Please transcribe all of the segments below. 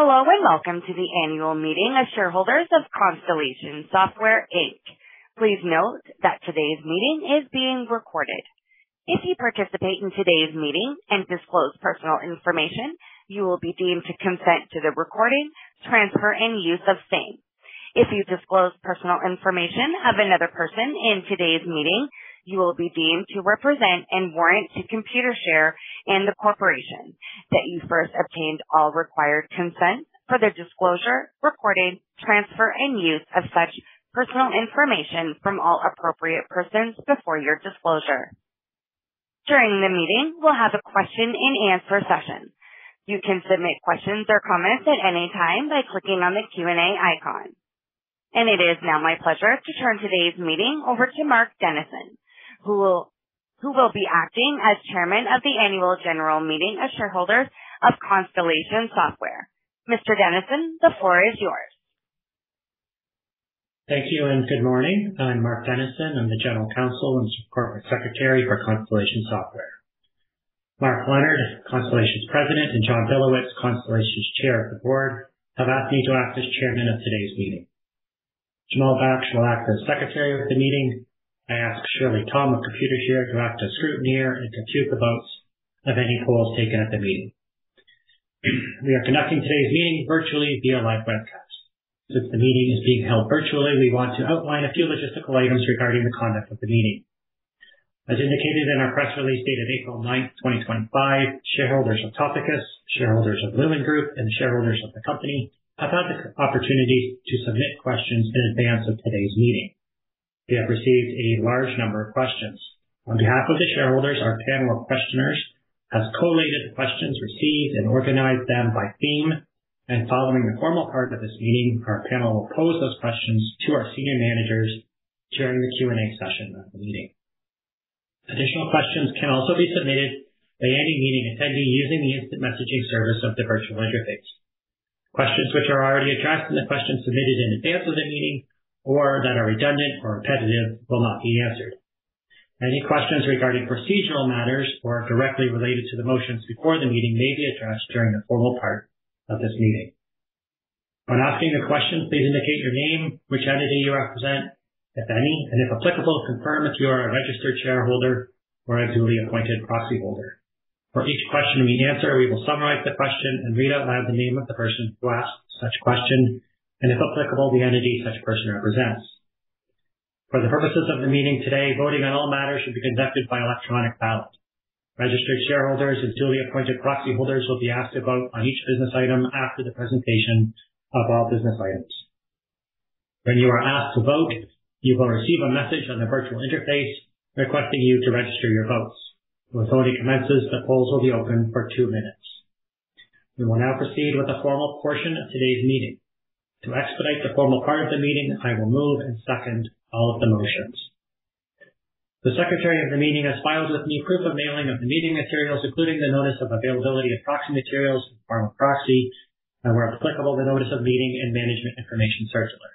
Hello, and welcome to the annual meeting of shareholders of Constellation Software. Please note that today's meeting is being recorded. If you participate in today's meeting and disclose personal information, you will be deemed to consent to the recording, transfer, and use of same. If you disclose personal information of another person in today's meeting, you will be deemed to represent and warrant to Computershare and the corporation that you first obtained all required consent for the disclosure, recording, transfer, and use of such personal information from all appropriate persons before your disclosure. During the meeting, we'll have a question-and-answer session. You can submit questions or comments at any time by clicking on the Q&A icon. It is now my pleasure to turn today's meeting over to Mark Dennison, who will be acting as Chairman of the Annual General Meeting of Shareholders of Constellation Software. Mr. Dennison, the floor is yours. Thank you, and good morning. I'm Mark Dennison. I'm the General Counsel and Corporate Secretary for Constellation Software. Mark Leonard, Constellation's President, and John Billowits, Constellation's Chair of the Board, have asked me to act as Chairman of today's meeting. Jamal Baksh will act as Secretary of the meeting. I ask Shirley Tom, of Computershare, to act as scrutineer and compute the votes of any polls taken at the meeting. We are conducting today's meeting virtually via live webcast. Since the meeting is being held virtually, we want to outline a few logistical items regarding the conduct of the meeting. As indicated in our press release dated April 9th, 2025, shareholders of Topicus, shareholders of Lumine Group, and shareholders of the company have had the opportunity to submit questions in advance of today's meeting. We have received a large number of questions. On behalf of the shareholders, our panel of questioners has collated the questions received and organized them by theme. Following the formal part of this meeting, our panel will pose those questions to our senior managers during the Q&A session of the meeting. Additional questions can also be submitted by any meeting attendee using the instant messaging service of the virtual interface. Questions which are already addressed in the questions submitted in advance of the meeting or that are redundant or repetitive will not be answered. Any questions regarding procedural matters or directly related to the motions before the meeting may be addressed during the formal part of this meeting. When asking the question, please indicate your name, which entity you represent, if any, and if applicable, confirm if you are a registered shareholder or a duly appointed proxy holder. For each question we answer, we will summarize the question and read out loud the name of the person who asked such question, and if applicable, the entity such person represents. For the purposes of the meeting today, voting on all matters will be conducted by electronic ballot. Registered shareholders and duly appointed proxy holders will be asked to vote on each business item after the presentation of all business items. When you are asked to vote, you will receive a message on the virtual interface requesting you to register your votes. Before we commence, the polls will be open for two minutes. We will now proceed with the formal portion of today's meeting. To expedite the formal part of the meeting, I will move and second all of the motions. The Secretary of the meeting has filed with me proof of mailing of the meeting materials, including the notice of availability of proxy materials and formal proxy, and where applicable, the notice of meeting and management information circular.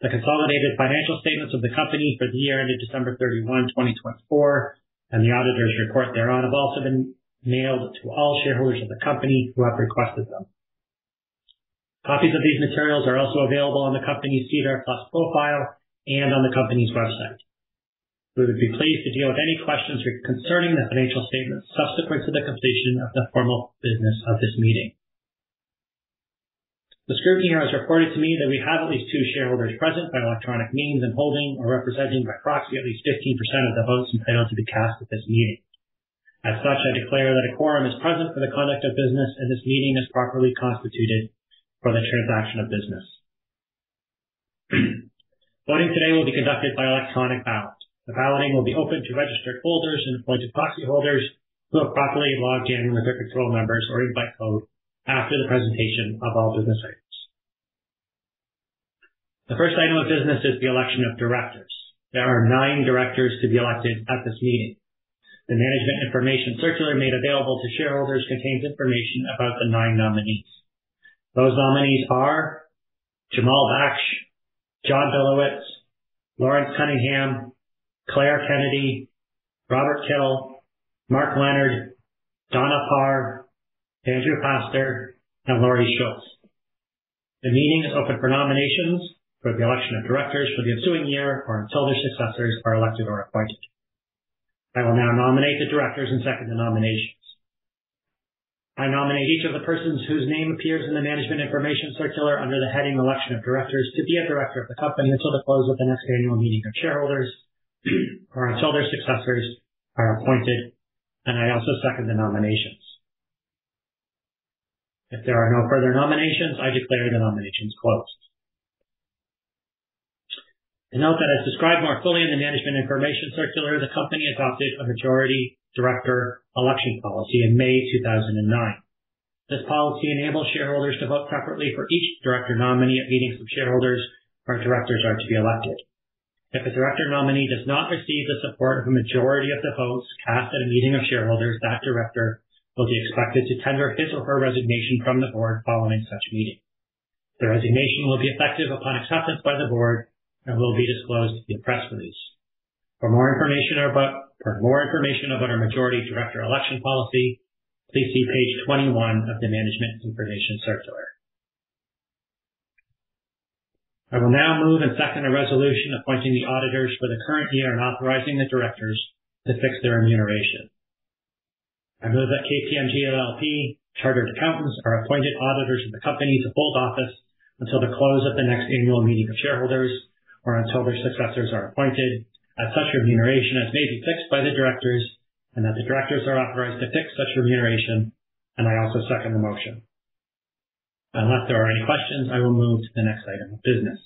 The consolidated financial statements of the company for the year ended December 31, 2024, and the auditor's report thereon have also been mailed to all shareholders of the company who have requested them. Copies of these materials are also available on the company's SEDAR Plus profile and on the company's website. We would be pleased to deal with any questions concerning the financial statements subsequent to the completion of the formal business of this meeting. The scrutineer has reported to me that we have at least two shareholders present by electronic means and holding or representing by proxy at least 15% of the votes entitled to be cast at this meeting. As such, I declare that a quorum is present for the conduct of business, and this meeting is properly constituted for the transaction of business. Voting today will be conducted by electronic ballot. The balloting will be open to registered holders and appointed proxy holders who have properly logged in with their patrol numbers or invite code after the presentation of all business items. The first item of business is the election of directors. There are nine directors to be elected at this meeting. The management information circular made available to shareholders contains information about the nine nominees. Those nominees are Jamal Baksh, John Billowits, Lawrence Cunningham, Claire Kennedy, Robert Kittle, Mark Leonard, Donna Parr, Andrew Castor, and Laurie Schultz. The meeting is open for nominations for the election of directors for the ensuing year or until their successors are elected or appointed. I will now nominate the directors and second the nominations. I nominate each of the persons whose name appears in the management information circular under the heading "Election of Directors" to be a director of the company until the close of the next annual meeting of shareholders or until their successors are appointed, and I also second the nominations. If there are no further nominations, I declare the nominations closed. I note that as described more fully in the management information circular, the company adopted a majority director election policy in May 2009. This policy enables shareholders to vote separately for each director nominee at meetings of shareholders where directors are to be elected. If a director nominee does not receive the support of a majority of the votes cast at a meeting of shareholders, that director will be expected to tender his or her resignation from the board following such meeting. The resignation will be effective upon acceptance by the board and will be disclosed via press release. For more information about our majority director election policy, please see page 21 of the management information circular. I will now move and second a resolution appointing the auditors for the current year and authorizing the directors to fix their remuneration. I move that KPMG LLP, Chartered Accountants are appointed auditors of the company to hold office until the close of the next annual meeting of shareholders or until their successors are appointed, at such remuneration as may be fixed by the directors and that the directors are authorized to fix such remuneration, and I also second the motion. Unless there are any questions, I will move to the next item of business.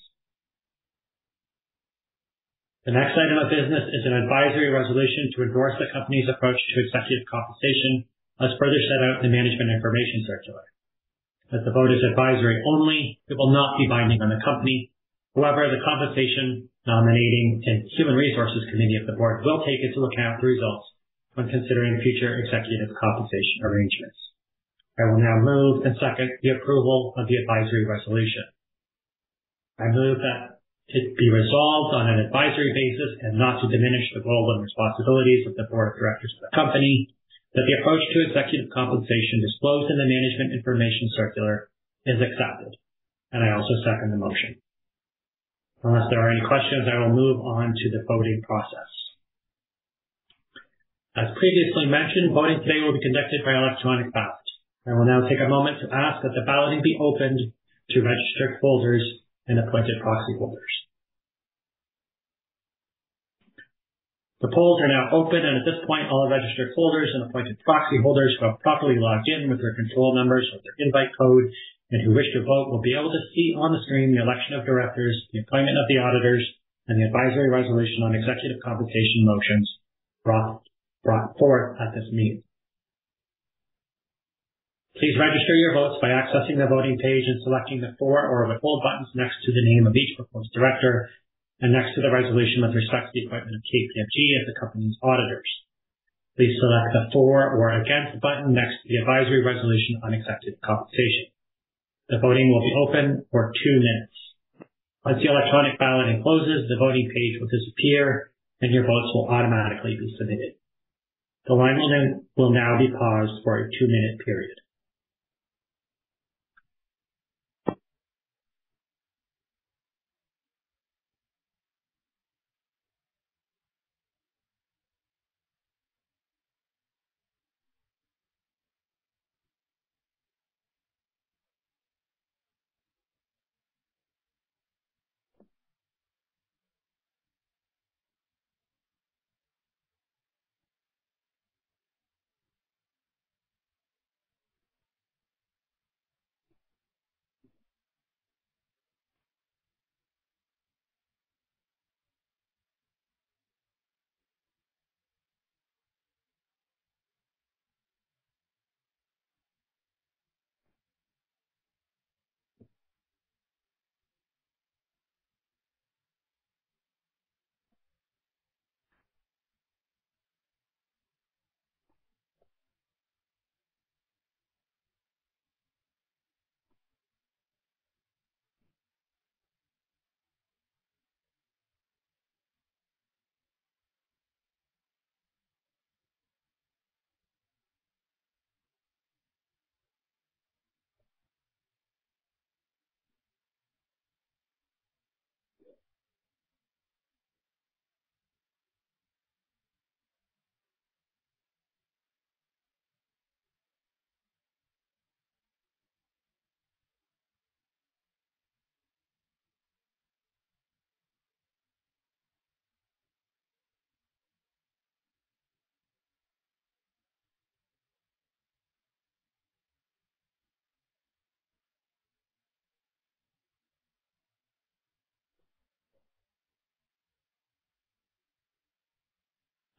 The next item of business is an advisory resolution to endorse the company's approach to executive compensation as further set out in the management information circular. As the vote is advisory only, it will not be binding on the company. However, the compensation, nominating, and human resources committee of the board will take into account the results when considering future executive compensation arrangements. I will now move and second the approval of the advisory resolution. I move that it be resolved on an advisory basis and not to diminish the role and responsibilities of the board of directors of the company, that the approach to executive compensation disclosed in the management information circular is accepted, and I also second the motion. Unless there are any questions, I will move on to the voting process. As previously mentioned, voting today will be conducted by electronic ballot. I will now take a moment to ask that the balloting be opened to registered holders and appointed proxy holders. The polls are now open, and at this point, all registered holders and appointed proxy holders who have properly logged in with their control numbers or invite code and who wish to vote will be able to see on the screen the election of directors, the appointment of the auditors, and the advisory resolution on executive compensation motions brought forth at this meeting. Please register your votes by accessing the voting page and selecting the for or withhold buttons next to the name of each proposed director and next to the resolution with respect to the appointment of KPMG as the company's auditors. Please select the for or against button next to the advisory resolution on executive compensation. The voting will be open for two minutes. Once the electronic balloting closes, the voting page will disappear, and your votes will automatically be submitted. The line will now be paused for a two-minute period.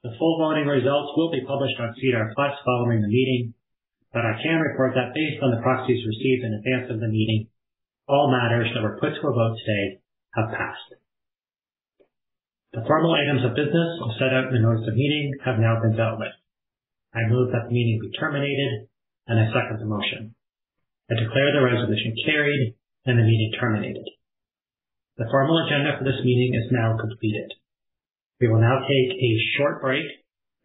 The full voting results will be published on Cedar Plus following the meeting, but I can report that based on the proxies received in advance of the meeting, all matters that were put to a vote today have passed. The formal items of business set out in the notice of meeting have now been dealt with. I move that the meeting be terminated, and I second the motion. I declare the resolution carried and the meeting terminated. The formal agenda for this meeting is now completed. We will now take a short break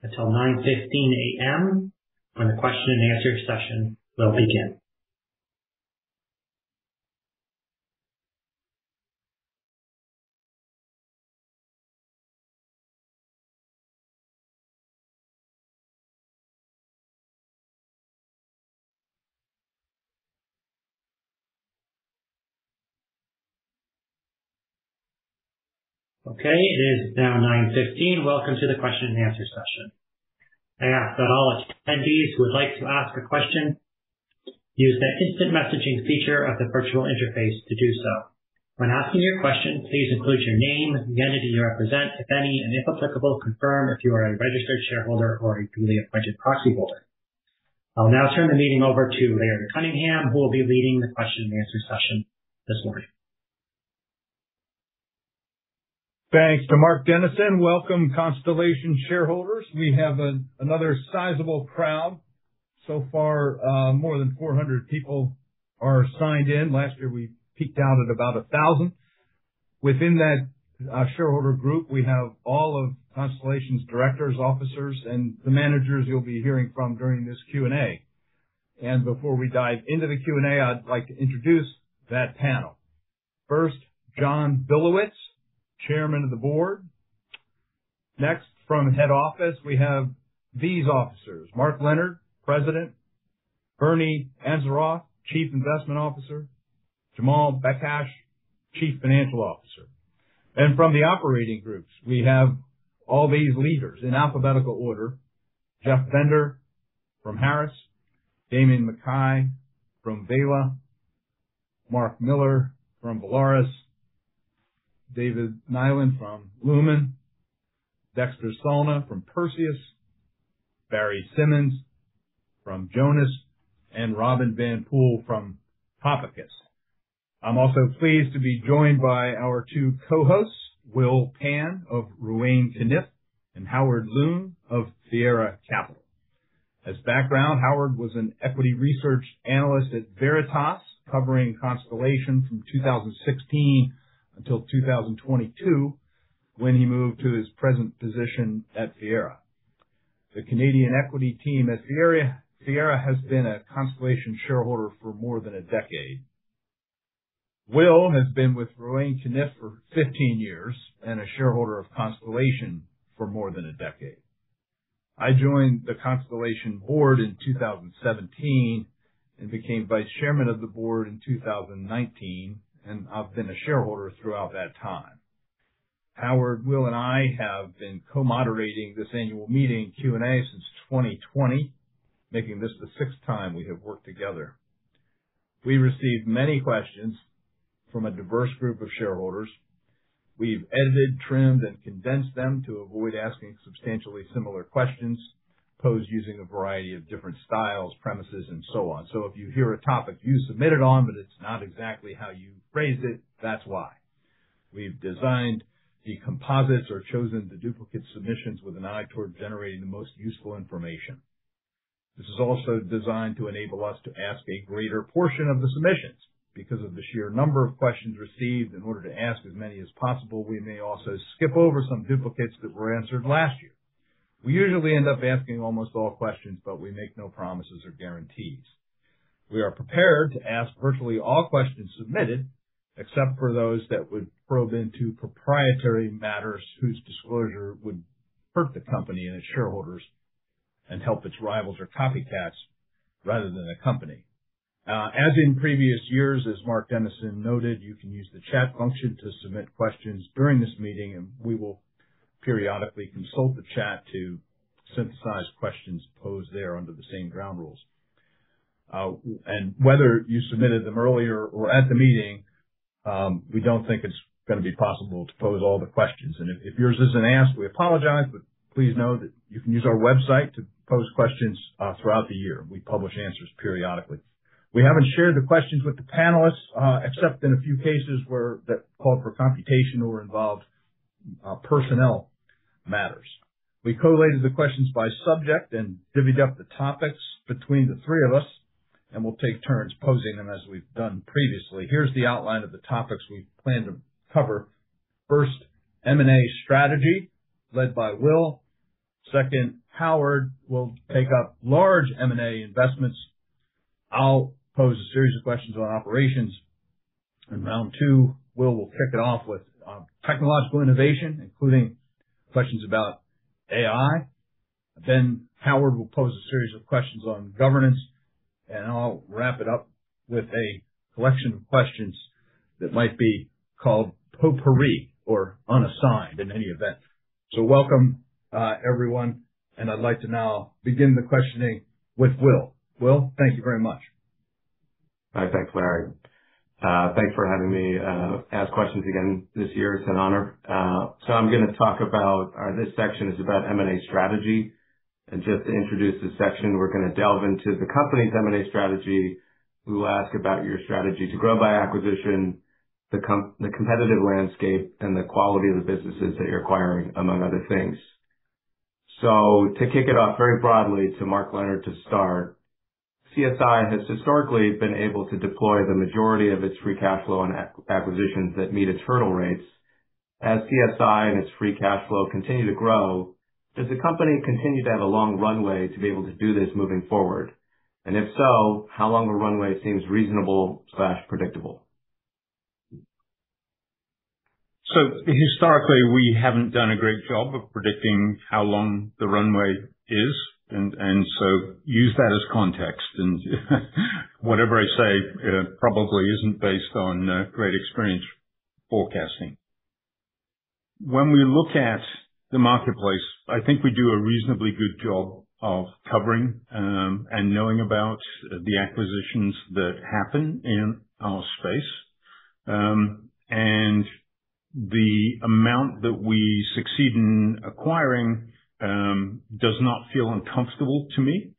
until 9:15 A.M. when the question-and-answer session will begin. Okay, it is now 9:15 A.M. Welcome to the question-and-answer session. I ask that all attendees who would like to ask a question use the instant messaging feature of the virtual interface to do so. When asking your question, please include your name, the entity you represent, if any, and if applicable, confirm if you are a registered shareholder or a duly appointed proxy holder. I'll now turn the meeting over to Larry Cunningham, who will be leading the question-and-answer session this morning. Thanks to Mark Dennison. Welcome, Constellation shareholders. We have another sizable crowd. So far, more than 400 people are signed in. Last year, we peaked out at about 1,000. Within that shareholder group, we have all of Constellation's directors, officers, and the managers you'll be hearing from during this Q&A. Before we dive into the Q&A, I'd like to introduce that panel. First, John Billowits, Chairman of the Board. Next, from head office, we have these officers: Mark Leonard, President; Bernard Anzarouth, Chief Investment Officer; Jamal Baksh, Chief Financial Officer. From the operating groups, we have all these leaders in alphabetical order: Jeff Bender from Harris; Damien McKay from Vela; Mark Miller from Volaris; David Nylund from Lumine; Dexter Salna from Perseus; Barry Symons from Jonas; and Robin van Poelje from Topicus. I'm also pleased to be joined by our two co-hosts, Will Pan of RBC Capital Markets and Howard Loom of Viera Capital. As background, Howard was an equity research analyst at Veritas, covering Constellation from 2016 until 2022 when he moved to his present position at Viera. The Canadian equity team at Viera has been a Constellation shareholder for more than a decade. Will has been with RBC Capital Markets for 15 years and a shareholder of Constellation for more than a decade. I joined the Constellation board in 2017 and became Vice Chairman of the Board in 2019, and I've been a shareholder throughout that time. Howard, Will, and I have been co-moderating this annual meeting Q&A since 2020, making this the sixth time we have worked together. We received many questions from a diverse group of shareholders. We've edited, trimmed, and condensed them to avoid asking substantially similar questions posed using a variety of different styles, premises, and so on. If you hear a topic you submitted on, but it is not exactly how you phrased it, that is why. We've designed the composites or chosen the duplicate submissions with an eye toward generating the most useful information. This is also designed to enable us to ask a greater portion of the submissions. Because of the sheer number of questions received, in order to ask as many as possible, we may also skip over some duplicates that were answered last year. We usually end up asking almost all questions, but we make no promises or guarantees. We are prepared to ask virtually all questions submitted, except for those that would probe into proprietary matters whose disclosure would hurt the company and its shareholders and help its rivals or copycats rather than the company. As in previous years, as Mark Dennison noted, you can use the chat function to submit questions during this meeting, and we will periodically consult the chat to synthesize questions posed there under the same ground rules. Whether you submitted them earlier or at the meeting, we do not think it is going to be possible to pose all the questions. If yours is not asked, we apologize, but please know that you can use our website to pose questions throughout the year. We publish answers periodically. We have not shared the questions with the panelists, except in a few cases where that called for computational or involved personnel matters. We collated the questions by subject and divvied up the topics between the three of us, and we'll take turns posing them as we've done previously. Here's the outline of the topics we plan to cover. First, M&A strategy led by Will. Second, Howard will take up large M&A investments. I'll pose a series of questions on operations. In round two, Will will kick it off with technological innovation, including questions about AI. Then Howard will pose a series of questions on governance, and I'll wrap it up with a collection of questions that might be called potpourri or unassigned in any event. Welcome, everyone, and I'd like to now begin the questioning with Will. Will, thank you very much. Hi, thanks, Larry. Thanks for having me ask questions again this year. It's an honor. I'm going to talk about this section is about M&A strategy. Just to introduce this section, we're going to delve into the company's M&A strategy. We will ask about your strategy to grow by acquisition, the competitive landscape, and the quality of the businesses that you're acquiring, among other things. To kick it off very broadly to Mark Leonard to start, CSI has historically been able to deploy the majority of its free cash flow on acquisitions that meet its hurdle rates. As CSI and its free cash flow continue to grow, does the company continue to have a long runway to be able to do this moving forward? If so, how long a runway seems reasonable/predictable? Historically, we haven't done a great job of predicting how long the runway is, and use that as context. Whatever I say probably isn't based on great experience forecasting. When we look at the marketplace, I think we do a reasonably good job of covering and knowing about the acquisitions that happen in our space. The amount that we succeed in acquiring does not feel uncomfortable to me.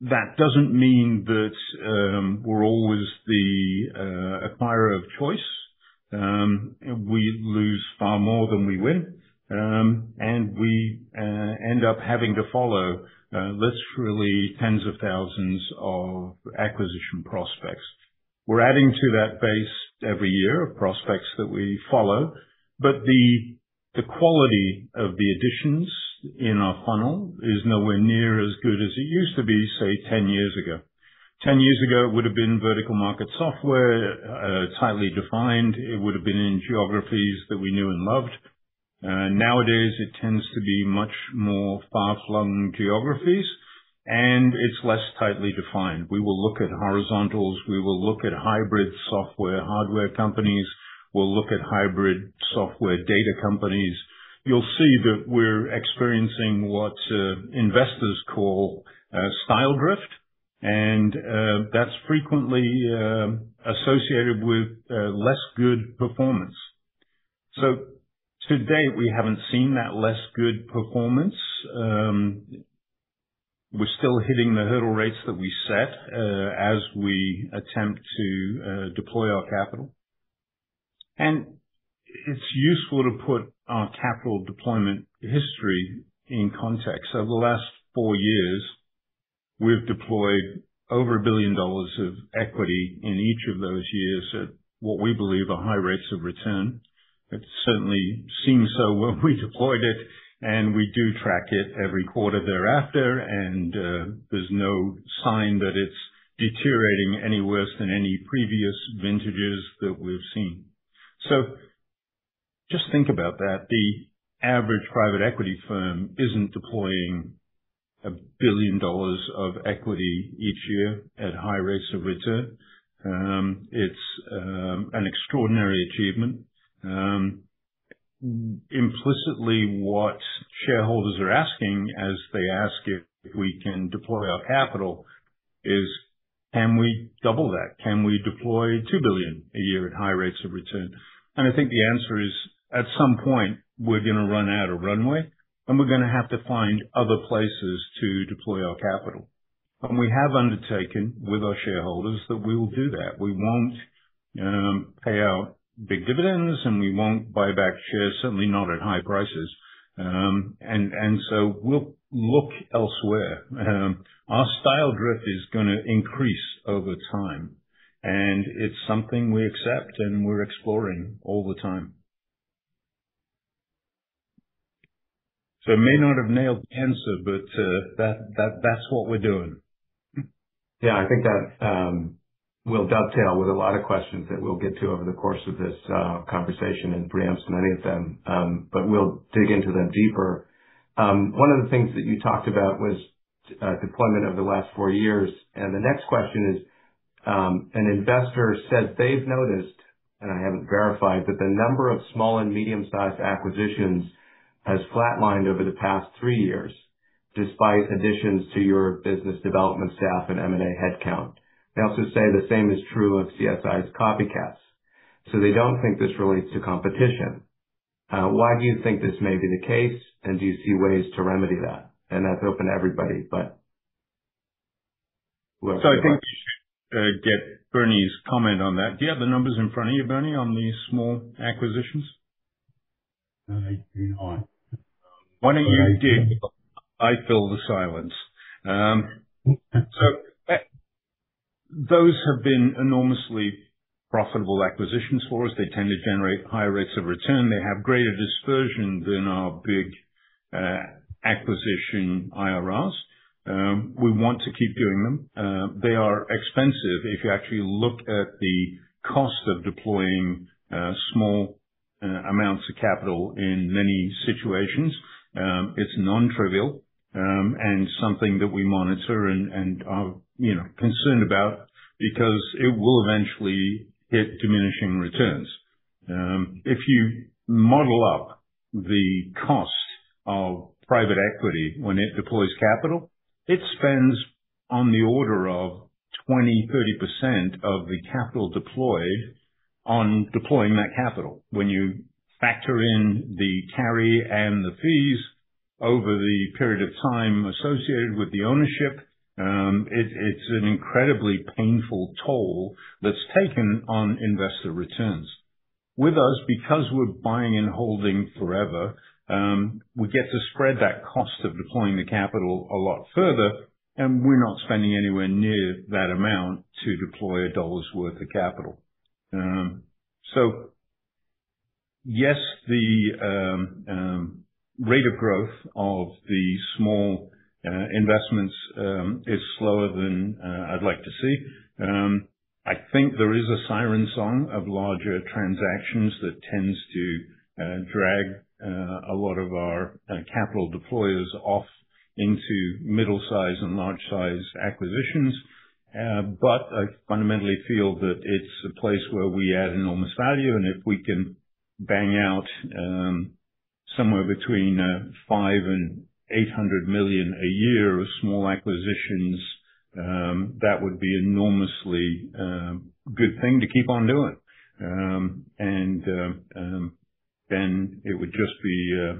That doesn't mean that we're always the acquirer of choice. We lose far more than we win, and we end up having to follow literally tens of thousands of acquisition prospects. We're adding to that base every year of prospects that we follow, but the quality of the additions in our funnel is nowhere near as good as it used to be, say, 10 years ago. Ten years ago, it would have been vertical market software, tightly defined. It would have been in geographies that we knew and loved. Nowadays, it tends to be much more far-flung geographies, and it's less tightly defined. We will look at horizontals. We will look at hybrid software/hardware companies. We'll look at hybrid software data companies. You'll see that we're experiencing what investors call style drift, and that's frequently associated with less good performance. To date, we haven't seen that less good performance. We're still hitting the hurdle rates that we set as we attempt to deploy our capital. It's useful to put our capital deployment history in context. The last four years, we've deployed over $1 billion of equity in each of those years at what we believe are high rates of return. It certainly seems so when we deployed it, and we do track it every quarter thereafter, and there's no sign that it's deteriorating any worse than any previous vintages that we've seen. Just think about that. The average private equity firm isn't deploying $1 billion of equity each year at high rates of return. It's an extraordinary achievement. Implicitly, what shareholders are asking as they ask if we can deploy our capital is, can we double that? Can we deploy $2 billion a year at high rates of return? I think the answer is, at some point, we're going to run out of runway, and we're going to have to find other places to deploy our capital. We have undertaken with our shareholders that we will do that. We won't pay out big dividends, and we won't buy back shares, certainly not at high prices. We'll look elsewhere. Our style drift is going to increase over time, and it's something we accept, and we're exploring all the time. It may not have nailed the answer, but that's what we're doing. Yeah, I think that will dovetail with a lot of questions that we'll get to over the course of this conversation and preempt many of them, but we'll dig into them deeper. One of the things that you talked about was deployment over the last four years. The next question is, an investor says they've noticed, and I haven't verified, that the number of small and medium-sized acquisitions has flatlined over the past three years, despite additions to your business development staff and M&A headcount. They also say the same is true of CSI's copycats. They don't think this relates to competition. Why do you think this may be the case, and do you see ways to remedy that? That's open to everybody, but whoever wants to. I think we should get Bernard comment on that. Do you have the numbers in front of you, Bernard, on the small acquisitions? I do not. Why do not you dig? I fill the silence. Those have been enormously profitable acquisitions for us. They tend to generate higher rates of return. They have greater dispersion than our big acquisition IRRs. We want to keep doing them. They are expensive. If you actually look at the cost of deploying small amounts of capital in many situations, it is non-trivial and something that we monitor and are concerned about because it will eventually hit diminishing returns. If you model up the cost of private equity when it deploys capital, it spends on the order of 20%-30% of the capital deployed on deploying that capital. When you factor in the carry and the fees over the period of time associated with the ownership, it is an incredibly painful toll that is taken on investor returns. With us, because we're buying and holding forever, we get to spread that cost of deploying the capital a lot further, and we're not spending anywhere near that amount to deploy a dollar's worth of capital. Yes, the rate of growth of the small investments is slower than I'd like to see. I think there is a siren song of larger transactions that tends to drag a lot of our capital deployers off into middle-sized and large-sized acquisitions. I fundamentally feel that it's a place where we add enormous value. If we can bang out somewhere between $500 million and $800 million a year of small acquisitions, that would be an enormously good thing to keep on doing. It would just be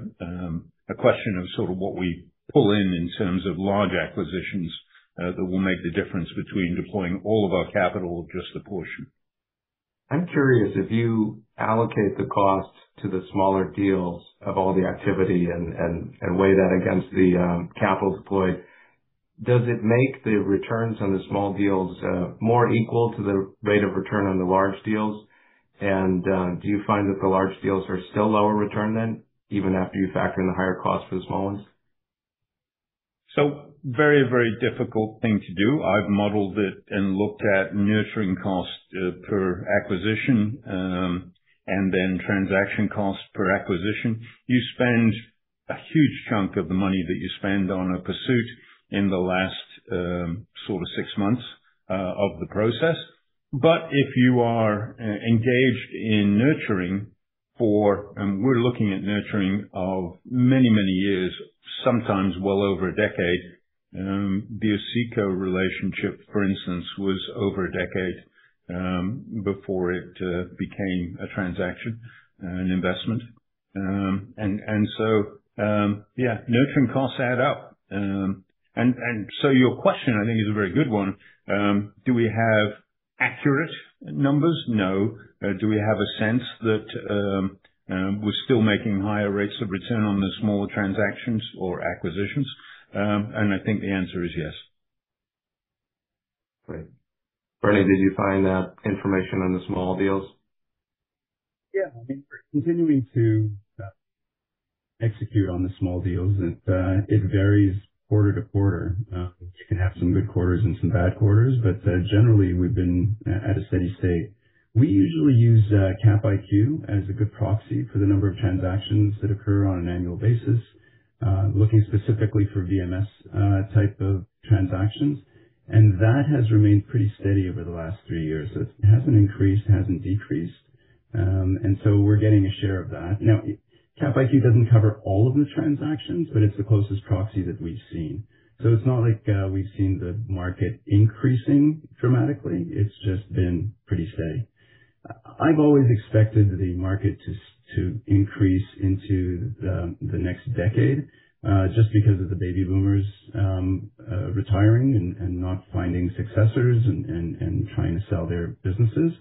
a question of sort of what we pull in in terms of large acquisitions that will make the difference between deploying all of our capital or just a portion. I'm curious, if you allocate the cost to the smaller deals of all the activity and weigh that against the capital deployed, does it make the returns on the small deals more equal to the rate of return on the large deals? Do you find that the large deals are still lower return then, even after you factor in the higher cost for the small ones? Very, very difficult thing to do. I've modeled it and looked at nurturing cost per acquisition, and then transaction cost per acquisition. You spend a huge chunk of the money that you spend on a pursuit in the last sort of six months of the process. If you are engaged in nurturing for, and we're looking at nurturing of many, many years, sometimes well over a decade, the Asseco relationship, for instance, was over a decade before it became a transaction, an investment. Yeah, nurturing costs add up. Your question, I think, is a very good one. Do we have accurate numbers? No. Do we have a sense that we're still making higher rates of return on the small transactions or acquisitions? I think the answer is yes. Great. Bernie, did you find that information on the small deals? Yeah. I mean, we're continuing to execute on the small deals, and it varies quarter to quarter. You can have some good quarters and some bad quarters, but generally, we've been at a steady state. We usually use CapIQ as a good proxy for the number of transactions that occur on an annual basis, looking specifically for VMS-type of transactions. That has remained pretty steady over the last three years. It hasn't increased, hasn't decreased. We're getting a share of that. CapIQ doesn't cover all of the transactions, but it's the closest proxy that we've seen. It's not like we've seen the market increasing dramatically. It's just been pretty steady. I've always expected the market to increase into the next decade just because of the baby boomers retiring and not finding successors and trying to sell their businesses.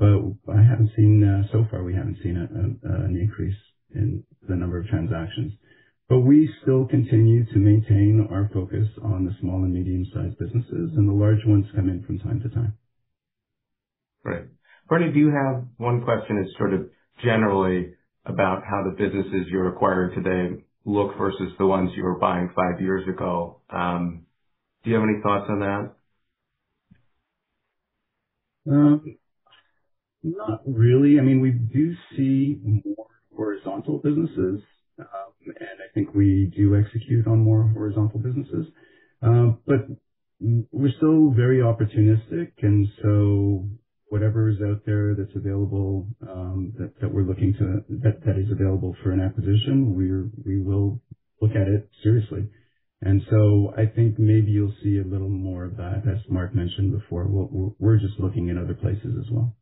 I haven't seen so far, we haven't seen an increase in the number of transactions. We still continue to maintain our focus on the small and medium-sized businesses, and the large ones come in from time to time. Great. Bernard, do you have one question that's sort of generally about how the businesses you're acquiring today look versus the ones you were buying five years ago? Do you have any thoughts on that? Not really. we do see more horizontal businesses, and I think we do execute on more horizontal businesses. We are still very opportunistic, and whatever is out there that is available for an acquisition, we will look at it seriously. I think maybe you will see a little more of that, as Mark mentioned before. We are just looking in other places as well.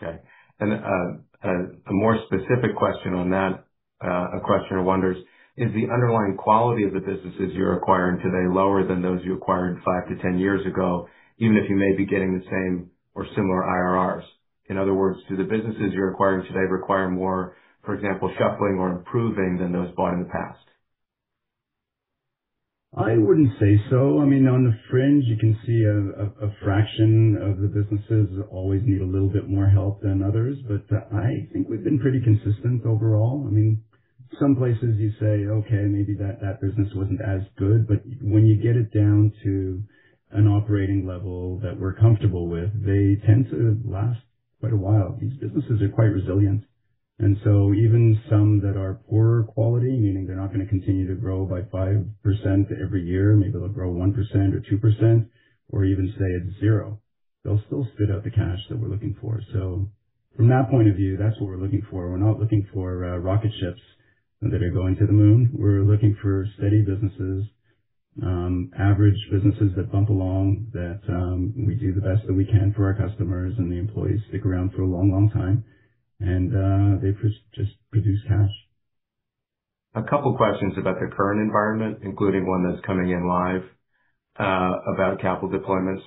Okay. A more specific question on that, a questioner wonders, is the underlying quality of the businesses you're acquiring today lower than those you acquired 5-10 years ago, even if you may be getting the same or similar IRRs? In other words, do the businesses you're acquiring today require more, for example, shuffling or improving than those bought in the past? I wouldn't say so. I mean, on the fringe, you can see a fraction of the businesses always need a little bit more help than others, but I think we've been pretty consistent overall. I mean, some places you say, "Okay, maybe that business wasn't as good," but when you get it down to an operating level that we're comfortable with, they tend to last quite a while. These businesses are quite resilient. Even some that are poorer quality—meaning they're not going to continue to grow by 5% every year, maybe they'll grow 1%-2%, or even stay at zero, they'll still spit out the cash that we're looking for. From that point of view, that's what we're looking for. We're not looking for rocket ships that are going to the moon. We're looking for steady businesses, average businesses that bump along, that we do the best that we can for our customers, and the employees stick around for a long, long time, and they just produce cash. A couple of questions about the current environment, including one that's coming in live about capital deployment.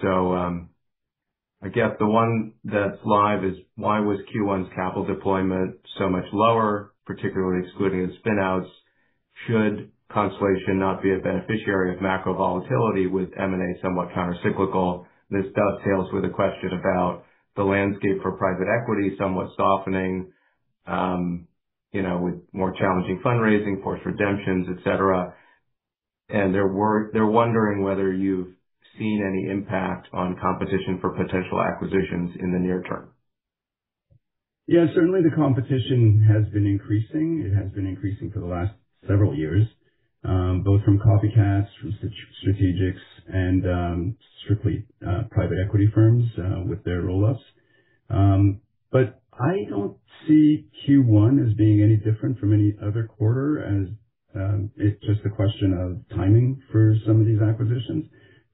I guess the one that's live is, why was Q1's capital deployment so much lower, particularly excluding its spinouts? Should Constellation not be a beneficiary of macro volatility with M&A somewhat countercyclical? This dovetails with a question about the landscape for private equity somewhat softening with more challenging fundraising, forced redemptions, etc. They're wondering whether you've seen any impact on competition for potential acquisitions in the near term. Yeah, certainly the competition has been increasing. It has been increasing for the last several years, both from copycats, from strategics, and strictly private equity firms with their roll-ups. I do not see Q1 as being any different from any other quarter, as it is just a question of timing for some of these acquisitions.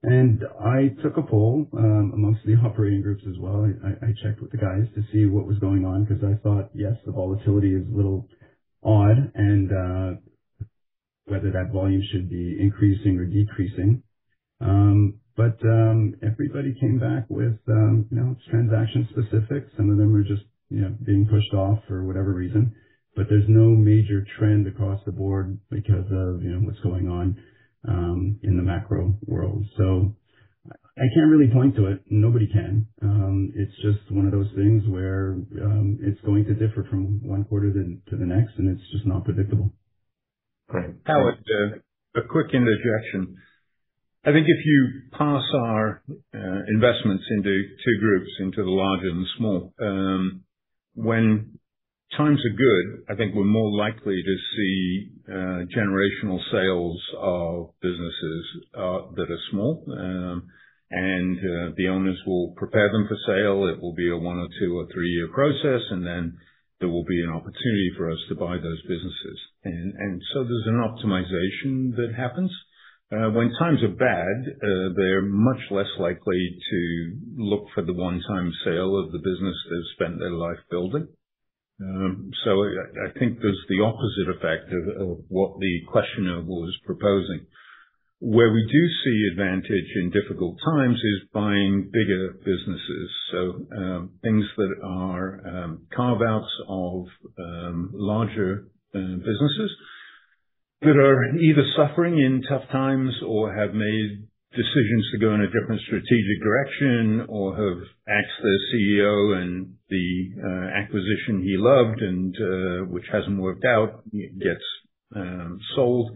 I took a poll amongst the operating groups as well. I checked with the guys to see what was going on because I thought, yes, the volatility is a little odd and whether that volume should be increasing or decreasing. Everybody came back with "it is transaction-specifics". Some of them are just being pushed off for whatever reason, but there is no major trend across the board because of what is going on in the macro world. I cannot really point to it. Nobody can. It's just one of those things where it's going to differ from one quarter to the next, and it's just not predictable. Great. Howard, a quick interjection. I think if you parse our investments into two groups—the large and the small, when times are good, I think we're more likely to see generational sales of businesses that are small, and the owners will prepare them for sale. It will be a one-, two-, or three-year process, and then there will be an opportunity for us to buy those businesses. There is an optimization that happens. When times are bad, they're much less likely to look for the one-time sale of the business they've spent their life building. I think there's the opposite effect of what the questioner was proposing. Where we do see advantage in difficult times is buying bigger businesses, so things that are carve-outs of larger businesses that are either suffering in tough times or have made decisions to go in a different strategic direction or have asked their CEO, and the acquisition he loved, which has not worked out, gets sold.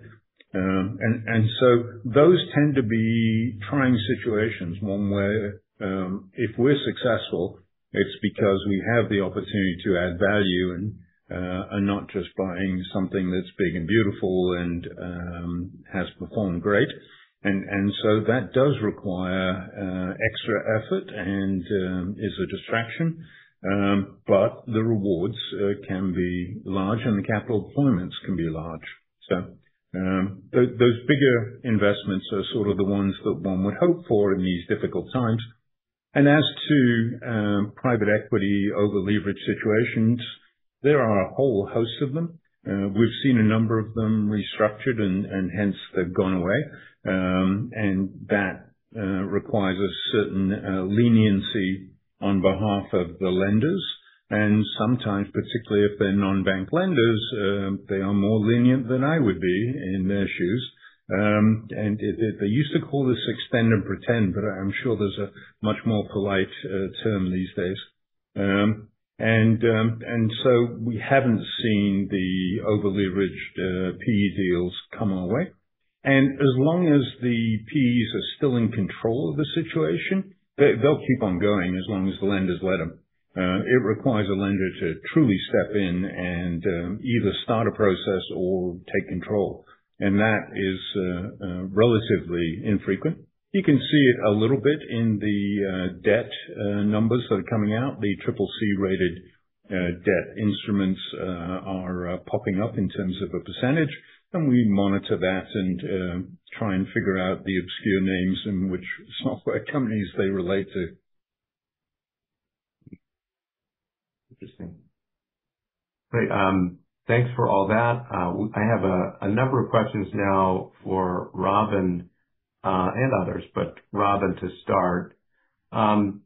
Those tend to be trying situations, one where if we are successful, it is because we have the opportunity to add value and are not just buying something that is big and beautiful and has performed great. That does require extra effort and is a distraction, but the rewards can be large, and the capital deployments can be large. Those bigger investments are sort of the ones that one would hope for in these difficult times. As to private equity over-leverage situations, there are a whole host of them. We've seen a number of them restructured, and hence they've gone away. That requires a certain leniency on behalf of the lenders. Sometimes, particularly if they're non-bank lenders, they are more lenient than I would be in their shoes. They used to call this extend and pretend, but I'm sure there's a much more polite term these days. We haven't seen the over-leveraged PE deals come our way. As long as the PEs are still in control of the situation, they'll keep on going as long as the lenders let them: It requires a lender to truly step in and either start a process or take control. That is relatively infrequent. You can see it a little bit in the debt numbers that are coming out. The CCC-rated debt instruments are popping up as a percentage, and we monitor that and try to figure out the obscure names in which software companies they relate to. Interesting. Great. Thanks for all that. I have a number of questions now for Robin and others, but Robin to start. Robin,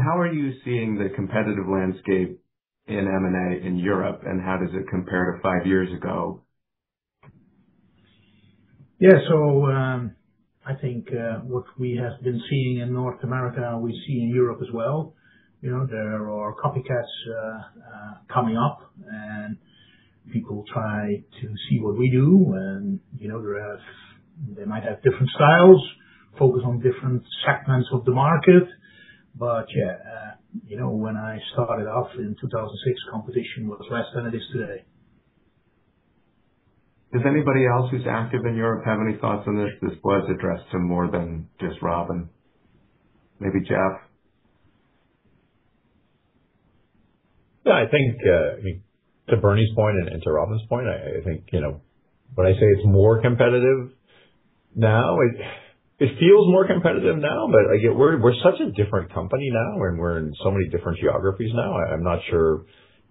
how are you seeing the competitive landscape in M&A in Europe, and how does it compare to five years ago? Yeah. I think what we have been seeing in North America, we see in Europe as well. There are copycats coming up, and people try to see what we do. They might have different styles, focus on different segments of the market. Yeah, when I started off in 2006, competition was less than it is today. Does anybody else who's active in Europe have any thoughts on this? This was addressed to more than just Robin. Maybe Jeff. Yeah. I think to Bernie's point and to Robin's point, I think when I say it's more competitive now, it feels more competitive now, but we're such a different company now, and we're in so many different geographies now; I'm not sure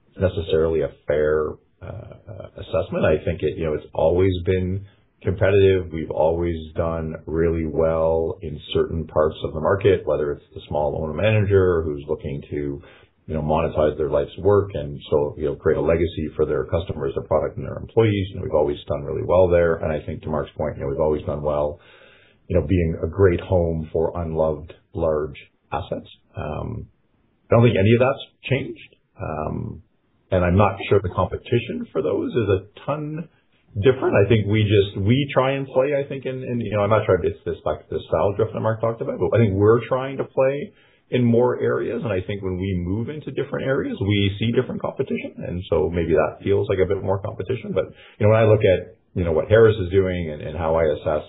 it's necessarily a fair assessment. I think it's always been competitive. We've always done really well in certain parts of the market, whether it's the small owner-manager who's looking to monetize their life's work and create a legacy for their customers, their product, and their employees. We've always done really well there. I think to Mark's point, we've always done well being a great home for unloved large assets. I don't think any of that's changed, and I'm not sure the competition for those is a ton different. I think we try and play, I think, in—I'm not sure if it's this style Jeff and Mark talked about—, but I think we're trying to play in more areas. I think when we move into different areas, we see different competition. Maybe that feels like a bit more competition. When I look at what Harris is doing and how I assess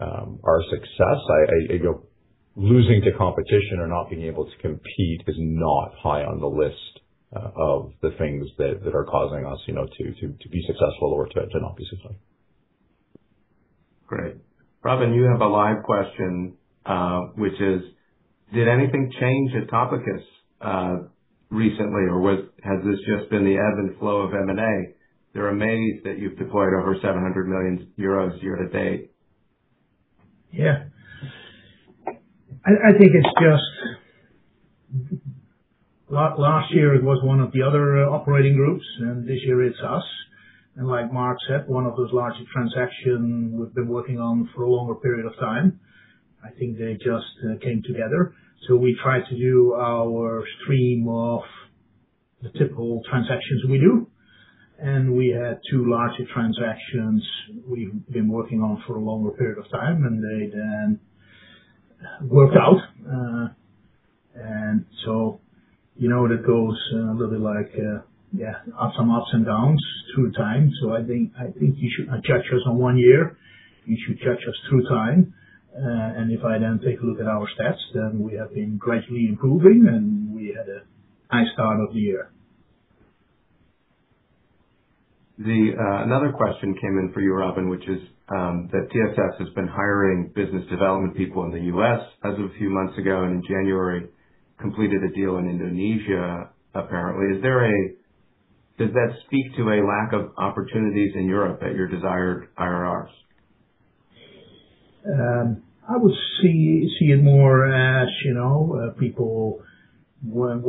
our success, losing to competition or not being able to compete is not high on the list of the things that are causing us to be successful or to not be successful. Great. Robin, you have a live question, which is, did anything change at Topicus recently, or has this just been the ebb and flow of M&A? They're amazed that you've deployed over 700 million euros year to date. Yeah. It's just last year was one of the other operating groups, and this year it's us. Like Mark said, one of those larger transactions we've been working on for a longer period of time. I think they just came together. We tried to do our stream of the typical transactions we do, and we had two larger transactions we've been working on for a longer period of time, and they then worked out. That goes a little bit like, yeah, some ups and downs through time. I think you should not judge us on one year. You should judge us through time. If I then take a look at our stats, we have been gradually improving, and we had a nice start of the year. Another question came in for you, Robin, which is that TSS has been hiring business development people in the U.S. as of a few months ago and in January completed a deal in Indonesia, apparently. Does that speak to a lack of opportunities in Europe at your desired IRRs? I would see it more as people, let's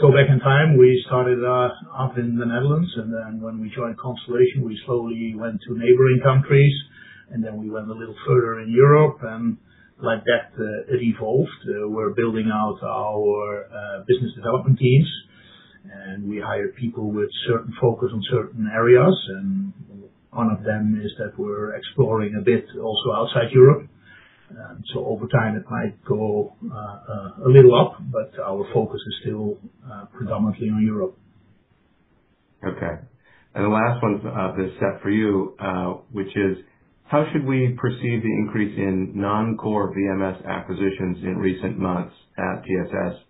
go back in time. We started off in the Netherlands, and then when we joined Constellation, we slowly went to neighboring countries, and then we went a little further in Europe. Like that, it evolved. We're building out our business development teams, and we hire people with certain focus on certain areas. One of them is that we're exploring a bit also outside Europe. Over time, it might go a little up, but our focus is still predominantly on Europe. Okay. The last one's this set for you, which is, how should we perceive the increase in non-core VMS acquisitions in recent months at TSS?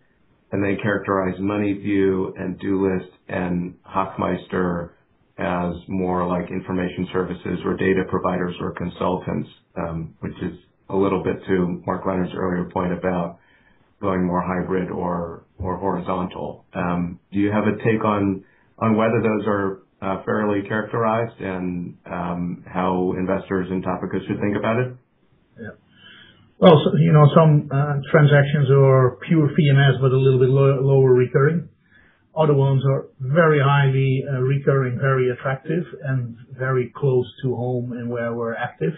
They characterize MoneyView and Doolist and Hockmeister as more like information services or data providers or consultants, which is a little bit to Mark Leonard's earlier point about going more hybrid or horizontal. Do you have a take on whether those are fairly characterized and how investors in Topicus should think about it? Some transactions are pure FEMS, but a little bit lower recurring. Other ones are very highly recurring, very attractive, and very close to home and where we're active.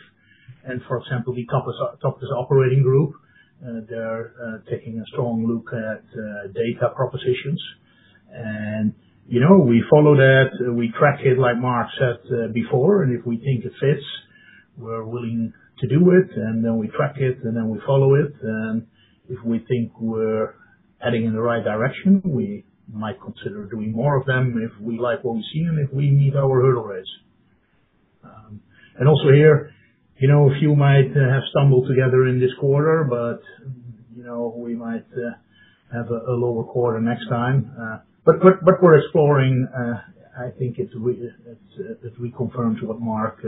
For example, the Topicus operating group—they're taking a strong look at data propositions. We follow that. We track it like Mark said before. If we think it fits, we're willing to do it. Then we track it, and then we follow it. If we think we're heading in the right direction, we might consider doing more of them if we like what we see and if we meet our hurdle rates. Also here, a few might have stumbled together in this quarter, but we might have a lower quarter next time. What we're exploring, I think it reconfirms what Mark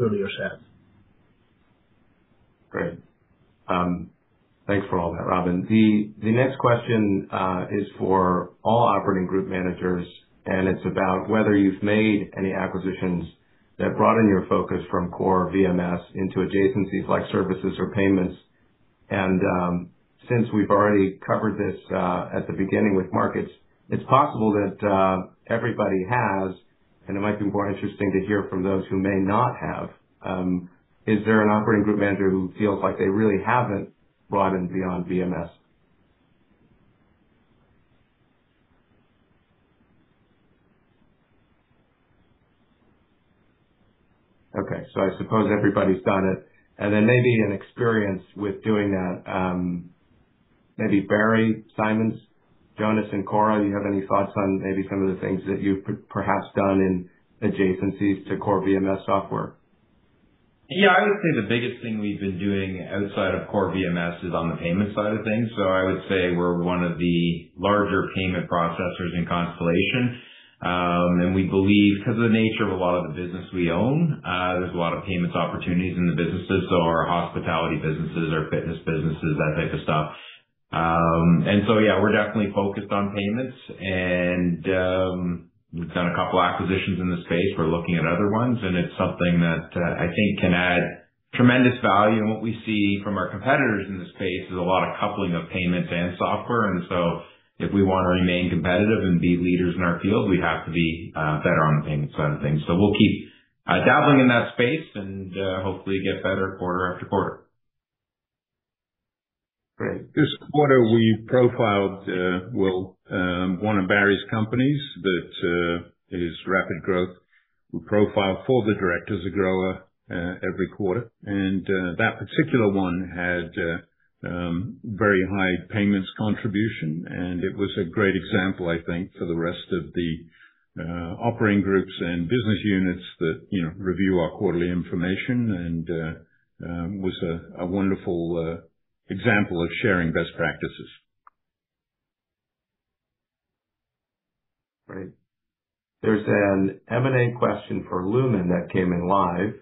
earlier said. Great. Thanks for all that, Robin. The next question is for all operating group managers, and it's about whether you've made any acquisitions that broaden your focus from core VMS into adjacencies like services or payments. Since we've already covered this at the beginning with markets, it's possible that everybody has, and it might be more interesting to hear from those who may not have. Is there an operating group manager who feels like they really haven't broadened beyond VMS? I suppose everybody's done it. Maybe an experience with doing that. Maybe Barry Symons, Jonas, and Cora, do you have any thoughts on maybe some of the things that you've perhaps done in adjacencies to core VMS software? I would say the biggest thing we've been doing outside of core VMS is on the payment side of things. I would say we're one of the larger payment processors in Constellation. We believe, because of the nature of a lot of the business we own, there's a lot of payments opportunities in the businesses. Our hospitality businesses, our fitness businesses—that type of stuff. Yeah, we're definitely focused on payments. We've done a couple of acquisitions in the space. We're looking at other ones, and it's something that I think can add tremendous value. What we see from our competitors in this space is a lot of coupling of payments and software. If we want to remain competitive and be leaders in our field, we'd have to be better on the payments side of things. We'll keep dabbling in that space and hopefully get better quarter after quarter. Great. This quarter, we profiled one of Barry's companies that is rapid growth. We profiled for the directors of Grower every quarter. And that particular one had very high payments contribution, and it was a great example, I think, for the rest of the operating groups and business units that review our quarterly information and was a wonderful example of sharing best practices. Great. There's an M&A question for Lumine that came in live.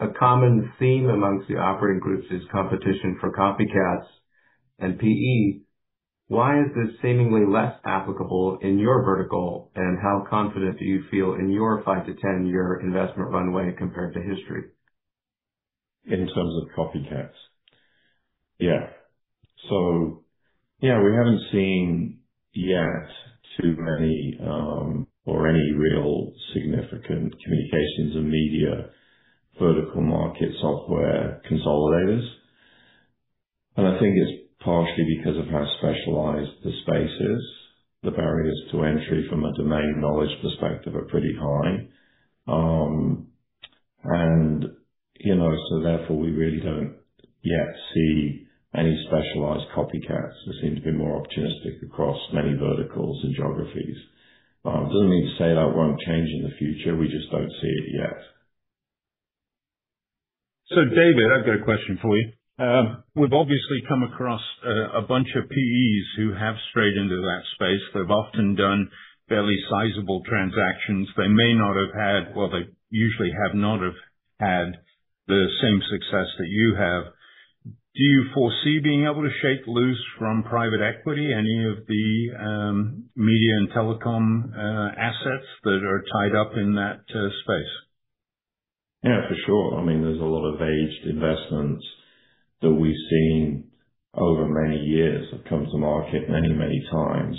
A common theme amongst the operating groups is competition for copycats and PE. Why is this seemingly less applicable in your vertical, and how confident do you feel in your 5- to 10-year investment runway compared to history? In terms of copycats? We haven't seen yet too many or any real significant communications and media vertical market software consolidators. I think it's partially because of how specialized the space is. The barriers to entry from a domain knowledge perspective are pretty high. Therefore, we really don't yet see any specialized copycats. We seem to be more opportunistic across many verticals and geographies. It doesn't mean it won't change in the future. We just don't see it yet. David, I've got a question for you. We've obviously come across a bunch of PEs who have strayed into that space. They've often done fairly sizable transactions. They may not have had, well, they usually have not had the same success that you have. Do you foresee being able to shake loose from private equity any of the media and telecom assets that are tied up in that space? There's a lot of aged investments that we've seen over many years have come to market many times.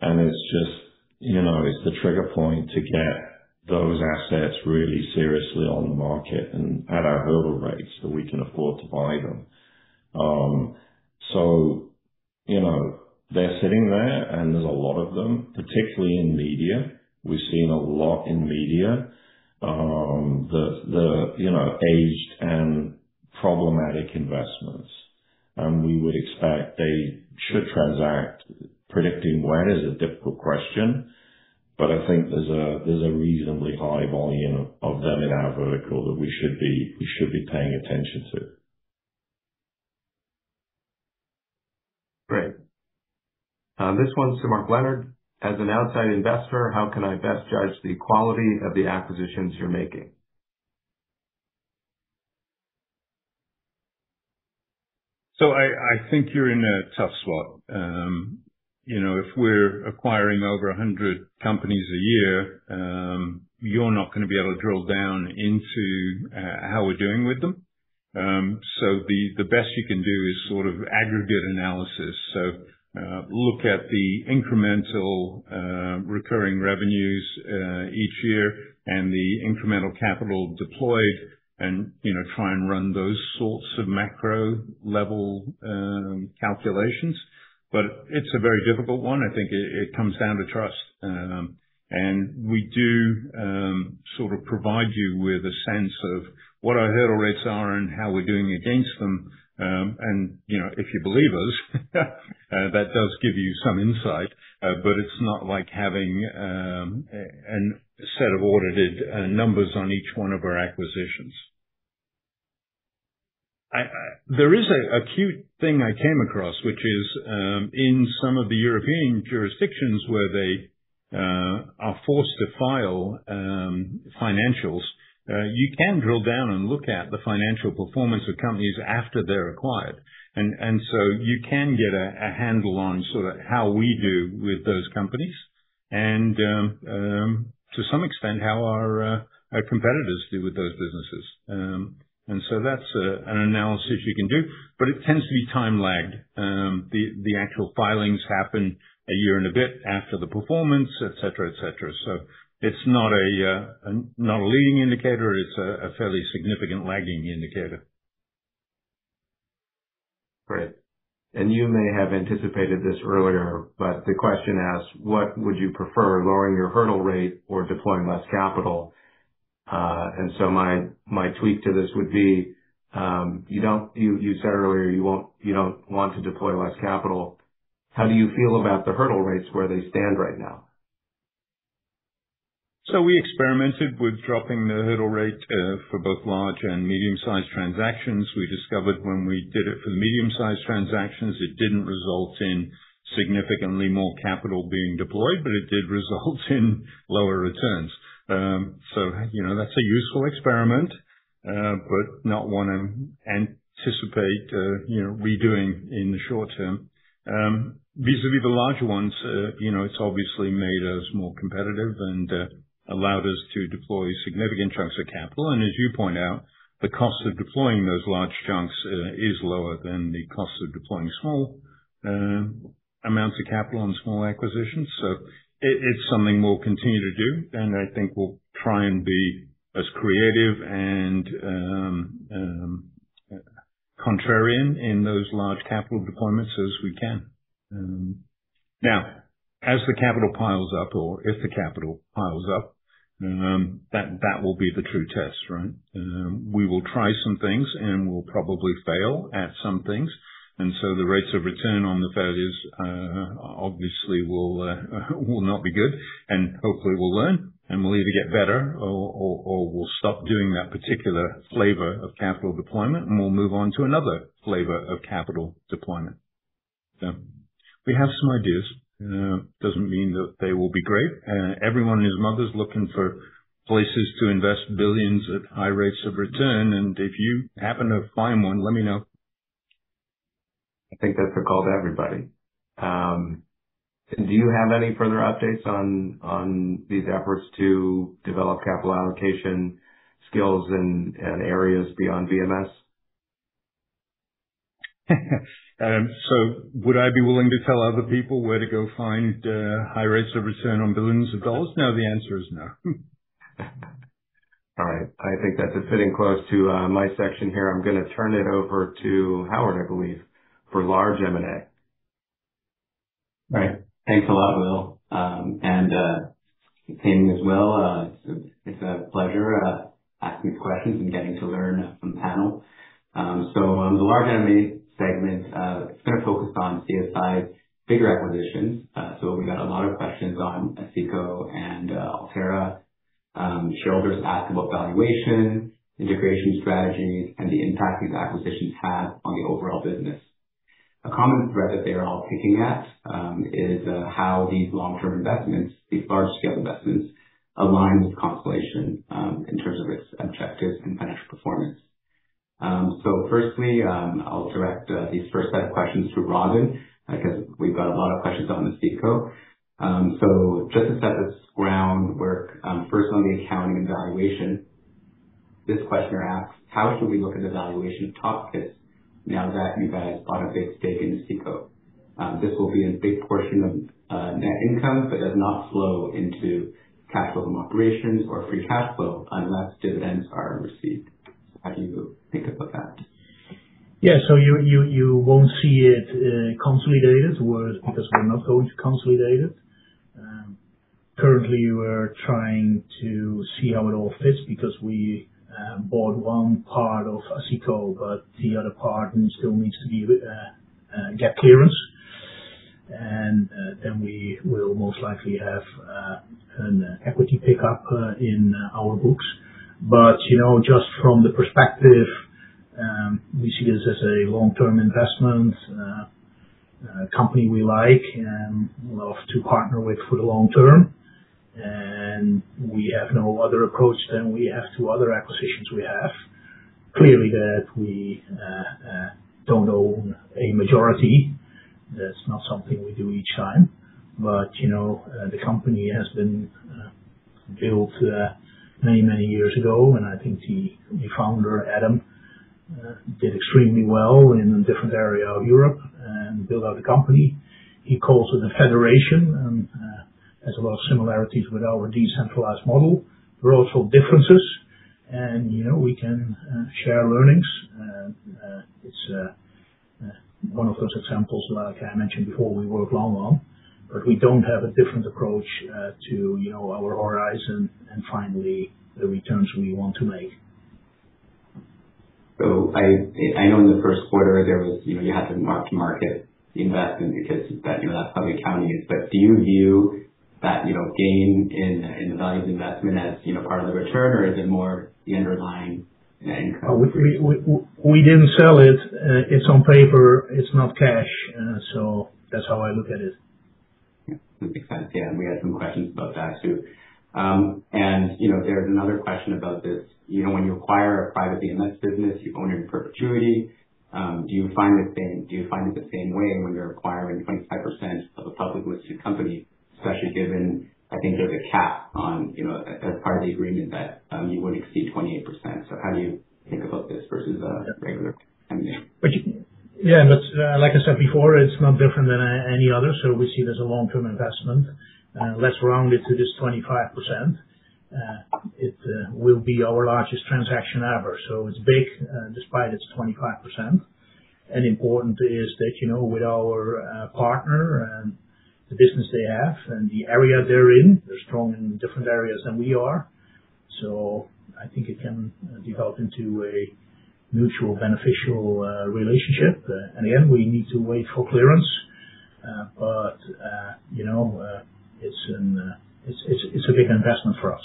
It's just, it's the trigger point to get those assets really seriously on the market and at our hurdle rates that we can afford to buy them. They're sitting there, and there's a lot of them, particularly in media. We've seen a lot in media, the aged and problematic investments. We would expect they should transact. Predicting when is a difficult question, but I think there's a reasonably high volume of them in our vertical that we should be paying attention to. Great. This one's to Mark Leonard. As an outside investor, how can I best judge the quality of the acquisitions you're making? I think you're in a tough spot. If we're acquiring over 100 companies a year, you're not going to be able to drill down into how we're doing with them. The best you can do is sort of aggregate analysis. Look at the incremental recurring revenues each year and the incremental capital deployed and try and run those sorts of macro-level calculations. It is a very difficult one. I think it comes down to trust. We do sort of provide you with a sense of what our hurdle rates are and how we're doing against them. If you believe us, that does give you some insight, but it's not like having a set of audited numbers on each one of our acquisitions. There is a cute thing I came across, which is in some of the European jurisdictions where they are forced to file financials, you can drill down and look at the financial performance of companies after they are acquired. You can get a handle on sort of how we do with those companies and to some extent how our competitors do with those businesses. That is an analysis you can do, but it tends to be time-lagged. The actual filings happen a year and a bit after the performance, etc. It is not a leading indicator. It is a fairly significant lagging indicator. Great. You may have anticipated this earlier, but the question asks, what would you prefer, lowering your hurdle rate or deploying less capital? My tweak to this would be, you said earlier you do not want to deploy less capital. How do you feel about the hurdle rates where they stand right now? We experimented with dropping the hurdle rate for both large and medium-sized transactions. We discovered when we did it for the medium-sized transactions, it did not result in significantly more capital being deployed, but it did result in lower returns. That is a useful experiment, but not one I anticipate redoing in the short term. Vis-à-vis the larger ones, it has obviously made us more competitive and allowed us to deploy significant chunks of capital. As you point out, the cost of deploying those large chunks is lower than the cost of deploying small amounts of capital on small acquisitions. It is something we will continue to do, and I think we will try and be as creative and contrarian in those large capital deployments as we can. Now, as the capital piles up, or if the capital piles up, that will be the true test, right? We will try some things, and we'll probably fail at some things. The rates of return on the failures obviously will not be good. Hopefully, we'll learn, and we'll either get better or we'll stop doing that particular flavor of capital deployment, and we'll move on to another flavor of capital deployment. We have some ideas. It doesn't mean they will be great. Everyone and his mother's looking for places to invest billions at high rates of return. If you happen to find one, let me know. I think that's a call to everybody. Do you have any further updates on these efforts to develop capital allocation skills in areas beyond VMS? Would I be willing to tell other people where to go find high rates of return on billions of dollars? No, the answer is no. All right. I think that's a fitting close to my section here. I'm going to turn it over to Howard, I believe, for large M&A. Thanks a lot, Will. Same as well. It's a pleasure asking these questions and getting to learn from the panel. On the large M&A segment, it's going to focus on CSI's bigger acquisitions. We got a lot of questions on Asseco and Alterra. Shareholders ask about valuation, integration strategies, and the impact these acquisitions have on the overall business. A common thread that they're all picking at is how these long-term investments, these large-scale investments, align with Constellation in terms of its objectives and financial performance. Firstly, I'll direct this first set of questions to Robin because we've got a lot of questions on Asseco. Just to set this groundwork, first on the accounting and valuation, this questioner asks, how should we look at the valuation of Topicus now that you guys bought a big stake in Asseco? This will be a big portion of net income but does not flow into cash flow from operations or free cash flow unless dividends are received. How do you think about that? You will not see it consolidated because we are not going to consolidate it. Currently, we are trying to see how it all fits because we bought one part of Asseco, but the other part still needs to get clearance. We will most likely have an equity pickup in our books. Just from the perspective, we see this as a long-term investment, a company we like and love to partner with for the long term. We have no other approach than we have to other acquisitions we have. Clearly, we do not own a majority. That is not something we do each time. The company has been built many, many years ago. I think the founder, Adam, did extremely well in a different area of Europe and built out the company. He calls it a federation and has a lot of similarities with our decentralized model. There are also differences, and we can share learnings. It's one of those examples like I mentioned before. We work long, long, but we don't have a different approach to our horizon and finally the returns we want to make. I know in the first quarter, you had to mark to market the investment because that's how the accounting is. But do you view that gain in the value of the investment as part of the return, or is it more the underlying net income? We didn't sell it. It's on paper. It's not cash. So that's how I look at it. Makes sense. Yeah. We had some questions about that too. There's another question about this. When you acquire a private VMS business, you own it in perpetuity. Do you find it the same way when you're acquiring 25% of a public-listed company, especially given I think there's a cap as part of the agreement that you wouldn't exceed 28%? How do you think about this versus a regular M&A? Yeah. Like I said before, it's not different than any other. We see it as a long-term investment. Let's round it to this 25%. It will be our largest transaction ever. It's big despite its 25%. Important is that, with our partner and the business they have and the area they're in, they're strong in different areas than we are. I think it can develop into a mutually beneficial relationship. Again, we need to wait for clearance, but it's a big investment for us.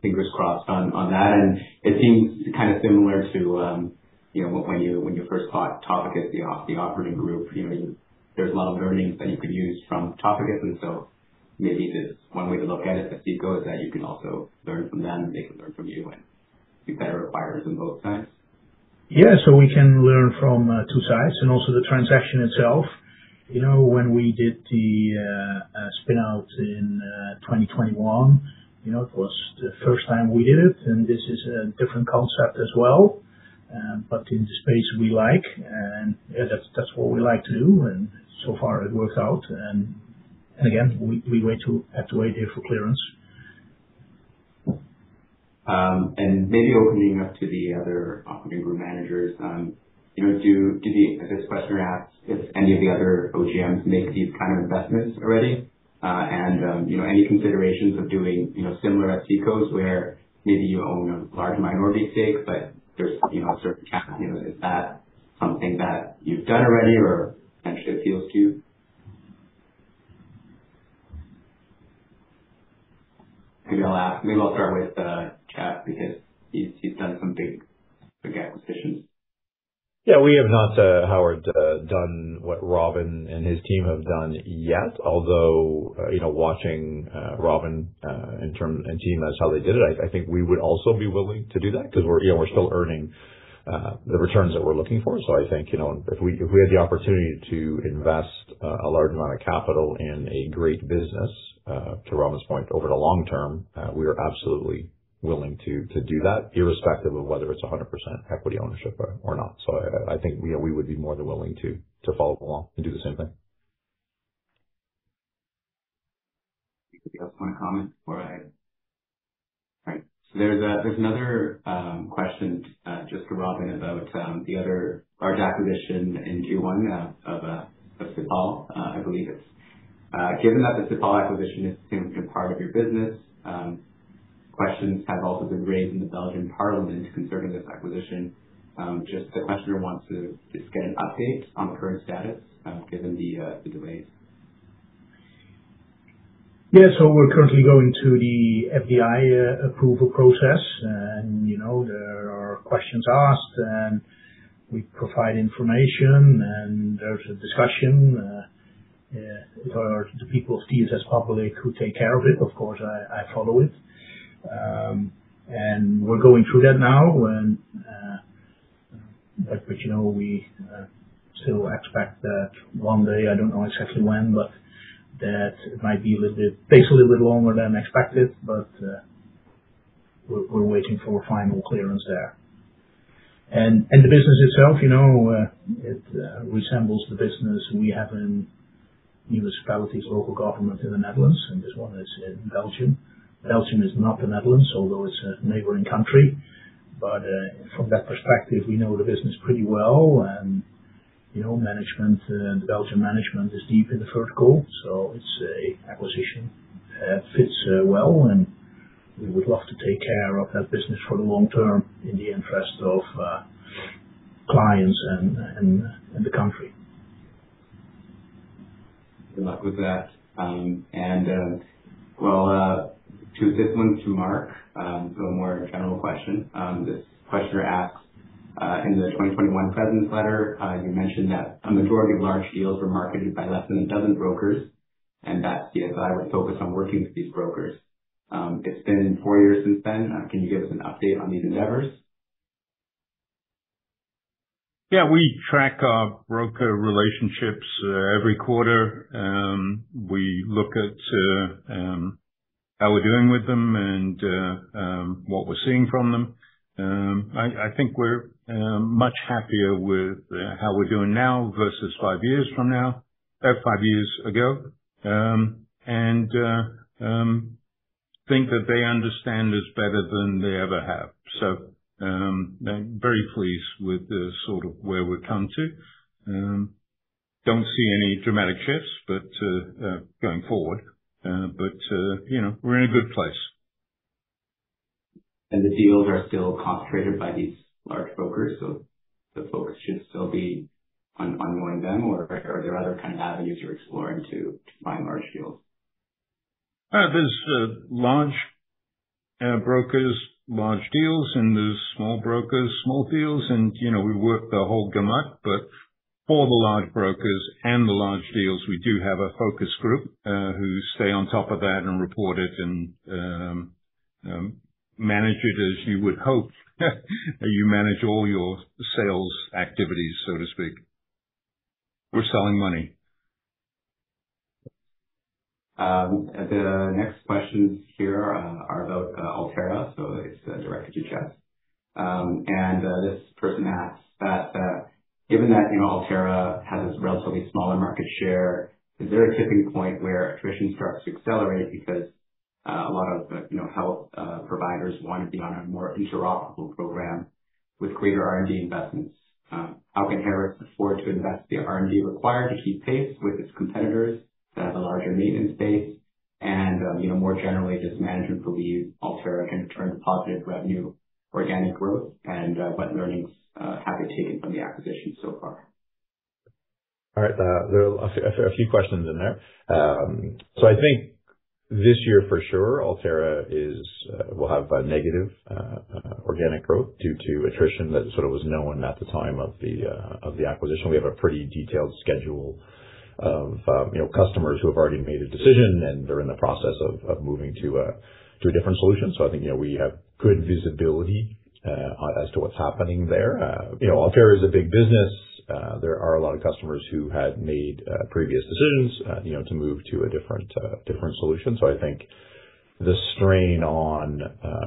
Fingers crossed on that. It seems kind of similar to when you first thought Topicus is the operating group. There is a lot of learnings that you could use from Topicus. Maybe one way to look at it, Asseco, is that you can also learn from them. They can learn from you. You better acquire it from both sides. We can learn from two sides and also the transaction itself. When we did the spin-out in 2021, it was the first time we did it. This is a different concept as well, but in the space we like. That is what we like to do. So far, it worked out. We have to wait here for clearance. Maybe opening up to the other operating group managers, this questioner asks if any of the other OGMs make these kinds of investments already. Any considerations of doing similar Assecos where maybe you own a large minority stake, but there is a certain cap? Is that something that you have done already or potentially appeals to you? Maybe I will start with Chad because he has done some big acquisitions. We have not, Howard, done what Robin and his team have done yet. Although, watching Robin and team as how they did it, I think we would also be willing to do that because we're still earning the returns that we're looking for. I think if we had the opportunity to invest a large amount of capital in a great business, to Robin's point, over the long term, we are absolutely willing to do that irrespective of whether it's 100% equity ownership or not. I think we would be more than willing to follow along and do the same thing. Anyone else want to comment? All right. All right. There is another question just to Robin about the other large acquisition in Q1 of Sipal, I believe. Given that the Sipal acquisition has been part of your business, questions have also been raised in the Belgian parliament concerning this acquisition. The questioner just wants to get an update on the current status, given the delays. We are currently going through the FDI approval process. There are questions asked, we provide information, and there is a discussion. It is the people of TSS Public who take care of it. Of course, I follow it. We are going through that now. We still expect that one day, I do not know exactly when, but that it might take a little bit longer than expected, and we are waiting for a final clearance. The business itself resembles the business we have in municipalities, local government in the Netherlands, and there is one that is in Belgium. Belgium is not the Netherlands, although it is a neighboring country. From that perspective, we know the business pretty well. The Belgian management is deep in the vertical. It is an acquisition that fits well. We would love to take care of that business for the long term in the interest of clients and the country. Good luck with that. We'll choose this one to mark, a more general question. This questioner asks, in the 2021 presence letter, you mentioned that a majority of large deals were marketed by fewer than a dozen brokers, and that CSI would focus on working with these brokers. It's been four years since then. Can you give us an update on these endeavors? Yeah. We track our broker relationships every quarter. We look at how we're doing with them and what we're seeing from them. I think we're much happier with how we're doing now versus five years ago, and think that they understand us better than they ever have. Very pleased with sort of where we've come to. Do not see any dramatic shifts going forward, but we're in a good place. The deals are still concentrated by these large brokers. Should folks still be unknowing them, or are there other kinds of avenues you're exploring to find large deals? are large brokers, large deals, and there are small brokers, small deals. We work the whole gamut. For the large brokers and the large deals, we do have a focus group who stay on top of that and report it and manages them as you would expect for any sales activity, we are selling money. The next questions here are about Alterra. It is directed to Jeff. This person asks that given that Alterra has a relatively smaller market share, is there a tipping point where attrition starts to accelerate because a lot of health providers want to be on a more interoperable program with greater R&D investments? How can Harris afford to invest the R&D required to keep pace with its competitors that have a larger maintenance base? More generally, does management believe Alterra can return to positive revenue, organic growth? What learnings have they taken from the acquisition so far? All right. There are a few questions in there. I think this year for sure, Alterra will have negative organic growth due to attrition that sort of was known at the time of the acquisition. We have a pretty detailed schedule of customers who have already made a decision, and they are in the process of moving to a different solution. I think we have good visibility as to what is happening there. Alterra is a big business. There are a lot of customers who had made previous decisions to move to a different solution. I think the strain on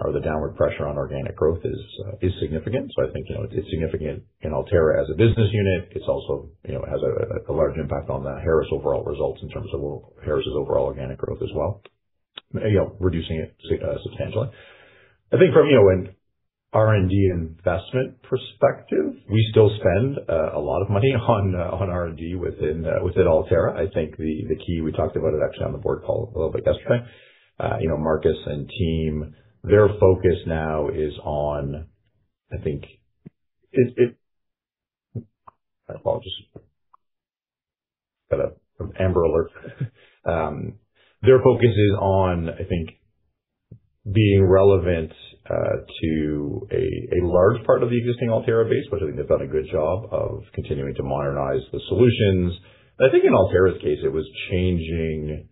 or the downward pressure on organic growth is significant. I think it is significant in Alterra as a business unit. It also has a large impact on Harris' overall results in terms of Harris' overall organic growth as well, reducing it substantially. I think from an R&D investment perspective, we still spend a lot of money on R&D within Alterra. I think the key, we talked about it actually on the board call a little bit yesterday. Marcus and team, their focus now is on, I think, I apologize. Got an Amber alert. Their focus is on, I think, being relevant to a large part of the existing Alterra base, which I think they've done a good job of continuing to modernize the solutions. I think in Alterra's case, it was changing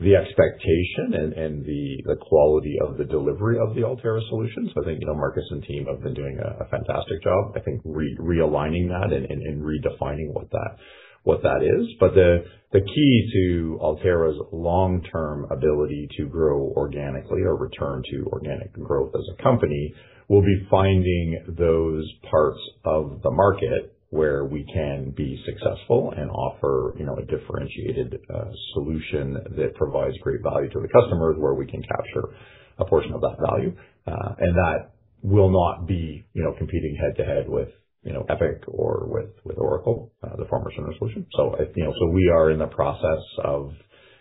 the expectation and the quality of the delivery of the Alterra solution. I think Marcus and team have been doing a fantastic job, I think, realigning that and redefining what that is. The key to Alterra's long-term ability to grow organically or return to organic growth as a company will be finding those parts of the market where we can be successful and offer a differentiated solution that provides great value to the customers where we can capture a portion of that value. That will not be competing head-to-head with Epic or with Oracle, the former Cerner solution. We are in the process of,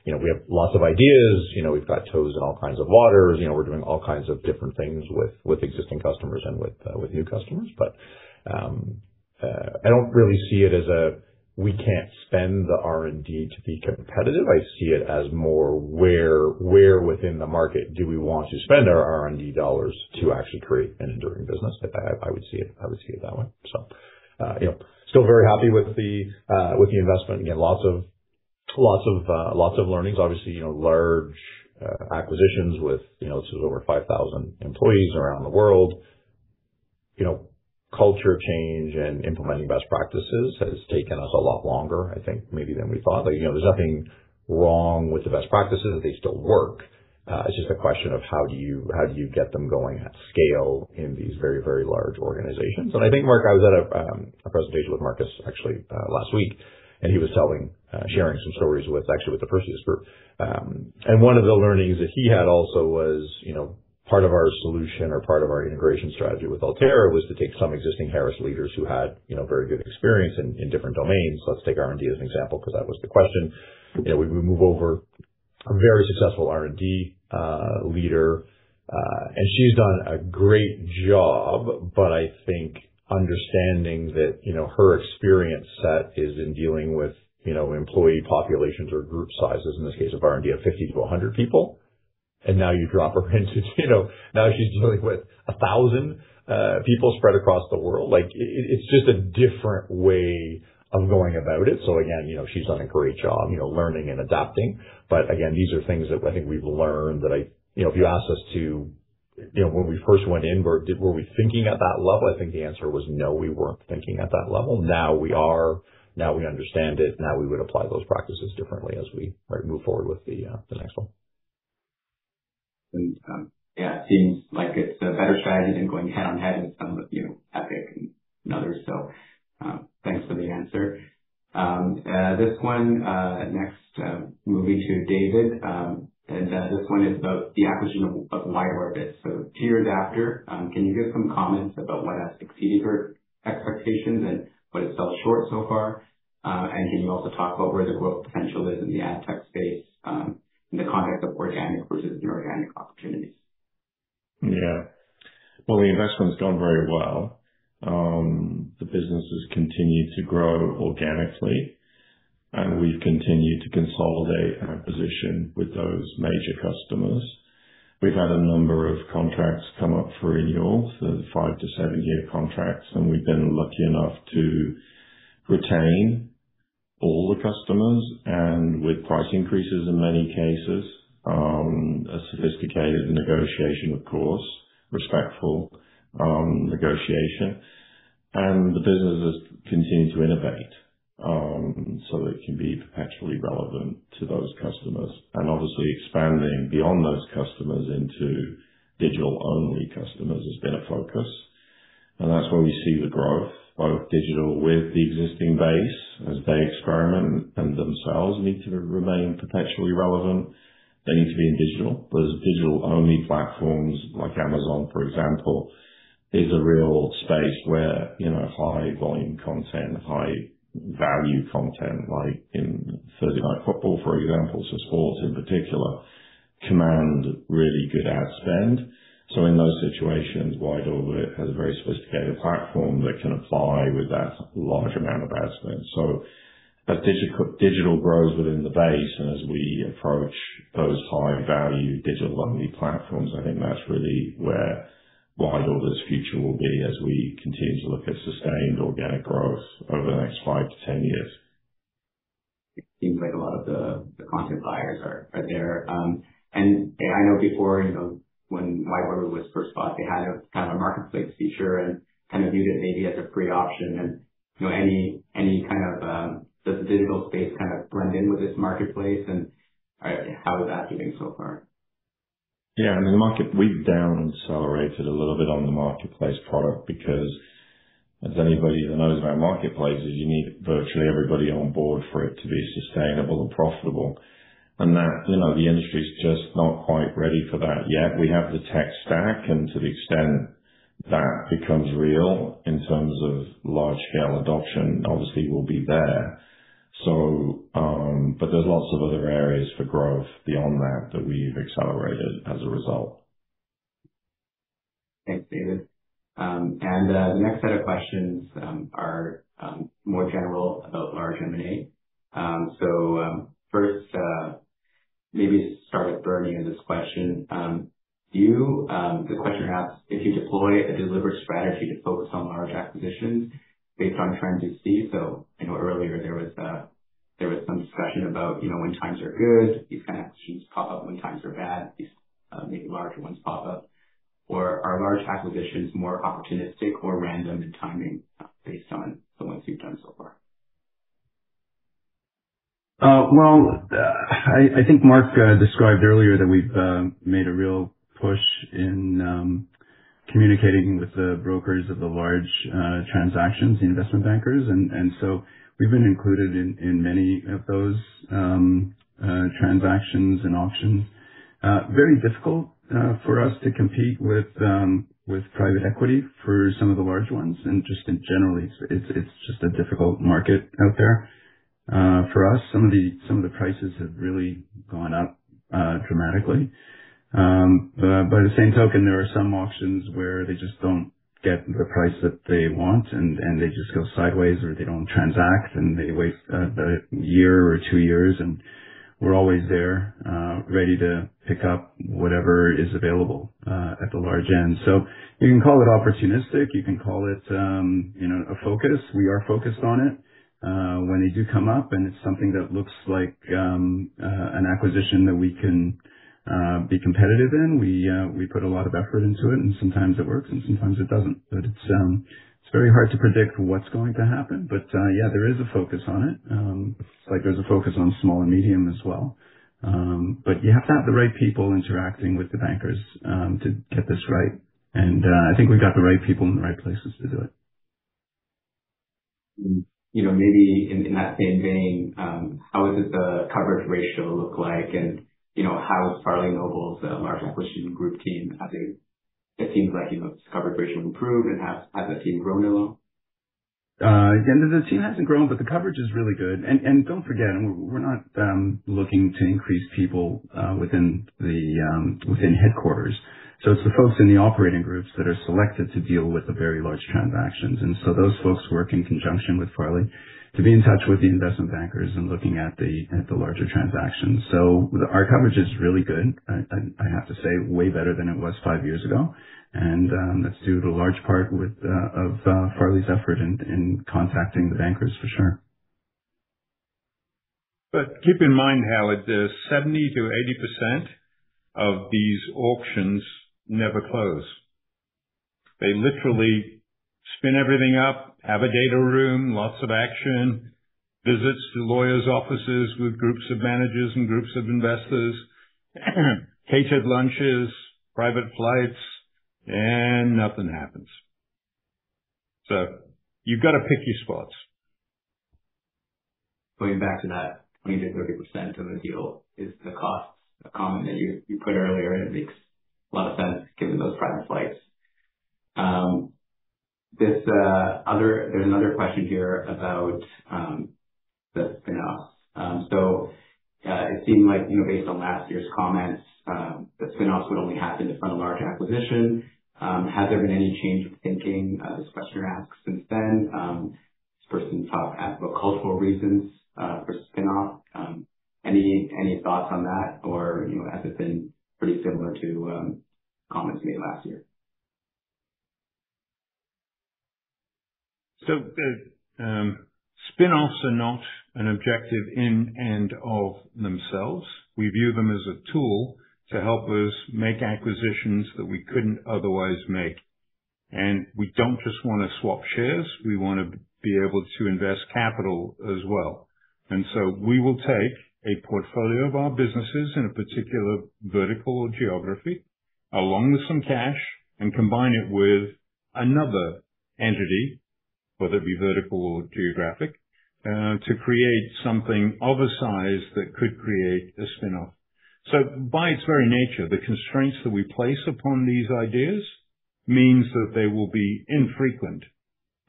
we have lots of ideas. We've got toes in all kinds of waters. We're doing all kinds of different things with existing customers and with new customers. I don't really see it as a, we can't spend the R&D to be competitive. I see it as more where within the market do we want to spend our R&D dollars to actually create an enduring business. I would see it that way. Still very happy with the investment. Again, lots of learnings. Large acquisitions with over 5,000 employees around the world require carefull integration. Culture change and implementing best practices has taken us a lot longer, I think, maybe than we thought. There is nothing wrong with the best practices. They still work. It is just a question of how do you get them going at scale in these very, very large organizations. I think, Mark, I was at a presentation with Marcus actually last week, and he was sharing some stories actually with the Perseus Group. One of the learnings that he had also was part of our solution or part of our integration strategy with Alterra was to take some existing Harris leaders who had very good experience in different domains. Let's take R&D as an example because that was the question. We move over a very successful R&D leader. She's done a great job, but I think understanding that her experience set is in dealing with employee populations or group sizes, in this case of R&D of 50-100 people. Now she's dealing with 1,000 people spread across the world. It's just a different way of going about it. Again, she's done a great job learning and adapting. These are things that I think we've learned that if you asked us to when we first went in, were we thinking at that level? I think the answer was no, we weren't thinking at that level. Now we understand and would apply those practices differently as we move forward with the next acquisition. It seems like it's a better strategy than going head-on-head with some of Epic and others. Thanks for the answer. This one, next, moving to David. This one is about the acquisition of Wide Orbit. Two years after, can you give some comments about what has exceeded your expectations and what has fell short so far? Also, can you discuss the growth potential is in the ad tech space, both organic and inorganic opportunities? The investment's gone very well. The business has continued to grow organically. We have continued to consolidate our position with those major customers. We have had a number of contracts come up for renewal, the five- to seven-year contracts. We have been lucky enough to retain all the customers and with price increases in many cases, a sophisticated negotiation, of course, respectful negotiation. The business has continued to innovate so that it can be perpetually relevant to those customers. Obviously, expanding beyond those customers into digital-only customers has been a key focus. That is where we see the growth, both digital with the existing base as they experiment and themselves need to remain perpetually relevant. They need to be in digital. Those digital-only platforms like Amazon, for example, is a real space where high-volume content, high-value content like in Thursday Night Football, for example, so sports in particular, command really good ad spend. In those situations, Wide Orbit has a very sophisticated platform that can apply with that large amount of ad spend. As digital grows within the base and as we approach those high-value digital-only platforms, I think that's really where Wide Orbit's future will be strong, with sustained organic growth over the next 5-10 years. It seems like a lot of the content buyers are there. I know before when Wide Orbit was first bought, they had kind of a marketplace feature and kind of viewed it maybe as a free option. Does the digital space kind of blend in with this marketplace? How is that doing so far? The market has slowed down bit on the marketplace product because, as anybody that knows about marketplaces, you need virtually everybody on board for it to be sustainable and profitable. The industry is not quite ready for that yet. We have the tech stack, and to the extent that becomes real in terms of large-scale adoption, obviously, we'll be there. There are lots of other areas for growth beyond that that we've accelerated as a result. Thanks, David. The next set of questions are more general about large M&A. First, maybe start with Bernie in this question. The questioner asks, if you deploy a deliberate strategy to focus on large acquisitions based on trends you see? I know earlier there was some discussion about when times are good, these kind of acquisitions pop up. When times are bad, maybe larger ones pop up. Are large acquisitions more opportunistic or random in timing based on your experience? I think Mark described earlier that we've made a real push in communicating with the brokers of the large transactions, the investment bankers. We have been included in many of those transactions and auctions. It is very difficult for us to compete with private equity for some of the large ones. Just generally, it's a difficult market out there for us. Some of the prices have really gone up dramatically. By the same token, there are some auctions where they just do not get the price that they want, and they just go sideways, or they do not transact, and they wait a year or two years. We are always there ready to pick up whatever is available at the large end. You can call it opportunistic. You can call it a focus. We are focused on it. When they do come up and it's something that looks like an acquisition that we can be competitive in, we put a lot of effort into it. Sometimes it works, and sometimes it doesn't. It is very hard to predict what's going to happen. Yeah, there is a focus on it. It's like there's a focus on small and medium as well. You have to have the right people interacting with the bankers to get this right. I think we've got the right people in the right places to do it. Maybe in that same vein, how does the coverage ratio look like? And how is Farley Noble's large acquisition group team? It seems like its coverage ratio improved. Has the team grown at all? Again, the team hasn't grown, but the coverage is really good. Do not forget, we're not looking to increase people within headquarters. It is the folks in the operating groups that are selected to deal with the very large transactions. Those folks work in conjunction with Farley to be in touch with the investment bankers and looking at the larger transactions. Our coverage is really good, I have to say, way better than it was five years ago, largely due to a Farley's effort in contacting the bankers. Keep in mind, Halle, 70-80% of these auctions never close. They literally spin everything up, have a data room, lots of action, visits to lawyers' offices with groups of managers and groups of investors, catered lunches, private flights, and nothing happens. You have to pick your spots. Going back to that 20%-30% of the deal, is the cost a comment that you put earlier? It makes a lot of sense given those private flights. There is another question here about the spin-offs. It seemed like, based on last year's comments, the spin-offs would only happen to fund a large acquisition. Has there been any change of thinking? This questioner asks since then. This person talked about cultural reasons for spin-off. Any thoughts, oris it been pretty similar to comments made last year? Spin-offs are not an objective on their own. We view them as a tool to help us make acquisitions that we could not otherwise make. We do not just want to swap shares. We want to be able to invest capital as well. We will take a portfolio of our businesses in a particular vertical or geography along with some cash and combine it with another entity, whether it be vertical or geographic—to create something of a size that could create a spin-off. By its very nature, the constraints that we place upon these ideas means that they will be infrequent.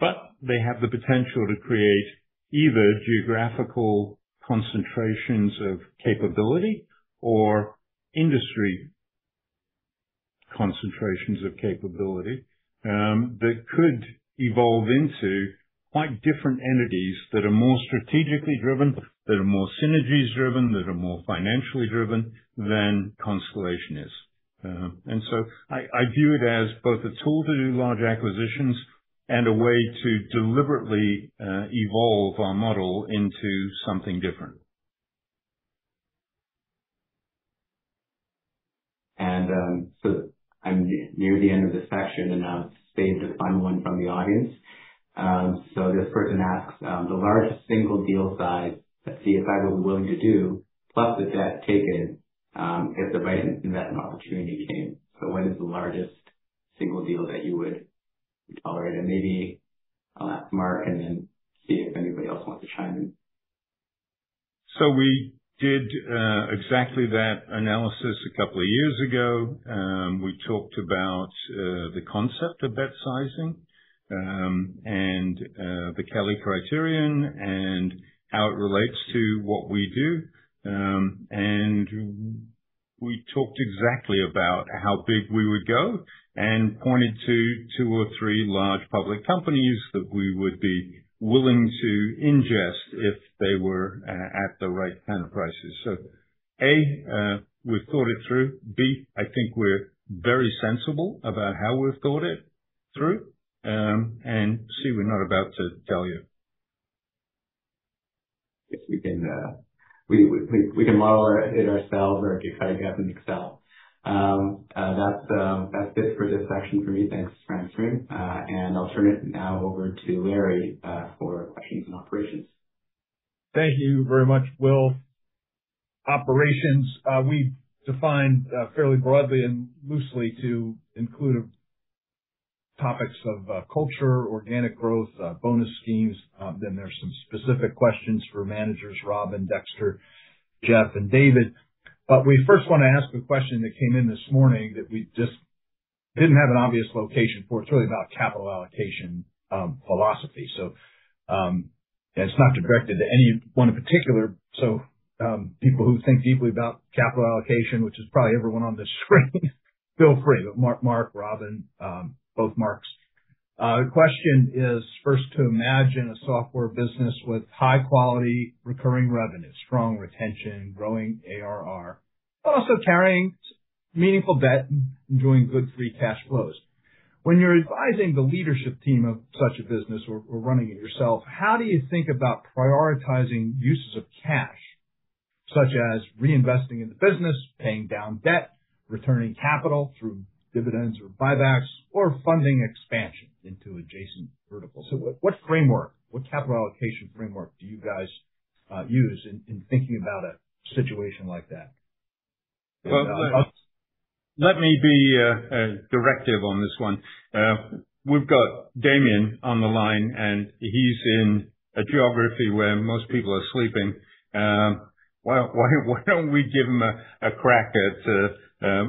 They have the potential to create either geographical concentrations of capability or industry concentrations of capability that could evolve into quite different entities that are more strategically driven, that are more synergies-driven, that are more financially driven than Constellation is. I view it as both a tool to do large acquisitions and a way to deliberately evolve our model into something different. I'm near the end of this section, and now it's safe to find one from the audience. This person asks, the largest single deal size that CSI will be willing to do, plus the debt taken, if the right investment opportunity came. What is the largest single deal that you would tolerate? Maybe I'll ask Mark and then see if anybody else wants to chime in. We analyzedthis a couple of years ago. We talked about the concept of bet sizing and the Kelly criterion and how it relates to what we do. We talked exactly about how big we would go and pointed to two or three large public companies that we would be willing to ingest if they were at the right kind of prices. A) we've thought it through. B) I think we're very sensible about how we've thought it through. we're not about to tell you. If we can model it ourselves or if you cut a gap in Excel. That is it for this section for me. Thanks for answering. I will turn it now over to Larry for questions on operations. Thank you very much, Will. Operations, we've defined fairly broadly and loosely to include topics of culture, organic growth, bonus schemes. There are some specific questions for managers, Rob and Dexter, Jeff, and David. We first want to ask a question that came in this morning that we just did not have an obvious location for. It is really about capital allocation philosophy. It is not directed to anyone in particular. People who think deeply about capital allocation, which is probably everyone on this screen, feel free. Mark, Robin, both Marks. The question is first to imagine a software business with high-quality recurring revenue, strong retention, growing ARR, but also carrying meaningful debt and enjoying good free cash flows. When you're advising the leadership team of such a business or running it yourself, how do you think about prioritizing uses of cash, such as reinvesting in the business, paying down debt, returning capital through dividends or buybacks, or funding expansion into adjacent verticals? What framework, what capital allocation framework do you guys use in thinking about a situation like that? Let me be directive. Damien on the line, and he's in a geography where most people are sleeping. Why don't we give him a crack at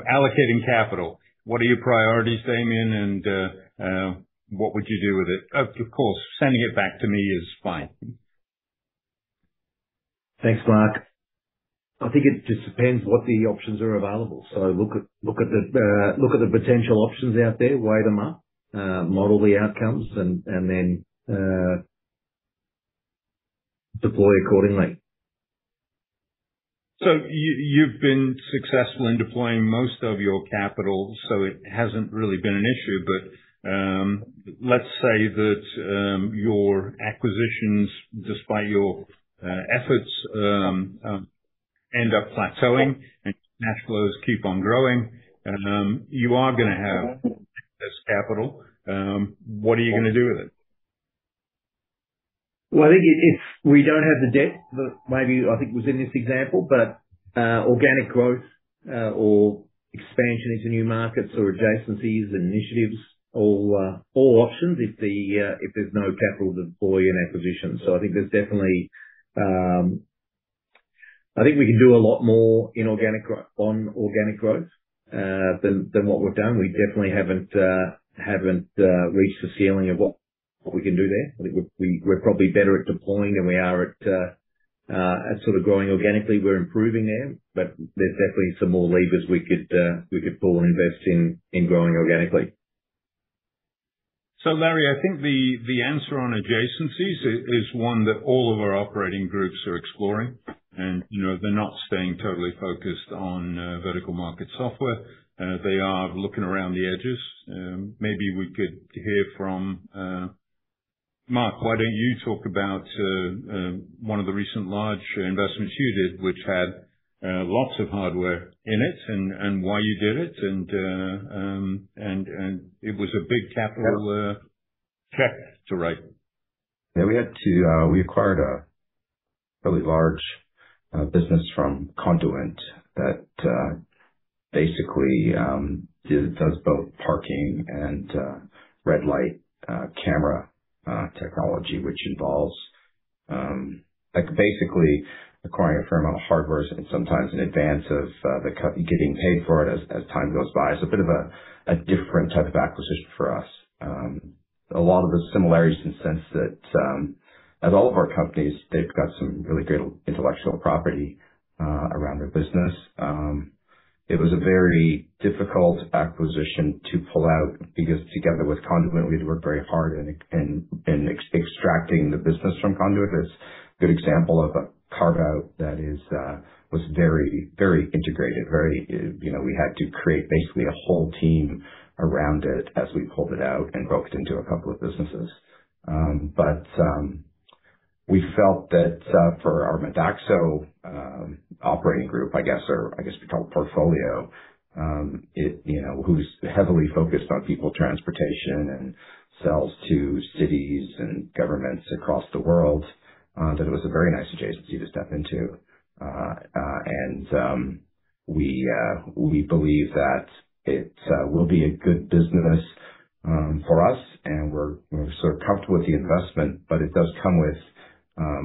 allocating capital? What are your priorities, Damien, and what would you do with it? Thanks, Mark. It depends on the options are available. Look at the potential options out there, weigh them up, model the outcomes, and then deploy accordingly. You've been successful in deploying most of your capital, so it hasn't really been an issue. That your acquisitions, despite your efforts, end up plateauing and cash flows keep on growing. You are going to have this capital. What are you going to do with it? I think if we do not have the debt, maybe I think it was in this example, but organic growth or expansion into new markets or adjacencies and initiatives, all options if there is no capital to deploy in acquisitions. I think there is definitely, I think we can do a lot more on organic growth than what we have done. We definitely have not reached the ceiling of what we can do there. I think we are probably better at deploying than we are at sort of growing organically. We are improving there, but there are definitely some more levers we could pull and invest in growing organically. Larry, adjacencies are something all operating groups are exploring. They aren’t focused solely on vertical market software. Mark, can you discuss a recent large investment, which included substantial hardware, and explain why it was a significant capital commitment? We acquired a large business from Conduent that handles both parking and red-light camera technology. This involved acquiring considerable hardware, sometimes ahead of cash flow. We felt that for our Medexo operating group—actually, we call it a portfolio—that focuses heavily on people, transportation, and sales to cities and governments worldwide, this was a natural adjacency to step into. Clearly,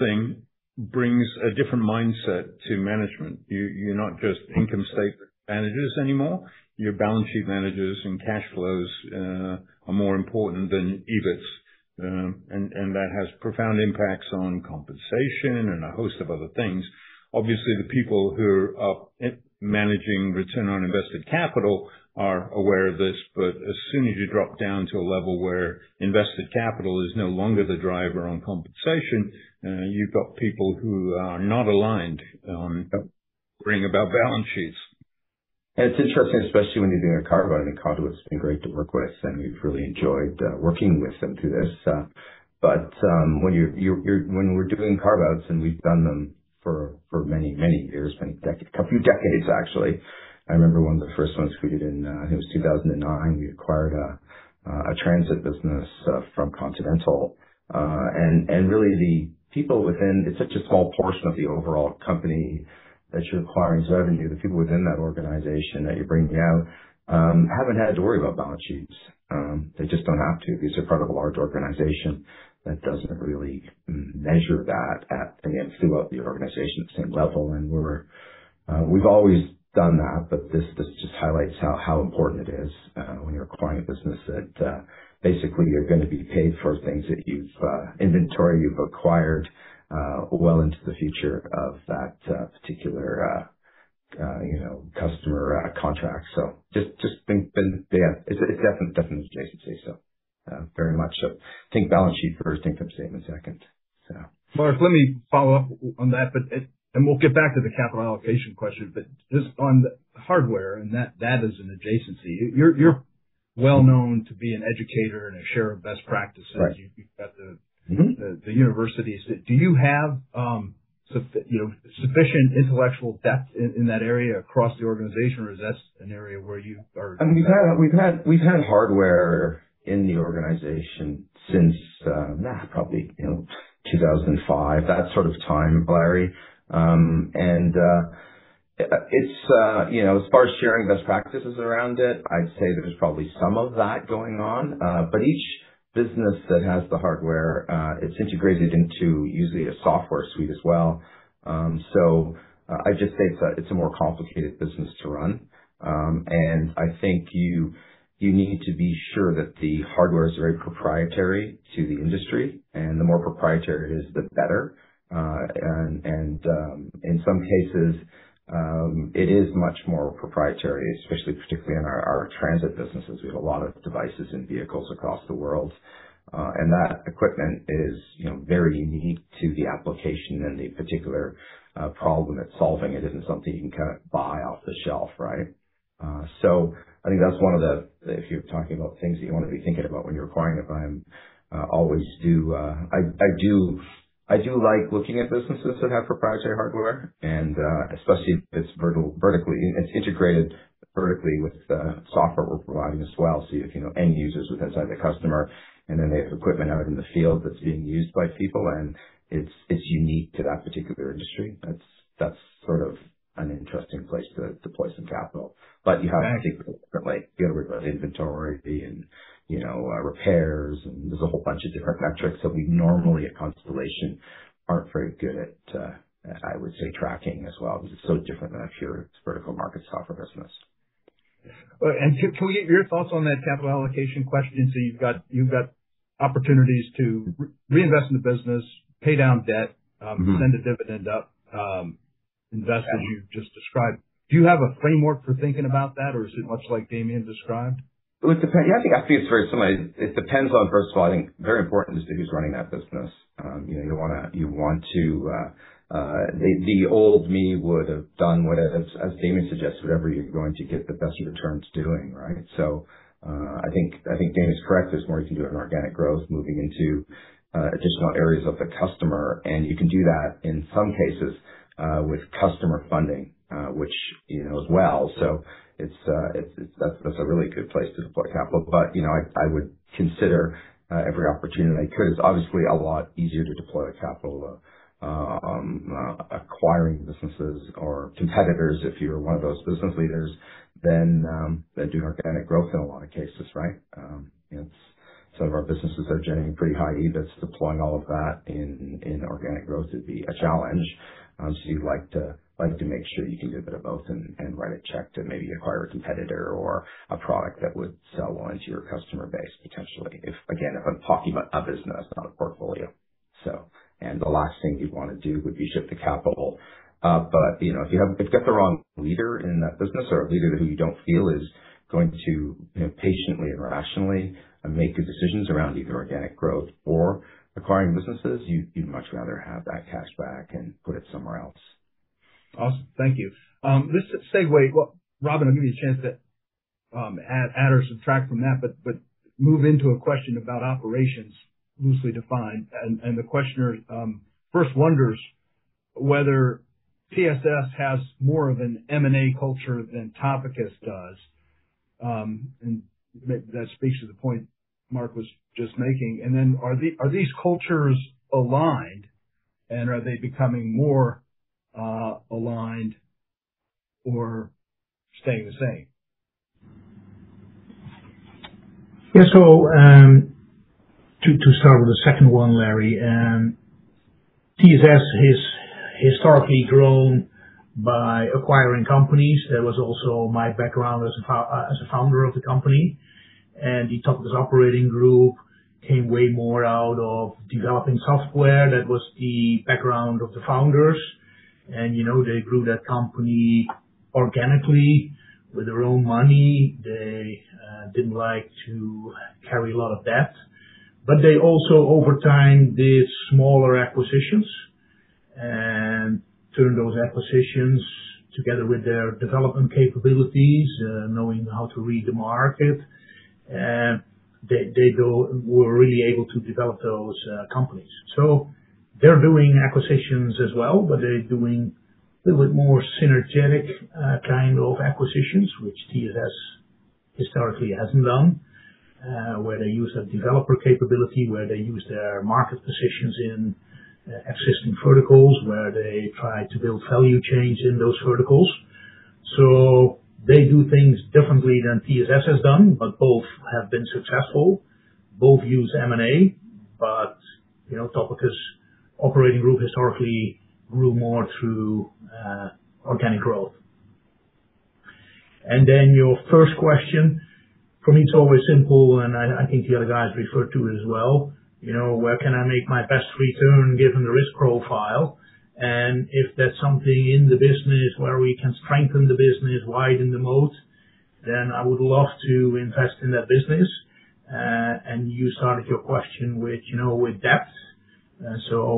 this brings a different mindset to management. Leaders are no longer just income statement managers; they must be balance sheet managers, where cash flows often matter more than EBIT. Carve-outs highlight this even more. Conduent has been great to work with. When doing carve-outs—which we’ve done for decades—often the team you acquire hasn’t previously had to worry about balance sheets because they were part of a larger organization that didn’t measure at that level. We We’ve had hardware in the organization since around 2005. Each business that includes hardware typically integrates it with a software suite. Mark, we'll get back to the capital allocation question, but just on the hardware, and that is an adjacency. You're well known to be an educator and a sharer of best practices. You've got the universities. Do you have sufficient intellectual depth in that area across the organization, or is that an area where you are? We've had hardware in the organization since probably 2005, that sort of time, Larry. As far as sharing best practices around it, I'd say there's probably some of that going on. Each business that has the hardware, it's integrated into usually a software suite as well. I'd just say it's a more complicated business to run. I think you need to be sure that the hardware is very proprietary to the industry. The more proprietary it is, the better. In some cases, it is much more proprietary, especially particularly in our transit businesses. We have a lot of devices and vehicles across the world. That equipment is very unique to the application and the particular problem that's solving. It isn't something you can kind of buy off the shelf, right? I think that's one of the, if you're talking about things that you want to be thinking about when you're acquiring it, I always do. I do like looking at businesses that have proprietary hardware, and especially if it's integrated vertically with the software we're providing as well. You have end users inside the customer, and then they have equipment out in the field that's being used by people, and it's unique to that particular industry. That's sort of an interesting place to deploy some capital. You have to think differently. You've got to worry about inventory and repairs, and there's a whole bunch of different metrics that we normally at Constellation typically isn't tracking well, because it's so different than a pure vertical market software business. Can we get your thoughts on that capital allocation question? You have opportunities to reinvest in the business, pay down debt, send dividend, or invest as you have just described. Do you have a framework for thinking about that, or is it much like Damien described? It depends. It's very similar to Damian's description. It depends on, first of all, I think very important as to who's running that business. You want to, the old me would have done whatever, as Damien suggested, whatever you're going to get the best returns doing, right? I think Damien's correct. There's more you can do in organic growth moving into additional areas of the customer. You can do that in some cases with customer funding, which as well. That's a really good place to deploy capital. I would consider every opportunity I could. It's obviously a lot easier to deploy capital acquiring businesses or competitors if you're one of those business leaders than doing organic growth in a lot of cases, right? Some of our businesses are generating pretty high EBITs. Deploying all of that in organic growth would be a challenge. You'd like to make sure you can do a bit of both and write a check to maybe acquire a competitor or a product that would sell well into your customer base, potentially, again, if I'm talking about a business, not a portfolio. The last thing you'd want to do would be ship the capital. If you've got the wrong leader in that business or a leader who you don't feel is going to patiently and rationally make good decisions around either organic growth or acquiring businesses, you'd much rather have that cash back and put it somewhere else. Robin, I'll give you a chance to add or subtract from that, but move into a question about operations loosely defined. The questioner first wonders whether TSS has more of an M&A culture than Topicus does. That speaks to the point Mark was just making. Are these cultures aligned, and are they becoming more aligned or staying the same? To start with the second one, Larry, TSS has historically grown by acquiring companies. That was also my background as a founder of the company. The Topicus operating group came way more out of developing software. That was the background of the founders. They grew that company organically with their own money. They did not like to carry a lot of debt. They also, over time, did smaller acquisitions and turned those acquisitions together with their development capabilities, knowing how to read the market. They were really able to develop those companies. They are doing acquisitions as well, but they are doing a little bit more synergetic kind of acquisitions, which TSS historically has not done, where they use their developer capability, where they use their market positions in existing verticals, where they try to build value chains in those verticals. They do things differently than TSS has done, but both have been successful. Both use M&A, but Topicus operating group historically grew more through organic growth. Your first question, for me, it's always simple, and I think the other guys refer to it as well. Where can I make my best return given the risk profile? If there's something in the business where we can strengthen the business, widen the moat, then I would love to invest in that business. You started your question with depth.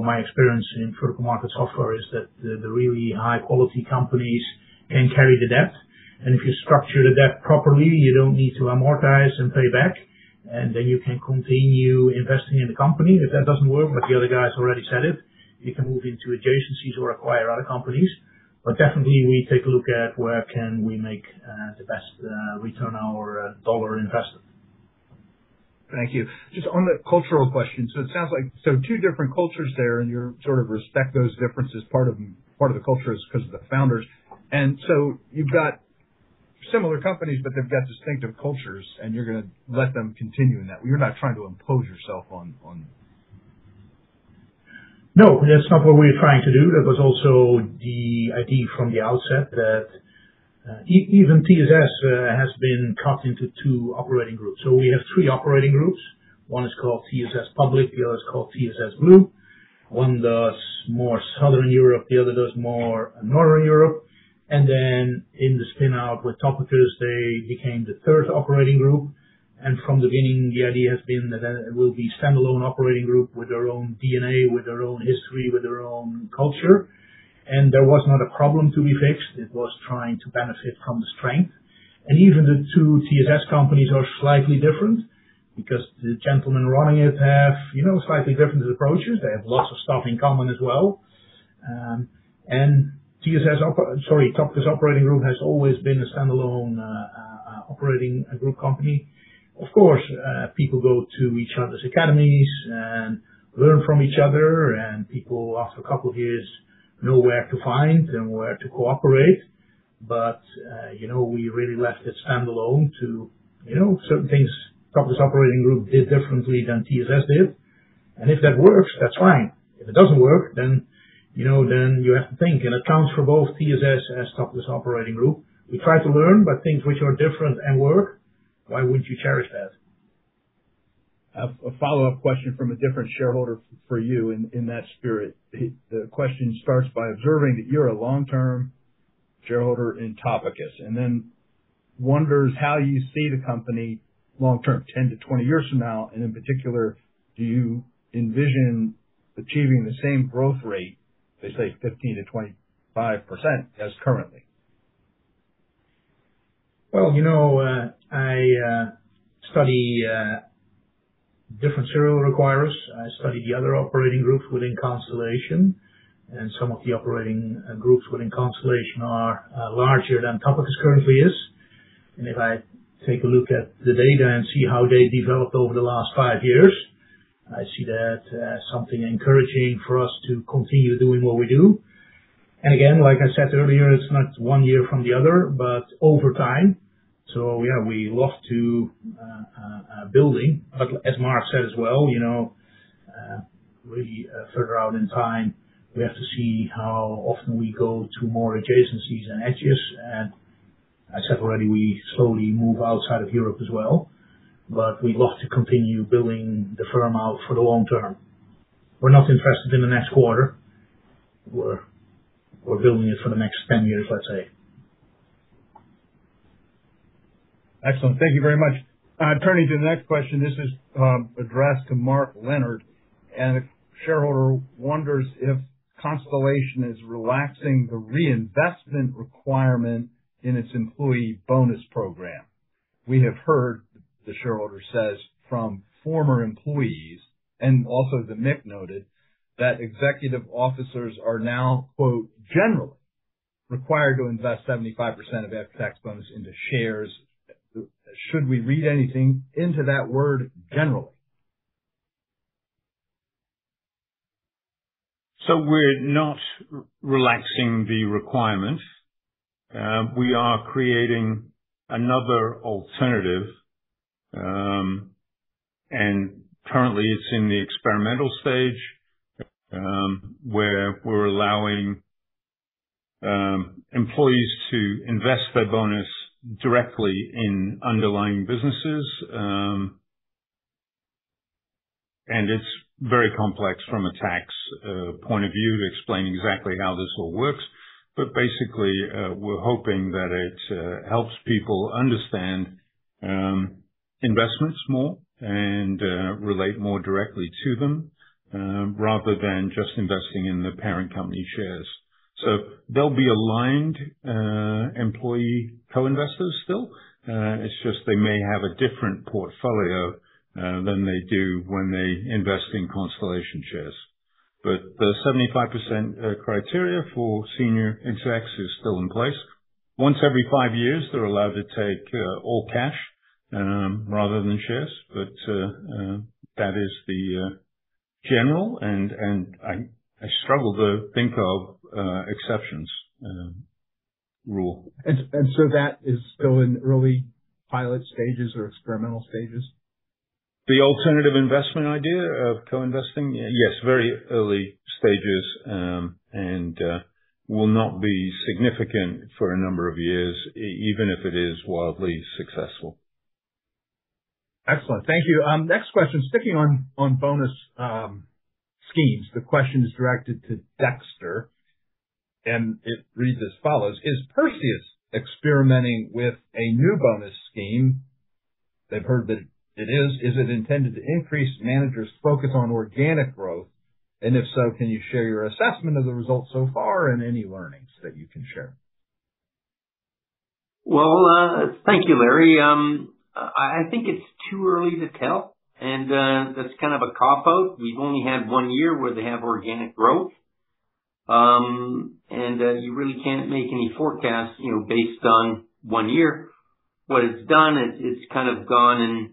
My experience in vertical market software is that the really high-quality companies can carry the depth. If you structure the depth properly, you don't need to amortize and pay back, and then you can continue investing in the company. If that doesn't work, but the other guys already said it, you can move into adjacencies or acquire other companies. Definitely, we take a look at where can we make the best return on our dollar investment. Just on the cultural question, it sounds like two different cultures there, and you sort of respect those differences. Part of the culture is because of the founders. You have similar companies, but they have distinctive cultures, and you are going to let them continue in that. You are not trying to impose yourself on. No, that's not what we're trying to do. That was also the idea from the outset that even TSS has been cut into two operating groups. We have three operating groups. One is called TSS Public. The other is called TSS Blue. One does more Southern Europe. The other does more Northern Europe. In the spinout with Topicus, they became the third operating group. From the beginning, the idea has been that it will be a standalone operating group with their own DNA, with their own history, with their own culture. There was not a problem to be fixed. It was trying to benefit from the strength. Even the two TSS companies are slightly different because the gentlemen running it have slightly different approaches. They have lots of stuff in common as well. TSS, sorry, Topicus operating group has always been a standalone operating group company. People go to each other's academies and learn from each other, and people, after a couple of years, know where to find and where to cooperate. We really left it standalone to certain things Topicus operating group did differently than TSS did. If that works, that's fine. If it does not work, then you have to think. It counts for both TSS as Topicus operating group. We try to learn, but things which are different and work, why would you not cherish that? A follow-up question from a different shareholder for you in that spirit. The question starts by observing that you're a long-term shareholder in Topicus. Then wonders how you see the company long-term, 10-20 years from now. In particular, do you envision achieving the same growth rate, they say 15-25% as currently? I study different serial acquirers. I study the other operating groups within Constellation. Some of the operating groups within Constellation are larger than Topicus currently is. If I take a look at the data and see how they developed over the last five years, I see that as something encouraging for us to continue doing what we do. Like I said earlier, it's not year-to-year, but over time. Yeah, we love to build. As Mark said as well, really further out in time, we have to see how often we go to more adjacencies and edges markets. I said already, we slowly move outside of Europe as well. We'd love to continue building the firm out for the long term. We're not interested in the next quarter. We're building it for the next 10 years, let's say. Excellent. Thank you very much. Turning to the next question, this is addressed to Mark Leonard. The shareholder wonders if Constellation is relaxing the reinvestment requirement in its employee bonus program. We have heard, the shareholder says, from former employees, and also the MIC noted that executive officers are now, quote, generally required to invest 75% of after-tax bonus into shares. Should we read anything into that word generally? We're not relaxing the requirement. We are creating another alternative option. Currently, it's in the experimental stage where we're allowing employees to invest their bonus directly in underlying businesses. It's very complex from a tax point of view to explain exactly how this all works. Basically, we're hoping that it helps people understand investments more and relate more directly to them rather than just investing in the parent company shares. They'll be aligned employee co-investors still. It's just they may have a different portfolio than they do when they invest in Constellation shares. The 75% criteria for senior execs is still in place. Once every five years, they're allowed to take theire full bonus in cash rather than shares. That is the general, and I struggle to think of exceptions rule. That is still in early pilot or experimental stages? The alternative investment idea of co-investing? Yes, very early stages and will not be significant for a number of years, even if it is highly successful. Next question, sticking on bonus schemes. The question is directed to Dexter. And it reads as follows: Is Perseus experimenting with a new bonus scheme? They've heard that it is. Is it intended to increase managers' focus on organic growth? And if so, can you share your assessment of the results so far and any learnings that you can share? Thank you, Larry. I think it's too early to tell. That's admittedly early to judge. We've only had one year where they have organic growth. You really can't make any forecast based on one year. What it's done, it's kind of gone and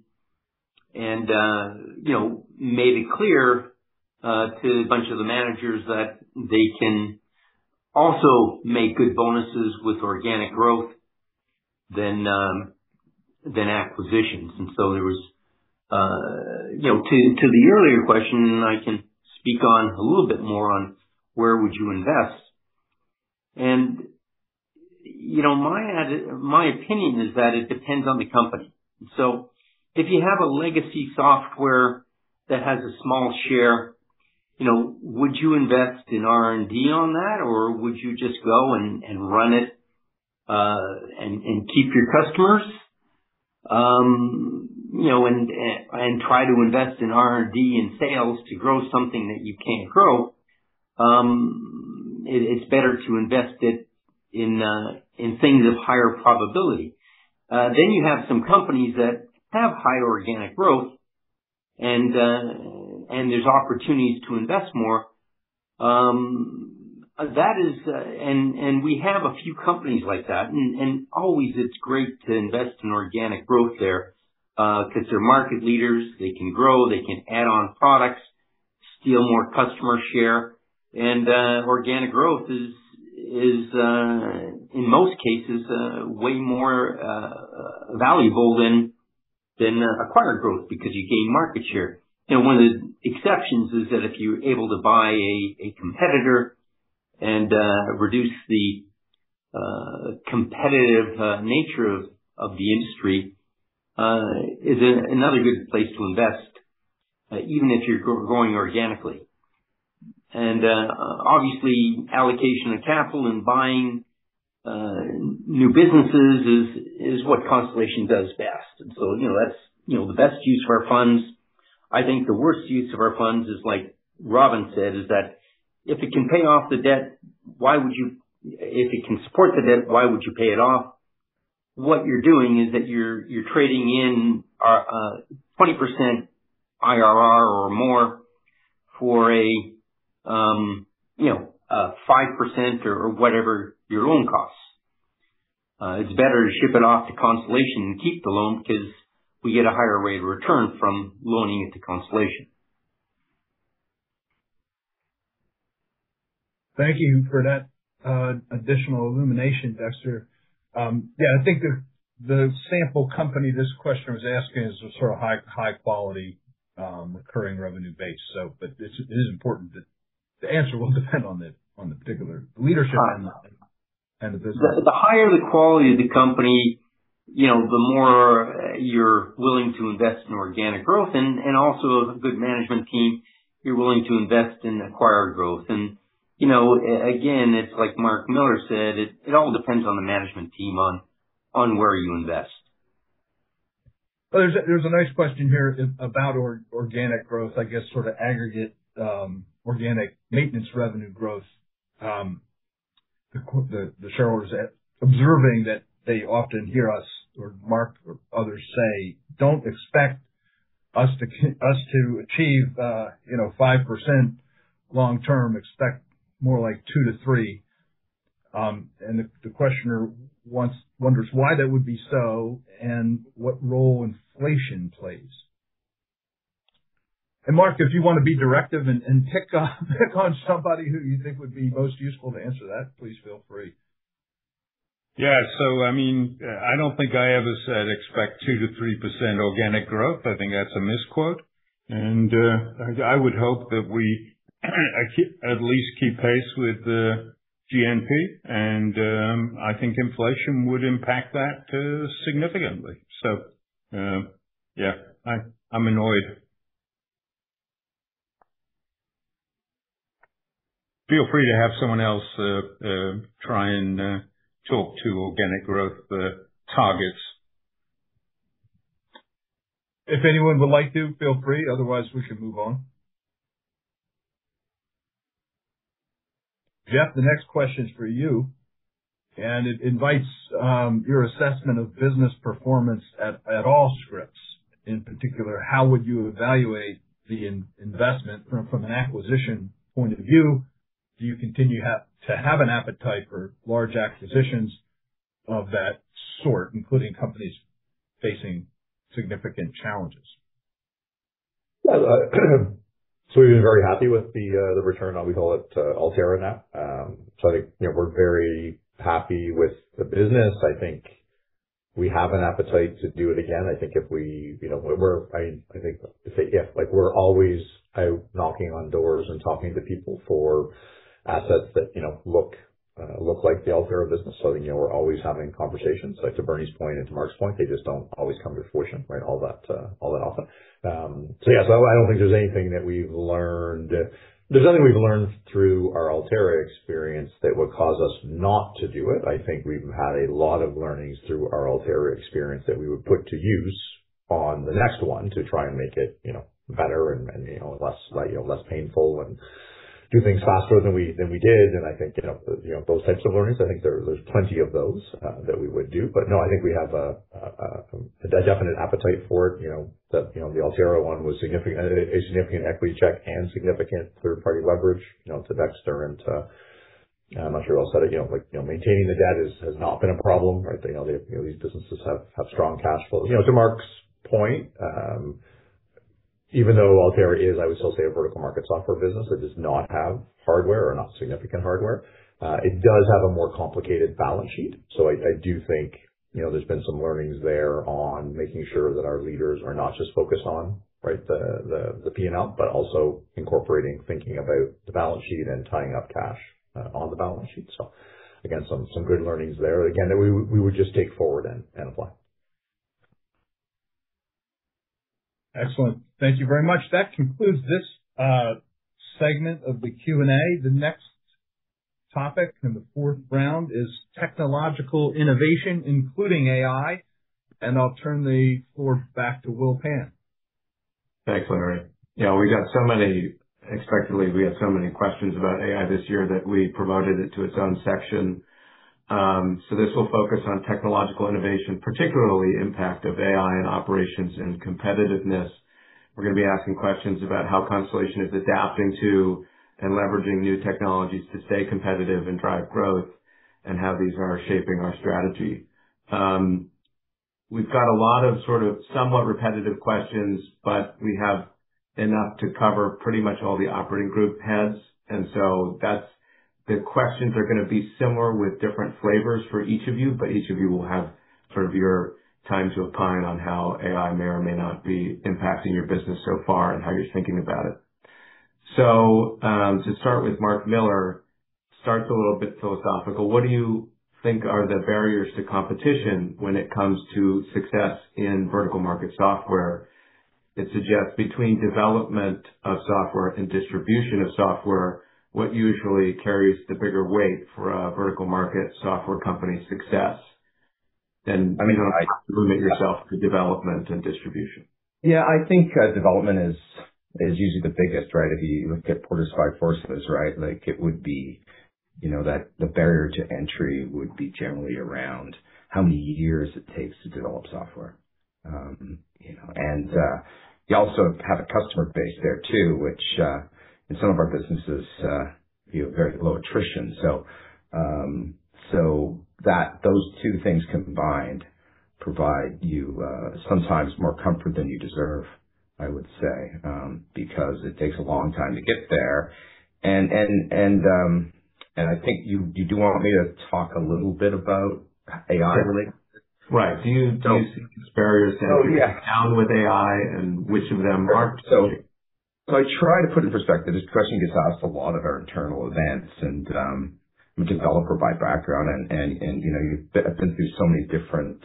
made it clear to a bunch of the managers that they can also make good bonuses with organic growth than acquisitions. There was, to the earlier question, I can speak a little bit more on where would you invest. My opinion is that it depends on the company. If you have a legacy software that has a small share, would you invest in R&D on that, or would you just go and run it and keep your customers and try to invest in R&D and sales to grow something that you can't grow? It's better to invest it in things of higher probability. You have some companies that have high organic growth, and there's opportunities to invest more. We have a few companies like that. Always, it's great to invest in organic growth there because they're market leaders. They can grow. They can add on products, steal more customer share. Organic growth is, in most cases, way more valuable than acquired growth because you gain market share. One of the exceptions is that if you're able to buy a competitor and reduce the competitive nature of the industry, it's another good place to invest, even if you're growing organically. Obviously, allocation of capital and buying new businesses is what Constellation does best. That's the best use of our funds. I think the worst use of our funds, as Robin said, is that if it can pay off the debt, why would you—if it can support the debt, why would you pay it off? What you're doing is that you're trading in 20%+ IRR or more for a 5% or whatever your loan costs. It's better to ship it off to Constellation and keep the loan because we get a higher rate of return from loaning it to Constellation. Thank you for that additional illumination, Dexter. Yeah, I think the sample company this question was asking is sort of high-quality recurring revenue base. It is important that the answer will depend on the particular leadership and the business. The higher the quality of the company, the more you're willing to invest in organic growth. Also, a good management team, you're willing to invest in acquired growth. Again, it's like Mark Miller said, it all depends on the management team on where you invest. There's a nice question here about organic growth, I guess, sort of aggregate organic maintenance revenue growth. The shareholders are observing that they often hear us or Mark or others say, "Don't expect us to achieve 5% long-term. Expect more like 2-3%." The questioner wonders why that would be so and what role inflation plays. Mark, if you want to be directive and pick on somebody who you think would be most useful to answer that, please feel free. I do not think I ever said expect 2-3% organic growth. I think that is a misquote. I would hope that we at least keep pace with GNP. I think inflation would impact that significantly. Yeah, I am annoyed. Feel free to have someone else try and talk to organic growth targets. If anyone would like to, feel free; otherwise, we can move on. Jeff, the next question is for you. It invites your assessment of business performance at Allscripts. In particular, how would you evaluate the investment from an acquisition point of view? Do you continue to have an appetite for large acquisitions of that sort, including companies facing significant challenges? We have been very happy with the return. We call it Altera now, and I think we are very happy with the business. I think we have an appetite to do it again. I think if we are always knocking on doors and talking to people for assets that look like the Altera business, we are always having conversations. As Bernie's and Mark's mentioned, they just do not always come to fruition, right? All that often. I do not think there is anything that we have learned. There is nothing we have learned through our Altera experience that would cause us not to do it. I think we have had a lot of learnings through our Altera experience that we would put to use on the next one to try and make it better and less painful and do things faster than we did. Those types of learnings, there's plenty of those that we would do. No, I think we have a definite appetite for it. The Altera one was a significant equity check and significant third-party leverage to Dexter and to—I'm not sure I'll set it. Maintaining the debt has not been a problem, right? These businesses have strong cash flows. To Mark's point, even though Altera is, I would still say a vertical market software business that does not have hardware or not significant hardware, it does have a more complicated balance sheet. I do think there's been some learnings there on making sure that our leaders are not just focused on, right, the P&L, but also incorporating thinking about the balance sheet and tying up cash on the balance sheet. Again, some good learnings there. Again, we would just take forward and apply. Thank you very much. That concludes this segment of the Q&A. The next topic in the fourth round is technological innovation, including AI. I will turn the floor back to Will Pan. Thanks, Larry. We got so many questions—expectedly, we had so many questions about AI this year that we promoted it to its own section. This will focus on technological innovation, particularly the impact of AI on operations and competitiveness. We're going to be asking questions about how Constellation is adapting to and leveraging new technologies to stay competitive and drive growth and how these are shaping our strategy. We've got a lot of sort of somewhat repetitive questions, but we have enough to cover pretty much all the operating group heads. The questions are going to be similar with different flavors for each of you, but each of you will have sort of your time to opine on how AI may or may not be impacting your business so far and how you're thinking about it. To start with, Mark Miller, starts a little bit philosophical. What do you think are the barriers to competition when it comes to success in vertical market software? It suggests between development of software and distribution of software, what usually carries the bigger weight for a vertical market software company's success? You do not have to limit yourself to development and distribution. I think development is usually the biggest, right? If you look at Porter's Five Forces, it would be that the barrier to entry would be generally around how many years it takes to develop software. You also have a customer base there too, which in some of our businesses, very low attrition. Those two things combined provide you sometimes more comfort than you deserve, I would say, because it takes a long time to get there. I think you do want me to talk a little bit about AI-related. Right. Do you see these barriers that you have found with AI, and which of them are? I try to put it in perspective. This question gets asked a lot at our internal events. I'm a developer by background. I've been through so many different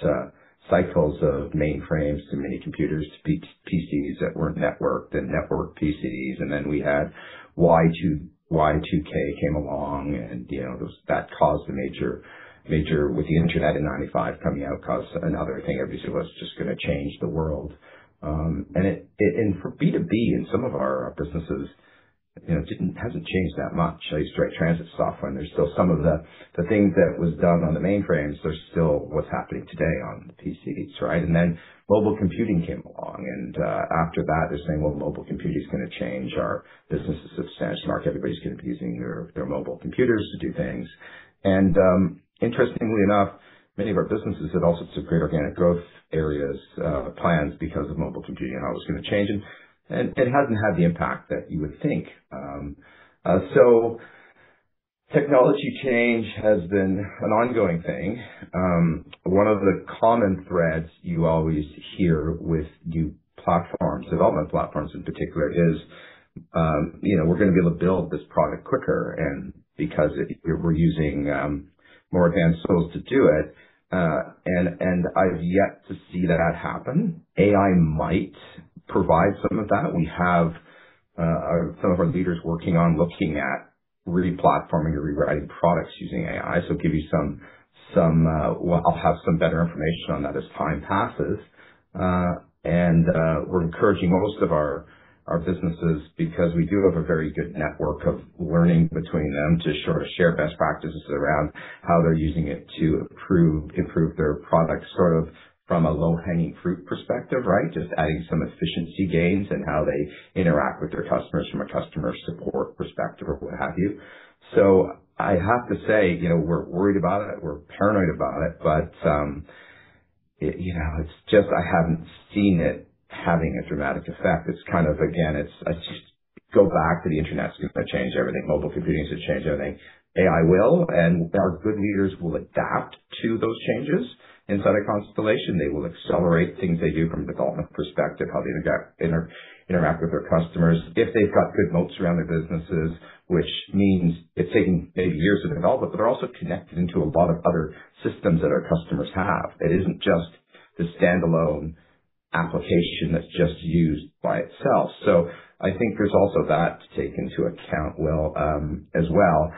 cycles of mainframes to mini computers to PCs that were not networked and networked PCs. Then we had Y2K come along, and the emergence of the internet in 1995 triggered another wave of disruption. Everybody was just going to change the world. For B2B, in some of our businesses, it has not changed that much. I used to write transit software, and many things that were done on mainframes are still happening today on PCs, right? Then mobile computing came along. After that, they are saying, "Well, mobile computing is going to change our businesses substantially." 'Mark,' everybody is going to be using their mobile computers to do things. Interestingly enough, many of our businesses had all sorts of great organic growth plans because of mobile computing, and it was going to change. It has not had the impact that you would think. Technology change has been an ongoing thing. One of the common threads you always hear with new platforms, development platforms in particular, is, "We are going to be able to build this product quicker because we are using more advanced tools to do it." I have yet to see that happen. AI might provide some of that. We have some of our leaders working on looking at replatforming or rewriting products using AI. I will have some better information on that as time passes. We're encouraging most of our businesses, because we do have a very good network of learning between them, to share best practices around how they're using it to improve their product, sort of from a low-hanging-fruit perspective, right? Just adding some efficiency gains and how they interact with their customers from a customer support perspective or what have you. I have to say, we're worried about it. We're paranoid about it, but it's just I haven't seen it having a dramatic effect. It's kind of, again, go back to the internet's going to change everything. Mobile computing is going to change everything. AI will, and our good leaders will adapt to those changes. Inside of Constellation, they will accelerate things they do from a development perspective, how they interact with their customers. If they've got good moats around their businesses, which means it's taken maybe years of development, but they're also connected into a lot of other systems that our customers have. It isn't just the standalone application that's just used by itself. I think there's also that to take into account as well.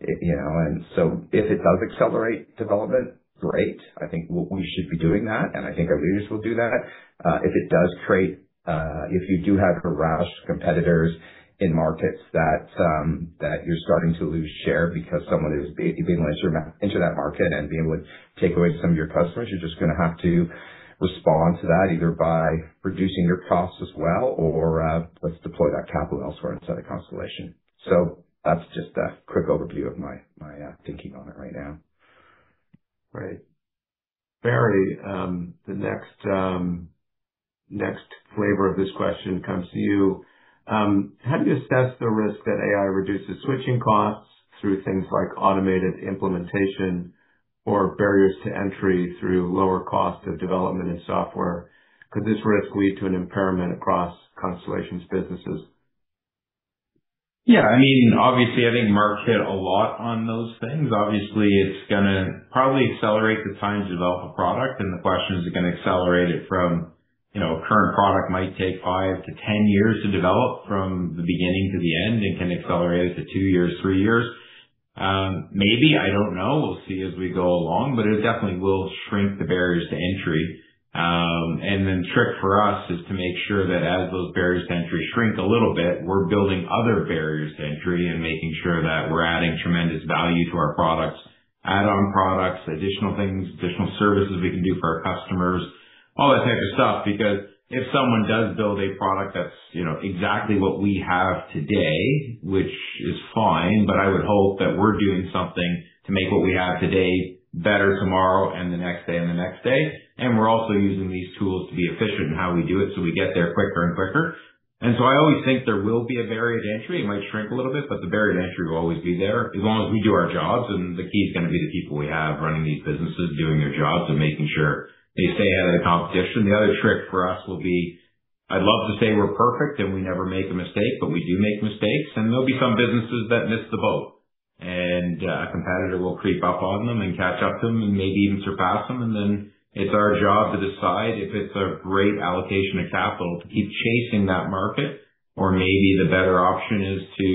If it does accelerate development, great. I think we should be doing that. I think our leaders will do that. If it does create—if you do have harsher competitors in markets that you're starting to lose share because someone is being able to enter that market and take away some of your customers, you're just going to have to respond to that either by reducing your costs as well or let's deploy that capital elsewhere inside of Constellation. That's just a quick overview of my thinking on it right now. Right. Mark, the next flavor of this question comes to you. How do you assess the risk that AI reduces switching costs through things like automated implementation or barriers to entry through lower cost of development and software? Could this risk lead to an impairment across Constellation's businesses? Yeah. I mean, obviously, I think Mark hit a lot on those things. Obviously, it's going to probably accelerate the time to develop a product. The question is, is it going to accelerate it from a current product might take 5 to 10 years to develop from the beginning to the end and can accelerate it to 2 or 3 years? Maybe. I don't know. We'll see as we go along. It definitely will shrink the barriers to entry. The trick for us is to make sure that as those barriers to entry shrink a little bit, we're building other barriers to entry and making sure that we're adding tremendous value to our products, add-on products, additional things, additional services we can do for our customers, all that type of stuff. Because if someone does build a product that's exactly what we have today, which is fine, but I would hope that we're doing something to make what we have today better tomorrow and the next day and the next day. We're also using these tools to be efficient in how we do it so we get there quicker and quicker. I always think there will be a barrier to entry. It might shrink a little bit, but the barrier to entry will always be there as long as we do our jobs. The key is going to be the people we have running these businesses, doing their jobs and making sure they stay ahead of the competition. The other trick for us will be I'd love to say we're perfect and we never make a mistake, but we do make mistakes. There will be some businesses that miss the boat. A competitor will creep up on them and catch up to them and maybe even surpass them. It is our job to decide if it is a great allocation of capital to keep chasing that market, or maybe the better option is to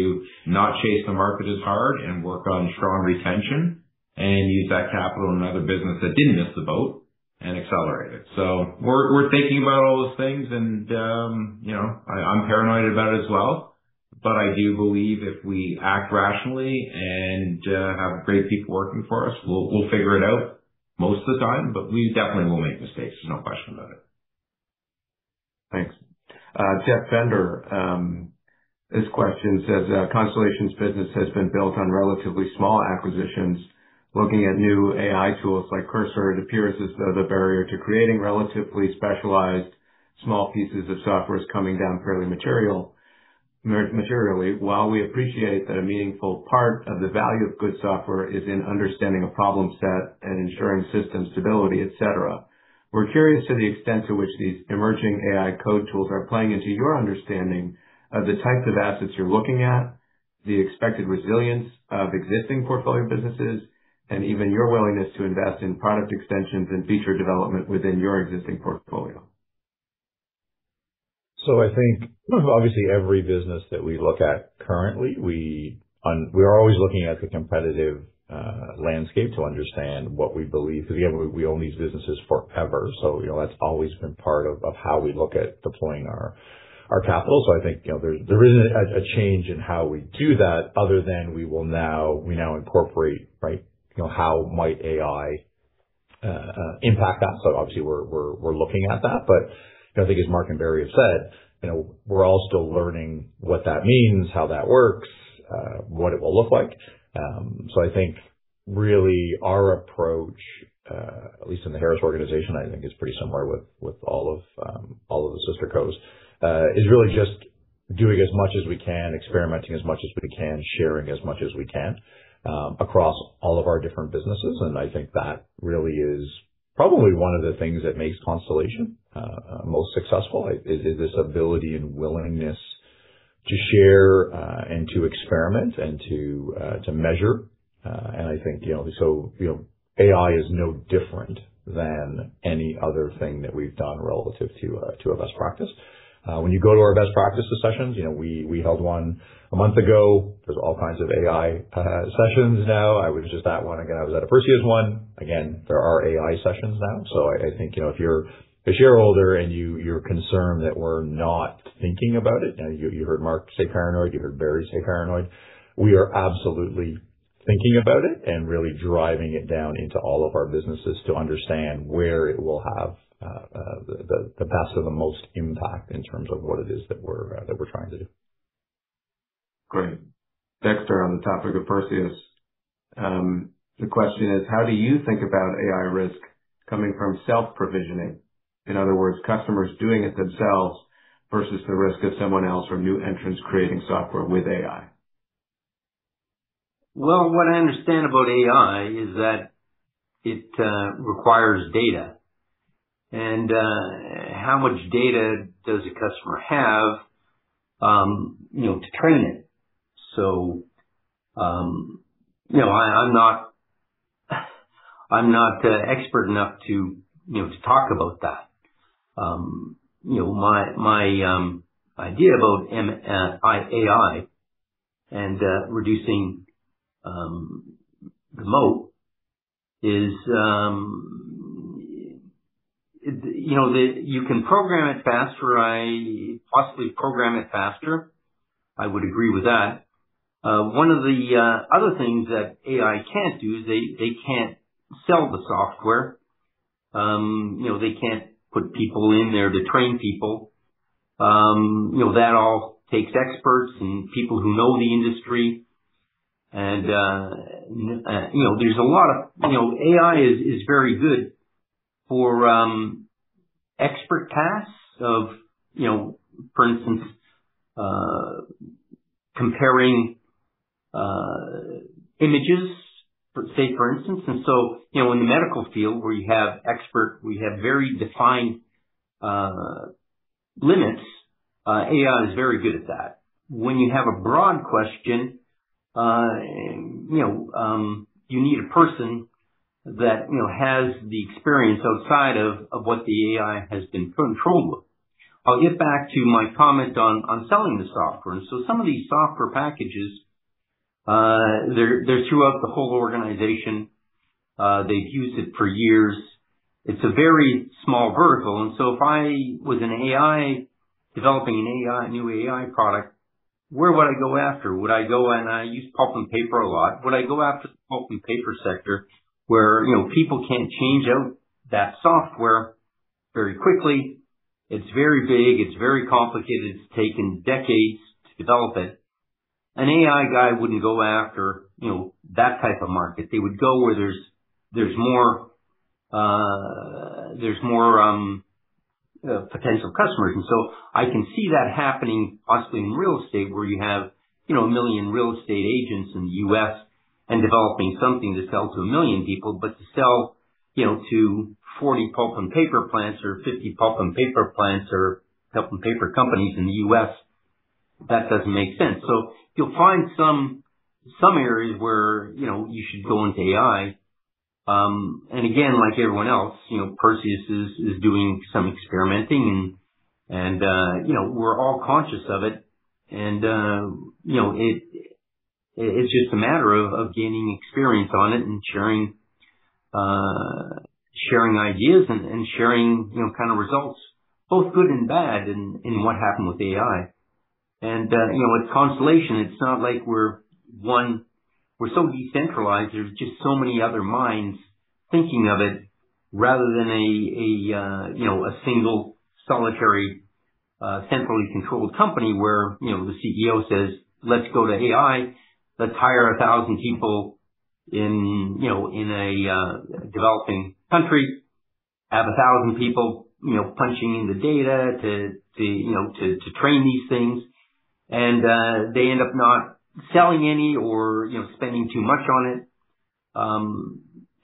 not chase the market as hard and work on strong retention and use that capital in another business that did not miss the boat and accelerate it. We are thinking about all those things, and I am paranoid about it as well. I do believe if we act rationally and have great people working for us, we will figure it out most of the time, but we definitely will make mistakes. There is no question about it. Thanks. Jeff Bender. This question says, "Constellation's business has been built on relatively small acquisitions. Looking at new AI tools like Cursor, it appears as though the barrier to creating relatively specialized small pieces of software is coming down fairly materially. While we appreciate that a meaningful part of the value of good software is in understanding a problem set and ensuring system stability, etc., we're curious about the extent to which these emerging AI code tools are playing into your understanding of the types of assets you're looking at, the expected resilience of existing portfolio businesses, and even your willingness to invest in product extensions and feature development within your existing portfolio. Every business that we look at currently, we are always look at the competitive landscape to understand what we believe. Because again, we own these businesses forever. That has always been part of how we look at deploying our capital. I think there hasn't been a change in how we do that other than we now incorporate, right, how might AI impact that. Obviously, we are looking at that. I think as Mark and Barry have said, we are all still learning what that means, how that works, what it will look like. I think really our approach, at least in the Harris organization, and I think it is pretty similar with all of the sister codes, is really just doing as much as we can, experimenting as much as we can, sharing as much as we can across all of our different businesses. I think that really is probably one of the things that makes Constellation most successful, is this ability and willingness to share and to experiment and to measure. I think AI is no different than any other thing that we've done relative to a best practice. When you go to our best practices sessions, we held one a month ago. There's all kinds of AI sessions now. I was just at one again. I was at a Perseus one. Again, there are AI sessions now. I think if you're a shareholder and you're concerned that we're not thinking about it, you heard Mark say paranoid, you heard Barry say paranoid, we are absolutely thinking about it and really driving it down into all of our businesses to understand where it will have the best or the most impact in terms of what it is that we're trying to do. Great. Dexter, on the topic of Perseus, the question is, how do you think about AI risk coming from self-provisioning? In other words, customers doing it themselves versus the risk of someone else or new entrants creating software with AI? What I understand about AI is that it requires data. And how much data does a customer have to train it? I'm not an expert enough to talk about that. My idea about AI and reducing the moat is you can program it faster. I possibly program it faster. I would agree with that. One of the other things that AI can't do is they can't sell the software. They can't put people in there to train people. That all takes experts and people who know the industry. There's a lot of AI is very good for expert tasks of, for instance, comparing images, say, for instance. In the medical field where you have expert, where you have very defined limits, AI is very good at that. When you have a broad question, you need a person that has the experience outside of what the AI has been controlled with. I'll get back to my comment on selling the software. Some of these software packages, they're throughout the whole organization. They've used it for years. It's a very small vertical. If I was developing a new AI product, where would I go after? Would I go, and I use pulp and paper a lot, would I go after the pulp and paper sector where people can't change out that software very quickly? It's very big. It's very complicated. It's taken decades to develop it. An AI guy wouldn't go after that type of market. They would go where there's more potential customers. I can see that happening possibly in real estate where you have a million real estate agents in the U.S. and developing something to sell to a million people, but to sell to fourty pulp and paper plants or fifty pulp and paper plants or pulp and paper companies in the U.S., that does not make sense. You will find some areas where you should apply AI. Again, like everyone else, Perseus is doing some experimenting, and we are all conscious of it. It is just a matter of gaining experience on it and sharing ideas and sharing results, both good and bad, in what happened with AI. With Constellation, it is not like we are so decentralized. There are just so many other minds thinking about it rather than a single, solitary, centrally controlled company where the CEO says, "Let's go to AI. Let's hire 1,000 people in a developing country and have 1,000 people punching in the data to train these things." They may end up not selling any or spending too much on it.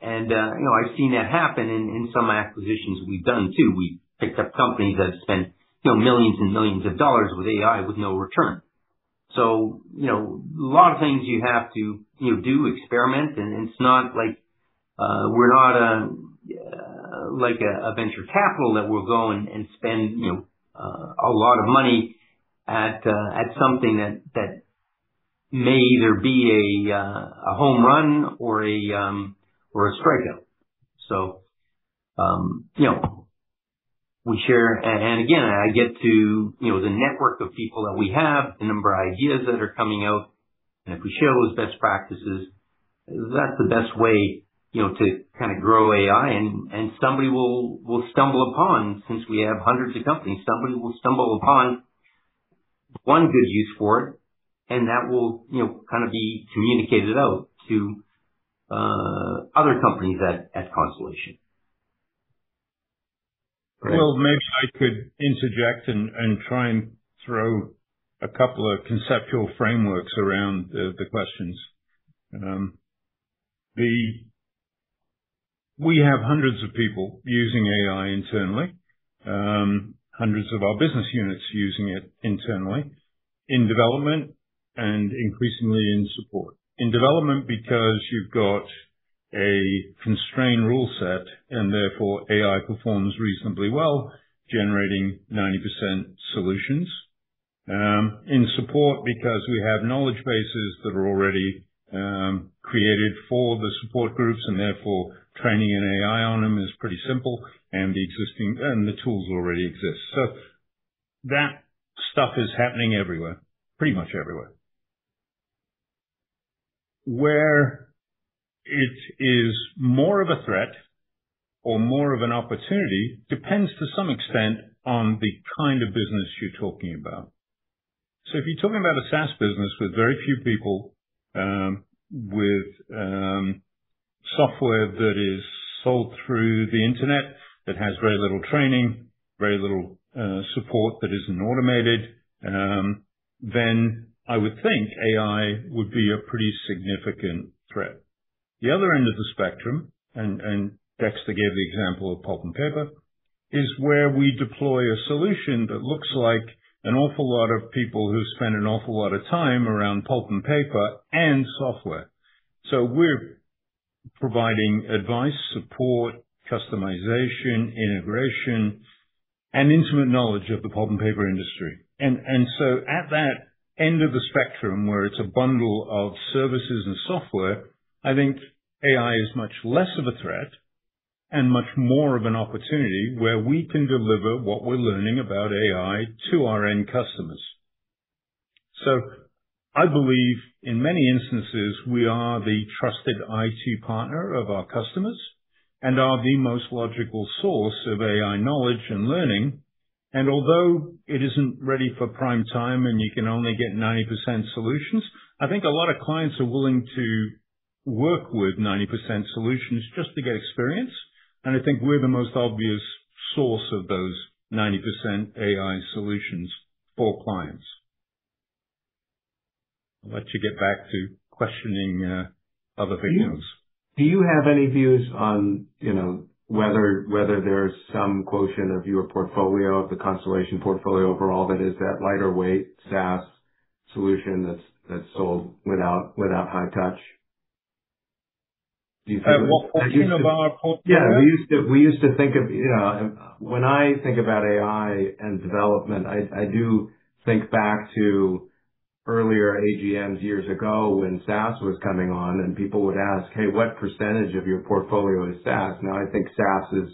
I've seen that happen in some acquisitions we've done too. We've picked up companies that have spent millions and millions of dollars on AI with no return. A lot of things you have to do, experiment. It's not like we're a venture capital firm that will go and spend a lot of money on something that may either be a home run or a strikeout. We share. I get to the network of people that we have, the number of ideas that are coming out. If we share those best practices, that's the best way to kind of grow AI. Somebody will stumble upon, since we have hundreds of companies, somebody will stumble upon one good use for it, and that will kind of be communicated out to other companies at Constellation. Maybe I could interject and try and throw a couple of conceptual frameworks around the questions. We have hundreds of people using AI internally, hundreds of our business units using it internally in development and increasingly in support. In development because you've got a constrained rule set, and therefore AI performs reasonably well, generating 90% solutions. In support because we have knowledge bases that are already created for the support groups, and therefore training an AI on them is pretty simple, and the tools already exist. That stuff is happening everywhere, pretty much everywhere. Where it is more of a threat or more of an opportunity depends to some extent on the kind of business you're talking about. If you're talking about a SaaS business with very few people, with software that is sold through the internet, that has very little training, very little support that isn't automated, then I would think AI would be a pretty significant threat. The other end of the spectrum, and Dexter gave the example of pulp and paper, is where we deploy a solution that looks like an awful lot of people who spend an awful lot of time around pulp and paper and software. We're providing advice, support, customization, integration, and intimate knowledge of the pulp and paper industry. At that end of the spectrum where it's a bundle of services and software, I think AI is much less of a threat and much more of an opportunity where we can deliver what we're learning about AI to our end customers. I believe in many instances we are the trusted IT partner of our customers and are the most logical source of AI knowledge and learning. Although it isn't ready for prime time and you can only get 90% solutions, I think a lot of clients are willing to work with 90% solutions just to get experience. I think we're the most obvious source of those 90% AI solutions for clients. I'll let you get back to questioning other things. Do you have any views on whether there's some quotient of your portfolio, of the Constellation portfolio overall, that is that lighter weight SaaS solution that's sold without high touch? Do you think that's the case? What quotient of our portfolio? We used to think of when I think about AI and development, I do think back to earlier AGMs years ago when SaaS was coming on, and people would ask, "What percentage of your portfolio is SaaS?" I think SaaS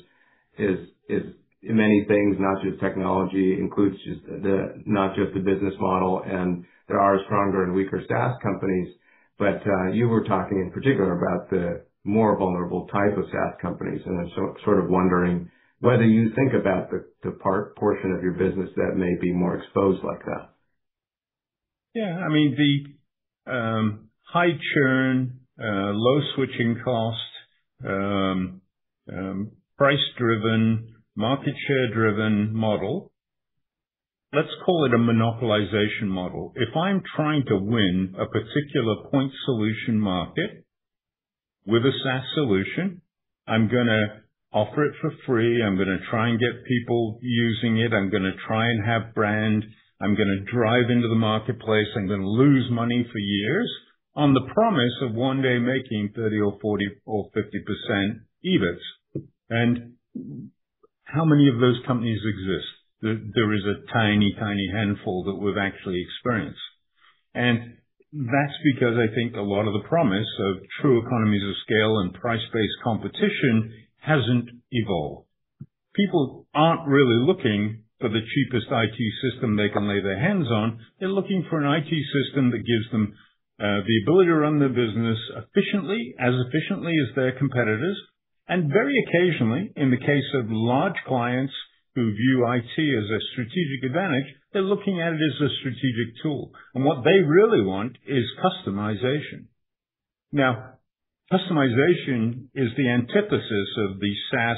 is many things, not just technology, includes not just the business model, and there are stronger and weaker SaaS companies. You were talking in particular about the more vulnerable type of SaaS companies. I'm sort of wondering whether you think about the portion of your business that may be more exposed like that. The high churn, low switching cost, price-driven, market share-driven model, let's call it a monopolization model. If I'm trying to win a particular point solution market with a SaaS solution, I'm going to offer it for free. I'm going to try and get people using it. I'm going to try and have brand. I'm going to drive into the marketplace. I'm going to lose money for years on the promise of one day making 30% or 40% or 50% EBITs. And how many of those companies exist? There is a tiny, tiny handful that we've actually experienced. And that's because I think a lot of the promise of true economies of scale and price-based competition hasn't evolved. People aren't really looking for the cheapest IT system they can lay their hands on. They're looking for an IT system that gives them the ability to run their business efficiently, as efficiently as their competitors. Very occasionally, in the case of large clients who view IT as a strategic advantage, they're looking at it as a strategic tool. What they really want is customization. Now, customization is the antithesis of the SaaS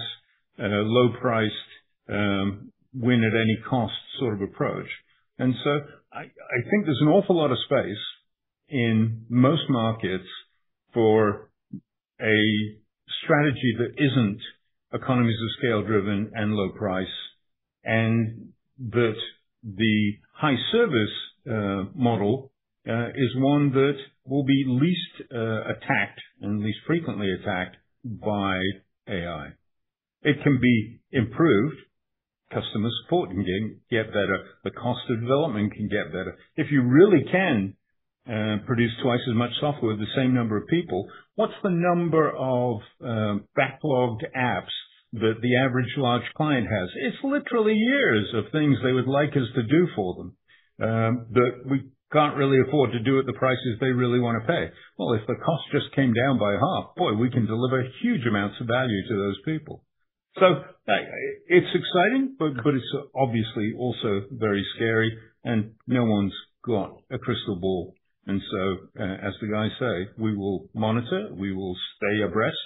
low-priced, win-at-any-cost sort of approach. I think there's an awful lot of space in most markets for a strategy that isn't economies of scale-driven and low price, and that the high service model is one that will be least attacked and least frequently attacked by AI. It can be improved. Customer support can get better. The cost of development can get better. If you really can produce twice as much software with the same number of people, what's the number of backlogged apps that the average large client has? It's literally years of things they would like us to do for them that we can't really afford to do at the prices they really want to pay. If the cost just came down by half, boy, we can deliver huge amounts of value to those people. It is exciting, but it's obviously also very scary. No one's got a crystal ball. As the guys say, we will monitor. We will stay abreast.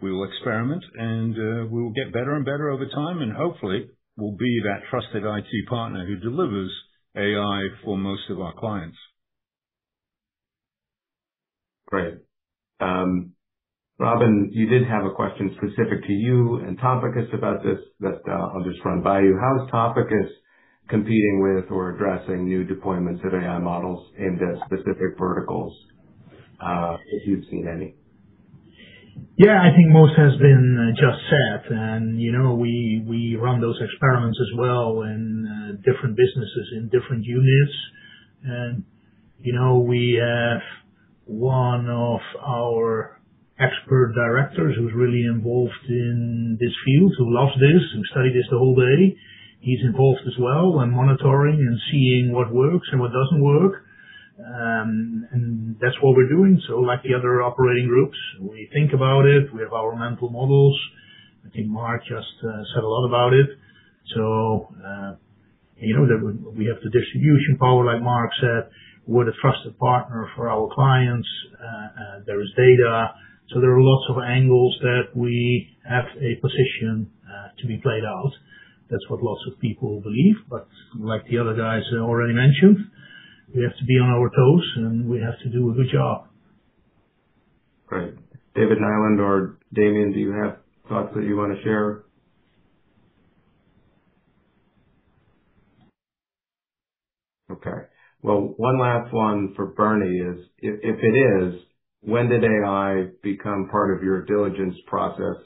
We will experiment. We will get better and better over time. Hopefully, we'll be that trusted IT partner who delivers AI for most of our clients. Great. Robin, you did have a question specific to you and Topicus about this that I'll just run by you. How is Topicus competing with or addressing new deployments of AI models aimed at specific verticals, if you've seen any? I think most has been just said. We run those experiments as well in different businesses in different units. We have one of our expert directors who's really involved in this field, who loves this, who studied this the whole day. He's involved as well in monitoring and seeing what works and what doesn't work. That's what we're doing. Like the other operating groups, we think about it. We have our mental models. I think Mark just said a lot about it. We have the distribution power, like Mark said, we're the trusted partner for our clients. There is data. There are lots of angles that we have a position to be played out. That's what lots of people believe. Like the other guys already mentioned, we have to be on our toes, and we have to do a good job. Great. David Nylund or Damian, do you have thoughts that you want to share? Okay. One last one for Bernard is, if it is, when did AI become part of your diligence process?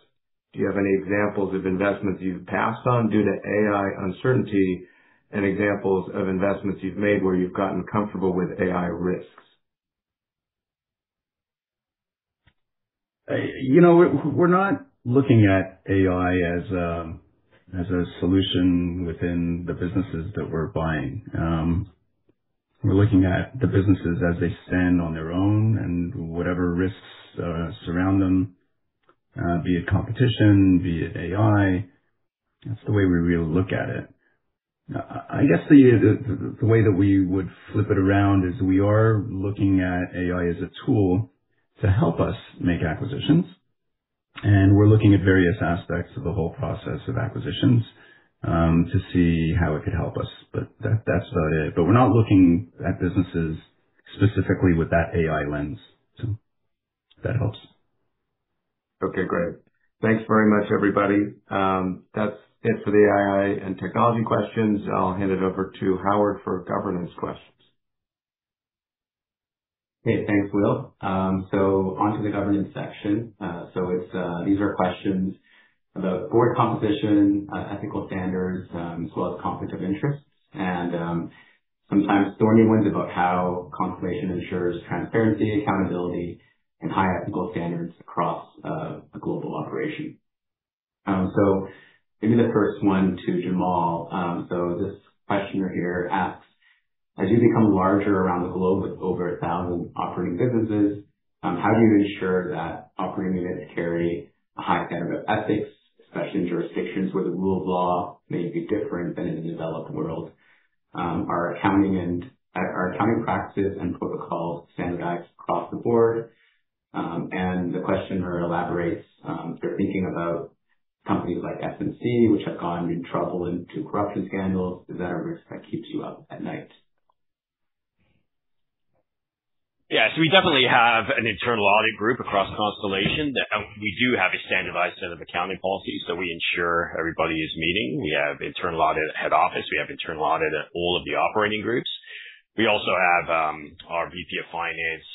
Do you have any examples of investments you've passed on due to AI uncertainty and examples of investments you've made where you've gotten comfortable with AI risks? We're not looking at AI as a solution within the businesses that we're buying. We're looking at the businesses as they stand on their own and whatever risks surround them, be it competition, be it AI. That's the way we really look at it. I guess the way that we would flip it around is we are looking at AI as a tool to help us make acquisitions. We're looking at various aspects of the whole process of acquisitions to see how it could help us. That's about it. We're not looking at businesses specifically with that AI lens. Okay. Great. Thanks very much, everybody. That's it for the AI and technology questions. I'll hand it over to Howard for governance questions. Thanks, Will. On to the governance section. These are questions about board composition, ethical standards, as well as conflict of interest. Sometimes thorny ones about how Constellation ensures transparency, accountability, and high ethical standards across a global operation. Maybe the first one to Jamal. This questioner here asks, as you become larger around the globe with over 1,000 operating businesses, how do you ensure that operating units carry a high standard of ethics, especially in jurisdictions where the rule of law may be different than in a developed world? Are accounting practices and protocols standardized across the board? The questioner elaborates, they're thinking about companies like S&C, which have gotten in trouble in corruption scandals. Is that a risk that keeps you up at night? So we definitely have an internal audit group across Constellation. We do have a standardized set of accounting policies, so we ensure everybody is meeting. We have internal audit at head office. We have internal audit at all of the operating groups. We also have our VP of Finance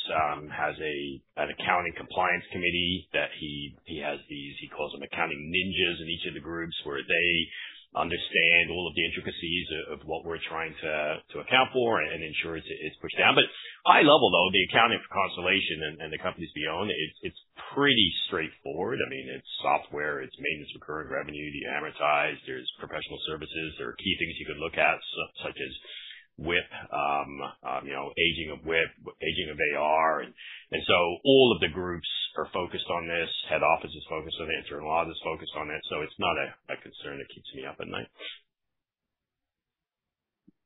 has an accounting compliance committee that he has these he calls them accounting ninjas in each of the groups where they understand all of the intricacies of what we're trying to account for and ensure it's pushed down. High level, though, the accounting for Constellation and the companies we own, it's pretty straightforward. I mean, it's software. It's maintenance of current revenue. The amortized, there's professional services. There are key things you could look at, such as WIP, aging of WIP, aging of AR. All of the groups are focused on this. Head office is focused on it. Internal audit is focused on it. So it's not a concern that keeps me up at night.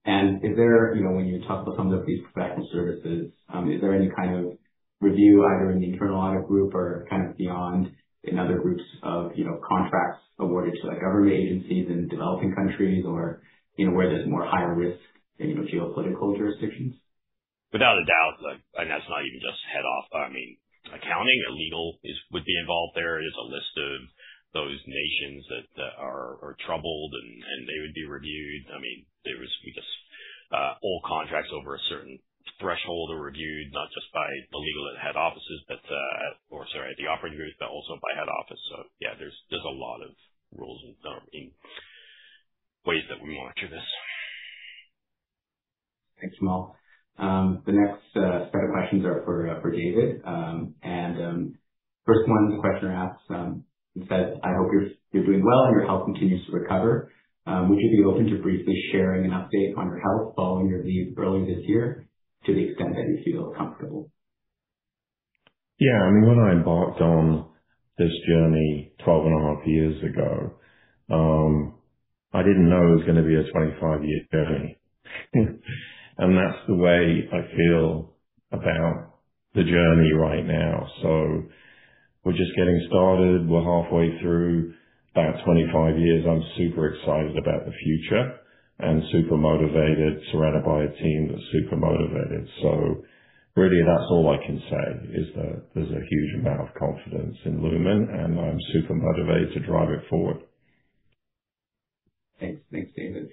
When you talk about some of these practice services, is there any kind of review either in the internal audit group or kind of beyond in other groups of contracts awarded to government agencies in developing countries or where there's more higher risk in geopolitical jurisdictions? Without a doubt. That's not even just head office. Accounting and legal would be involved there. There's a list of those nations that are troubled, and they would be reviewed. I mean, all contracts over a certain threshold are reviewed, not just by the legal at head offices or, sorry, at the operating groups, but also by head office. Yeah, there's a lot of rules and ways that we monitor this. Thanks, Jamal. The next set of questions are for David. The first one, the questioner asks, he says, "I hope you're doing well and your health continues to recover. Would you be open to briefly sharing an update on your health following your leave earlier this year to the extent that you feel comfortable? When I embarked on this journey 12 and a half years ago, I didn't know it was going to be a 25-year journey. That's the way I feel about the journey right now. We're just getting started. We're halfway through about 25 years. I'm super excited about the future and super motivated, surrounded by a team that's super motivated. Really, that's all I can say, is that there's a huge amount of confidence in Lumine, and I'm super motivated to drive it forward. Thanks, David.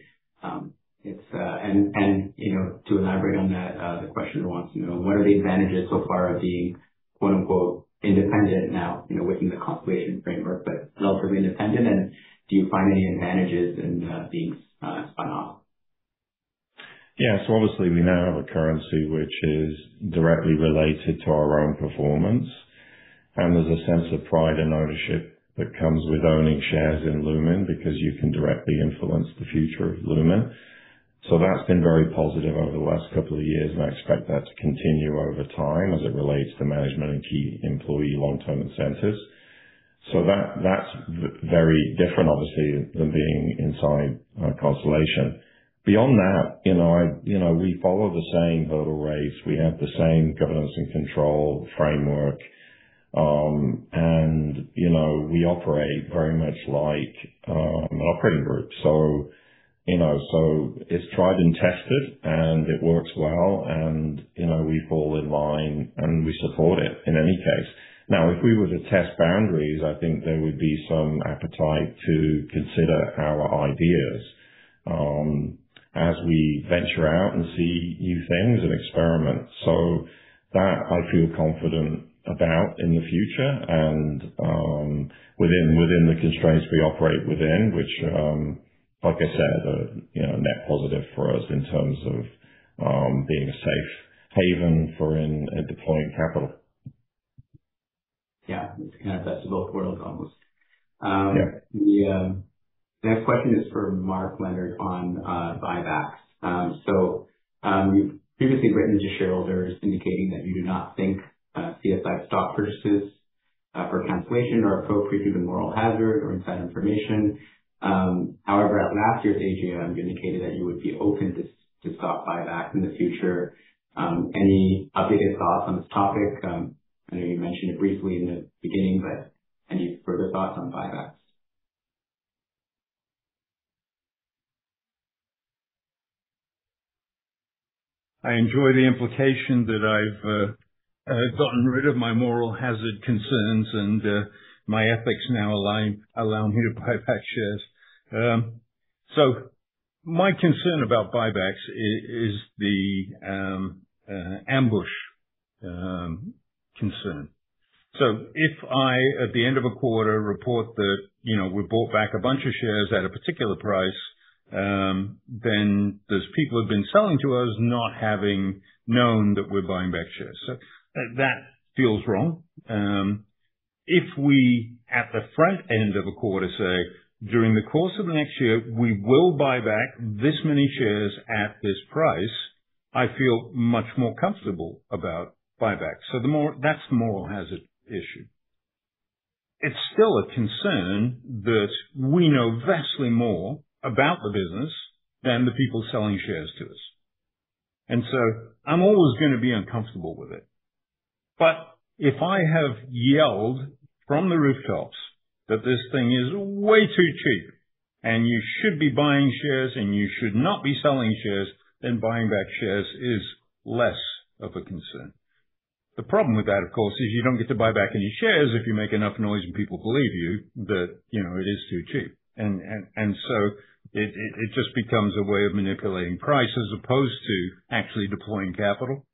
The questioner wants to know, what are the advantages so far of being, quote-unquote, "independent" now within the Constellation framework, but relatively independent? Do you find any advantages in being spun off? Obviously, we now have a currency which is directly related to our own performance. There is a sense of pride and ownership that comes with owning shares in Lumine because you can directly influence the future of Lumine. That has been very positive over the last couple of years, and I expect that to continue over time as it relates to management and key employee long-term incentives. That is very different, obviously, than being inside Constellation. Beyond that, we follow the same voter race. We have the same governance and control framework. We operate very much like an operating group. It is tried and tested, and it works well. We fall in line, and we support it in any case. If we were to test boundaries, I think there would be some appetite to consider our ideas as we venture out and see new things and experiment. That I feel confident about in the future and within the constraints we operate within, which, like I said, are net positive for us in terms of being a safe haven for deploying capital. It's kind of best of both worlds. The next question is for Mark Leonard on buybacks. You have previously written to shareholders indicating that you do not think CSI stock purchases for Constellation are appropriate due to moral hazard or insider information. However, at last year's AGM, you indicated that you would be open to stock buybacks in the future. Any updated thoughts on this topic? I know you mentioned it briefly in the beginning, but any further thoughts on buybacks? I enjoy the implication that I've gotten rid of my moral hazard concerns, and my ethics now allow me to buy back shares. My concern about buybacks is the ambush concern. If I, at the end of a quarter, report that we bought back a bunch of shares at a particular price, then there are people who have been selling to us not having known that we're buying back shares. That feels wrong. If we, at the front end of a quarter, say, during the course of the next year, we will buy back this many shares at this price, I feel much more comfortable about buybacks. That is the moral hazard issue. It's still a concern that we know vastly more about the business than the people selling shares to us. I'm always going to be uncomfortable with it. If I have yelled from the rooftops that this thing is way too cheap and you should be buying shares and you should not be selling shares, then buying back shares is less of a concern. The problem with that, of course, is you do not get to buy back any shares if you make enough noise and people believe you that it is too cheap. It just becomes a way of manipulating price as opposed to actually deploying capital.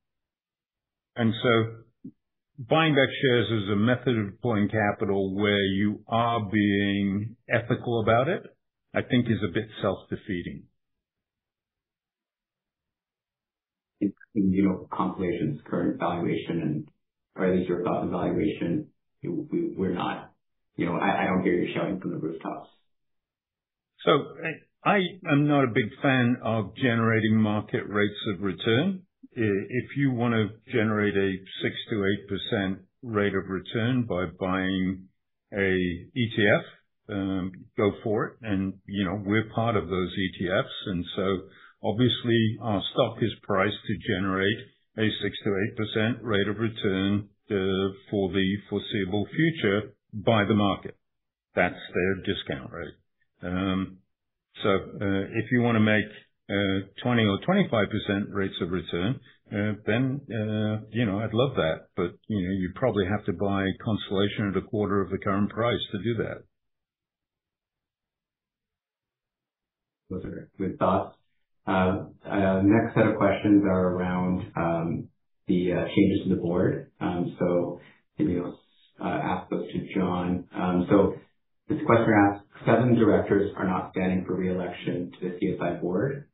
Buying back shares as a method of deploying capital where you are being ethical about it, I think, is a bit self-defeating. In view of Constellation's current valuation and, or at least your thought and valuation, we're not, I don't hear you shouting from the rooftops. I am not a big fan of generating market rates of return. If you want to generate a 6-8% rate of return by buying an ETF, go for it. We are part of those ETFs. Our stock is priced to generate a 6-8% rate of return for the foreseeable future by the market. That is their discount rate. If you want to make 20% or 25% rates of return, I would love that. You probably have to buy Constellation at a quarter of the current price to acheive that. Those are good thoughts. Next set of questions are around the changes to the board. Maybe I'll ask those to John. This questioner asks, "Seven directors are not standing for reelection to the CSI board.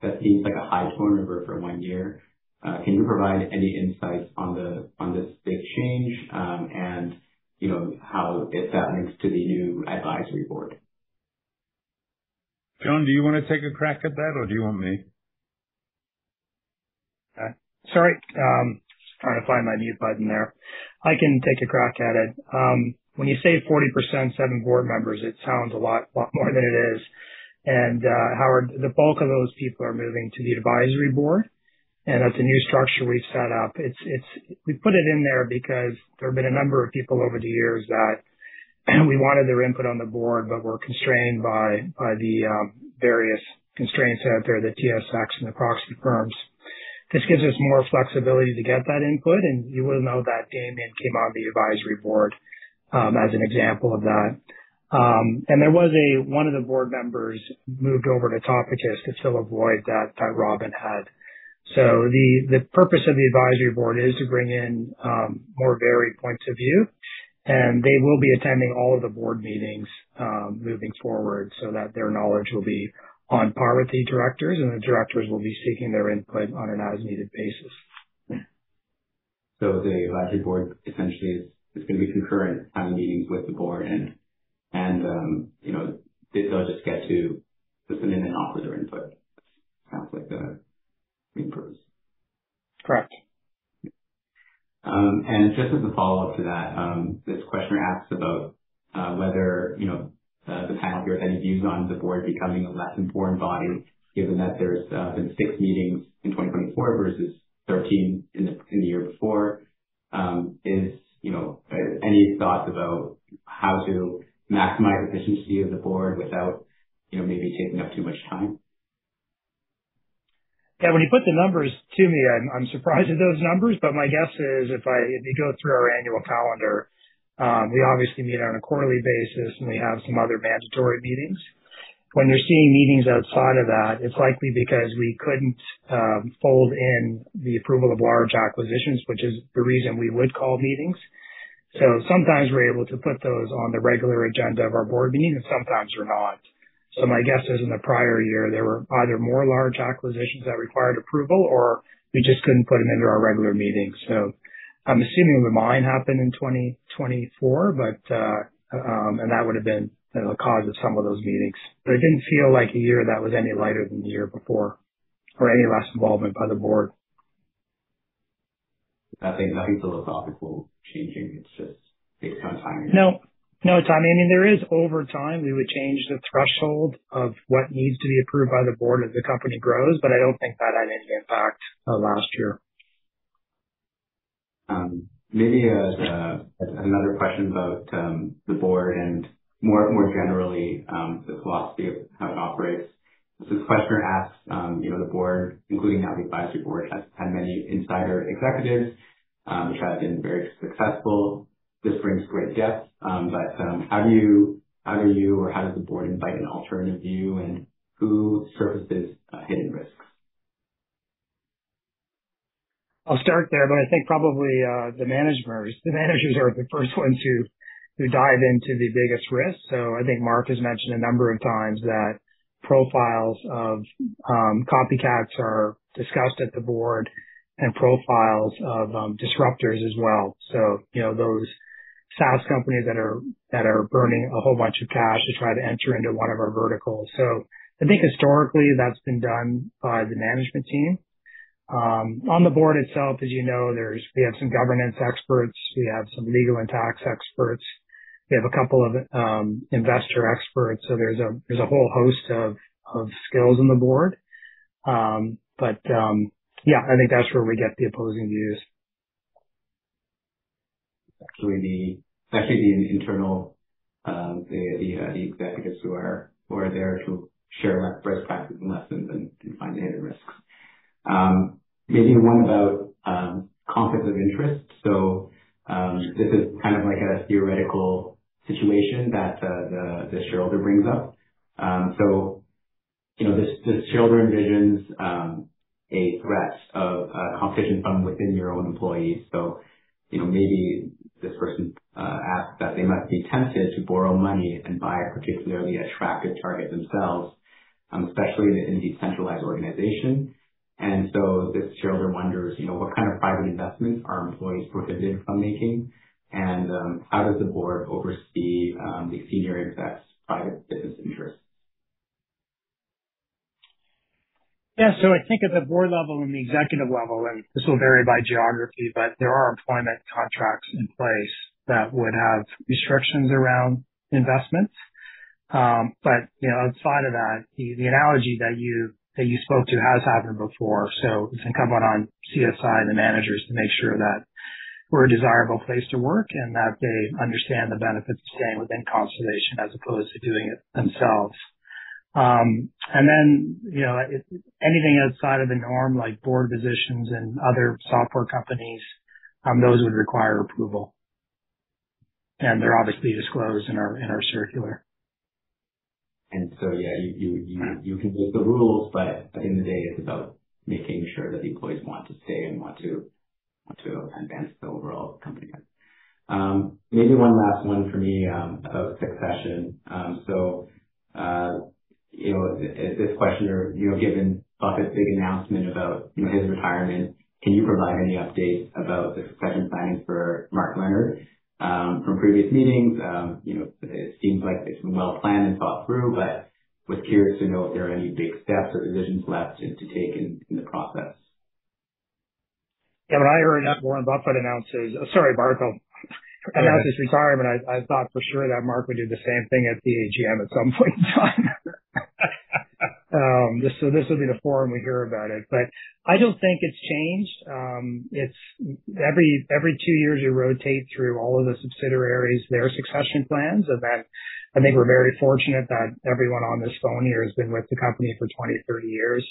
That seems like a high turnover for one year. Can you provide any insights on this change and how it links to the new advisory board? John, do you want to take a crack at that, or do you want me? Sorry. I was trying to find my mute button there. I can take a crack at it. When you say 40%seven board members, it sounds a lot more than it is. Howard, the bulk of those people are moving to the advisory board. That is a new structure we have set up. We put it in there because there have been a number of people over the years that we wanted their input on the board, but were constrained by the various constraints out there, the TSX and the proxy firms. This gives us more flexibility to get that input. You will know that Damian came on the advisory board as an example of that. There was one of the board members moved over to Topicus to fill a void that Robin had. The purpose of the advisory board is to bring in more varied points of view. They will be attending all of the board meetings moving forward so that their knowledge will be on par with the directors, and the directors will be seeking their input on an as-needed basis. The advisory board essentially is going to be concurrent, having meetings with the board, and they'll just get to listen in and offer their input. That sounds like the main purpose. Correct. Just as a follow-up to that, this questioner asks about whether the panel here has any views on the board becoming a less important body, given that there have been six meetings in 2024 versus 13 the year before. Any thoughts about how to maximize efficiency of the board without maybe taking up too much time? When you put the numbers to me, I'm surprised at those numbers. But my guess is, if you go through our annual calendar, we obviously meet on a quarterly basis, and we have some other mandatory meetings. When you're seeing meetings outside of that, it's likely because we couldn't fold in the approval of large acquisitions, which is the reason we would call meetings. Sometimes we're able to put those on the regular agenda of our board meeting, and sometimes we're not. My guess is, in the prior year, there were either more large acquisitions that required approval, or we just couldn't put them into our regular meetings. I'm assuming it would have been in 2024, and that would have been the cause of some of those meetings. It didn't feel like a year that was any lighter than the year before or any less involvement by the board. Nothing philosophical changing. It's just based on timing. No timing. There is over time, we would change the threshold of what needs to be approved by the board as the company grows, but I don't think that had any impact last year. Maybe another question about the board and more generally the philosophy of how it operates. This questioner asks, "The board, including now the advisory board, has had many insider executives, which have been very successful. This brings great depth. But how do you or how does the board invite an alternative view, and who surfaces hidden risks? I'll start there, but I think probably the managers are the first ones who dive into the biggest risks. Mark has mentioned a number of times that profiles of copycats are discussed at the board and profiles of disruptors as well. Those SaaS companies that are burning a whole bunch of cash to try to enter into one of our verticals. I think historically, that's been done by the management team. On the board itself, as you know, we have some governance experts. We have some legal and tax experts. We have a couple of investor experts. There's a whole host of skills on the board. Yeah, I think that's where we get the opposing views. That could be an internal. The executives who are there to share best practices and lessons and find the hidden risks. Maybe one about conflicts of interest. This is kind of like a theoretical situation that the shareholder brings up. This shareholder envisions a threat of a competition from within your own employees. Maybe this person asks that they must be tempted to borrow money and buy a particularly attractive target themselves, especially in a decentralized organization. This shareholder wonders what kind of private investments are employees prohibited from making, and how does the board oversee the senior execs' private business interests? At the board and executive levels, this varies by geography, but employment contracts include restrictions around investments. Outside of that, the analogy you mentioned has occurred before. It is incumbent on CSI and managers to ensure we remain a desirable workplace and that employees understand the benefits of staying with Constellation versus acting independently. Any exceptions, such as board positions in other software companies, require approval and are disclosed in our circular. Employees can technically break rules, but the focus is on retention and advancing the company. One final question on succession: given Buffett’s recent retirement announcement, can you provide updates on succession planning for Mark Leonard? It seems well planned, but are there any remaining steps or decisions in the process? When I heard that Warren Buffett announces—sorry, Mark—announces retirement, I thought for sure that Mark would do the same thing at the AGM at some point in time. This would be the forum we hear about it. I don't think it's changed. Every two years, you rotate through all of the subsidiaries, their succession plans. I think we're very fortunate that everyone on this phone here has been with the company for 20-30 years.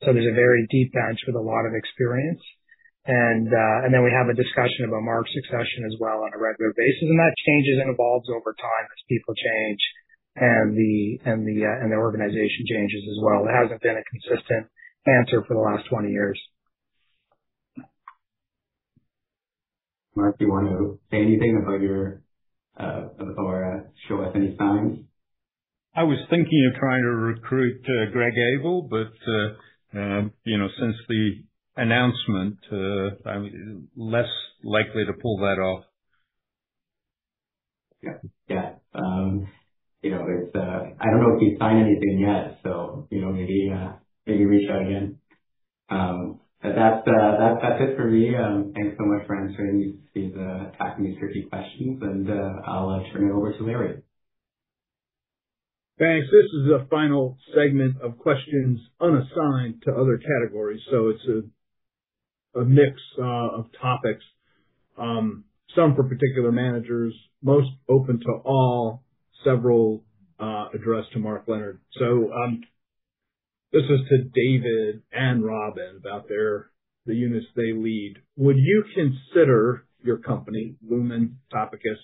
There's a very deep bench with a lot of experience. We have a discussion about Mark's succession as well on a regular basis. That changes and evolves over time as people change and the organization changes as well. It hasn't been a consistent answer for 20 years. Mark, do you want to say anything about your—or show us any signs? I was thinking of trying to recruit Greg Abel, but since the announcement, I'm less likely to pull that off. Yeah. Yeah. I don't know if he's signed anything yet, so maybe reach out again. That's it for me. Thanks so much for answering these tricky questions. I'll turn it over to Larry. Thanks. This is the final segment of questions unassigned to other categories. It is a mix of topics, some for particular managers, most open to all, several addressed to Mark Leonard. This is to David and Robin about the units they lead. Would you consider your company, Lumine, Topicus,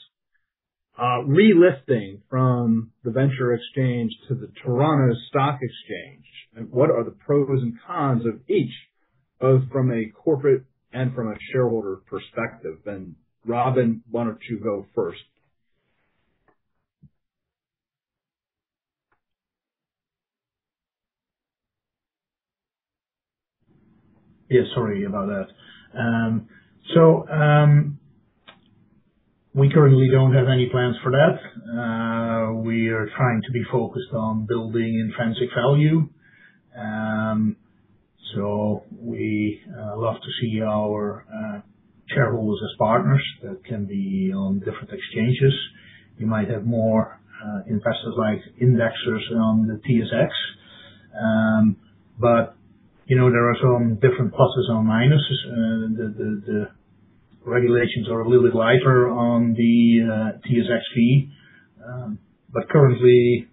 relisting from the venture exchange to the Toronto Stock Exchange? What are the pros and cons of each, both from a corporate and from a shareholder perspective? Robin, please go first? We currently don't have any plans for that. We are trying to be focused on building intrinsic value. We love to see our shareholders as partners that can be on different exchanges. You might have more investors like indexers on the TSX. There are some different pluses and minuses. The regulations are a little bit lighter on the TSX fee. Currently,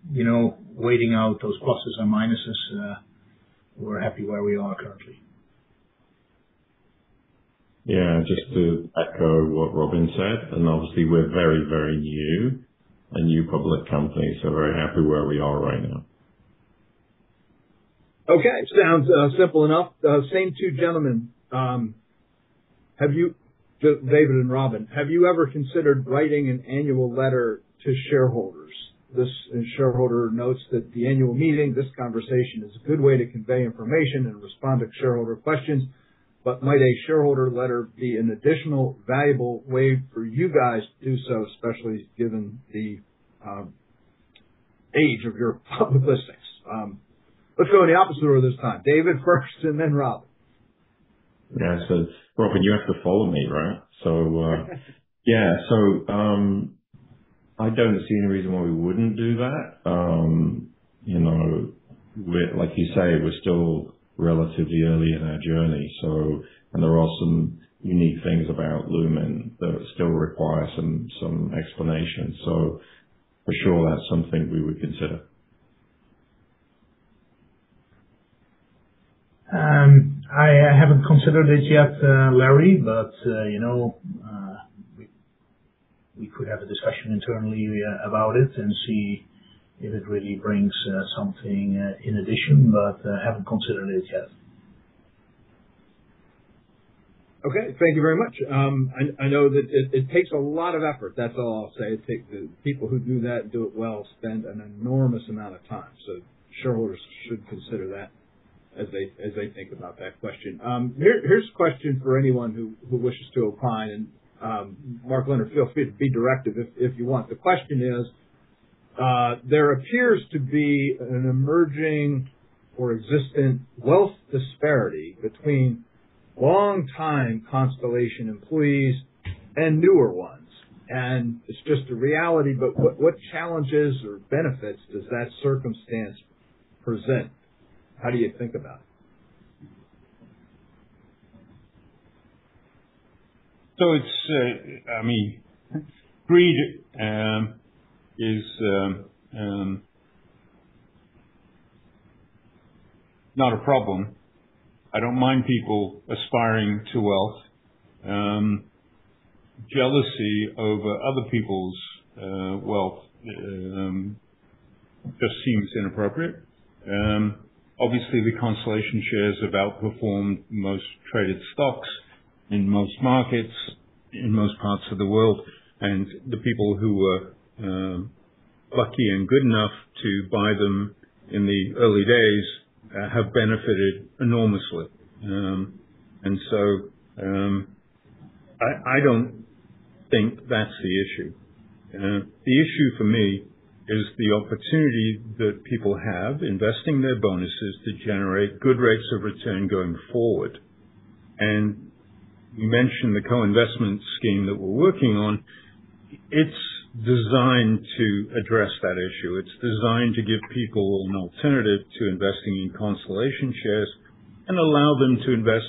weighing out those pluses and minuses, we're happy where we are currently. Just to echo what Robin said. Obviously, we're very, very new. A new public company. Very happy where we are right now. David and Robin, have you considered writing an annual letter to shareholders? This shareholder notes that the annual meeting, this conversation is a good way to convey information and respond to shareholder questions. Might a shareholder letter be an additional valuable way for you guys to do so, especially given the age of your public listings? Let's go in the opposite order this time. David first, and then Robin. Robin, you have to follow me, right? Yeah. I do not see any reason why we would not do that. Like you say, we are still relatively early in our journey. There are some unique things about Lumine that still require some explanation. For sure, that is something we would consider. I haven't considered it yet, Larry, but we could have a discussion internally about it and see if it really brings something in addition, but haven't considered it yet. Okay. Thank you very much. I know that it takes a lot of effort. That's all I'll say. People who do that and do it well spend an enormous amount of time. Shareholders should consider that as they think about that question. Here's a question for anyone who wishes to opine. Mark Leonard, feel free to be directive if you want. The question is, there appears to be an emerging or existent wealth disparity between longtime Constellation employees and newer ones. It's just a reality. What challenges or benefits does that circumstance present? How do you think about it? I mean, greed is not a problem. I don't mind people aspiring to wealth. Jealousy over other people's wealth just seems inappropriate. Obviously, the Constellation shares have outperformed most traded stocks in most markets in most parts of the world. The people who were lucky and good enough to buy them in the early days have benefited enormously. I don't think that's the issue. The issue for me is the opportunity that people have investing their bonuses to generate good rates of return going forward. You mentioned the co-investment scheme that we're working on. It's designed to address that issue. It's designed to give people an alternative to investing in Constellation shares and allow them to invest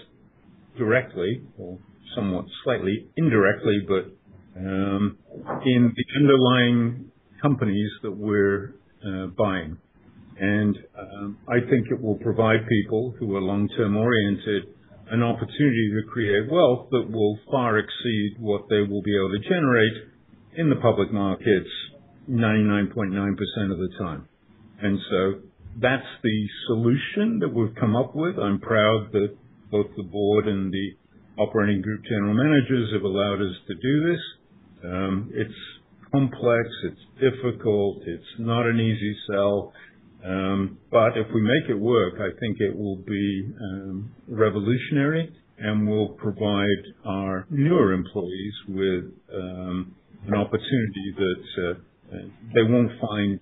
directly or somewhat slightly indirectly, but in the underlying companies that we're buying. I think it will provide people who are long-term oriented an opportunity to create wealth that will far exceed what they will be able to generate in the public markets 99.9% of the time. That is the solution that we have come up with. I am proud that both the board and the operating group general managers have allowed us to do this. It is complex. It is difficult. It is not an easy sell. If we make it work, I think it will be revolutionary and will provide our newer employees with an opportunity. I think.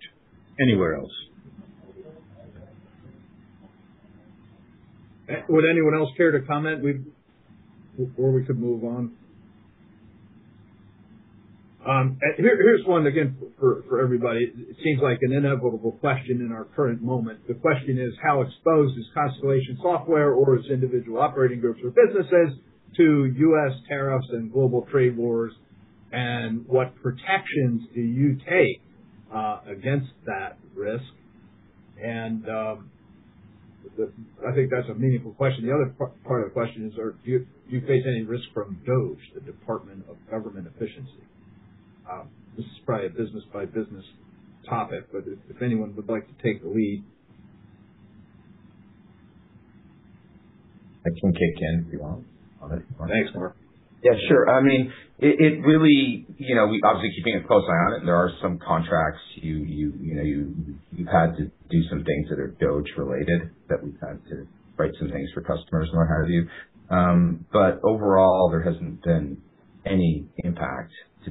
Would anyone else care to comment or we could move on? Here's one again for everybody. It seems like an inevitable question in our current moment. The question is, how exposed is Constellation Software or its individual operating groups or businesses to U.S. tariffs and global trade wars? What protections do you take against that risk? I think that's a meaningful question. The other part of the question is, do you face any risk from the Government of Department of Government Efficiency (DOGE)? This is probably a business-by-business topic, but if anyone would like to take the lead. I can kick in if you want. Thanks, Mark. It really—obviously, keeping a close eye on it. There are some contracts you've had to do some things that are DOGE-related that we've had to write some things for customers and what have you. Overall, there hasn't been any impact to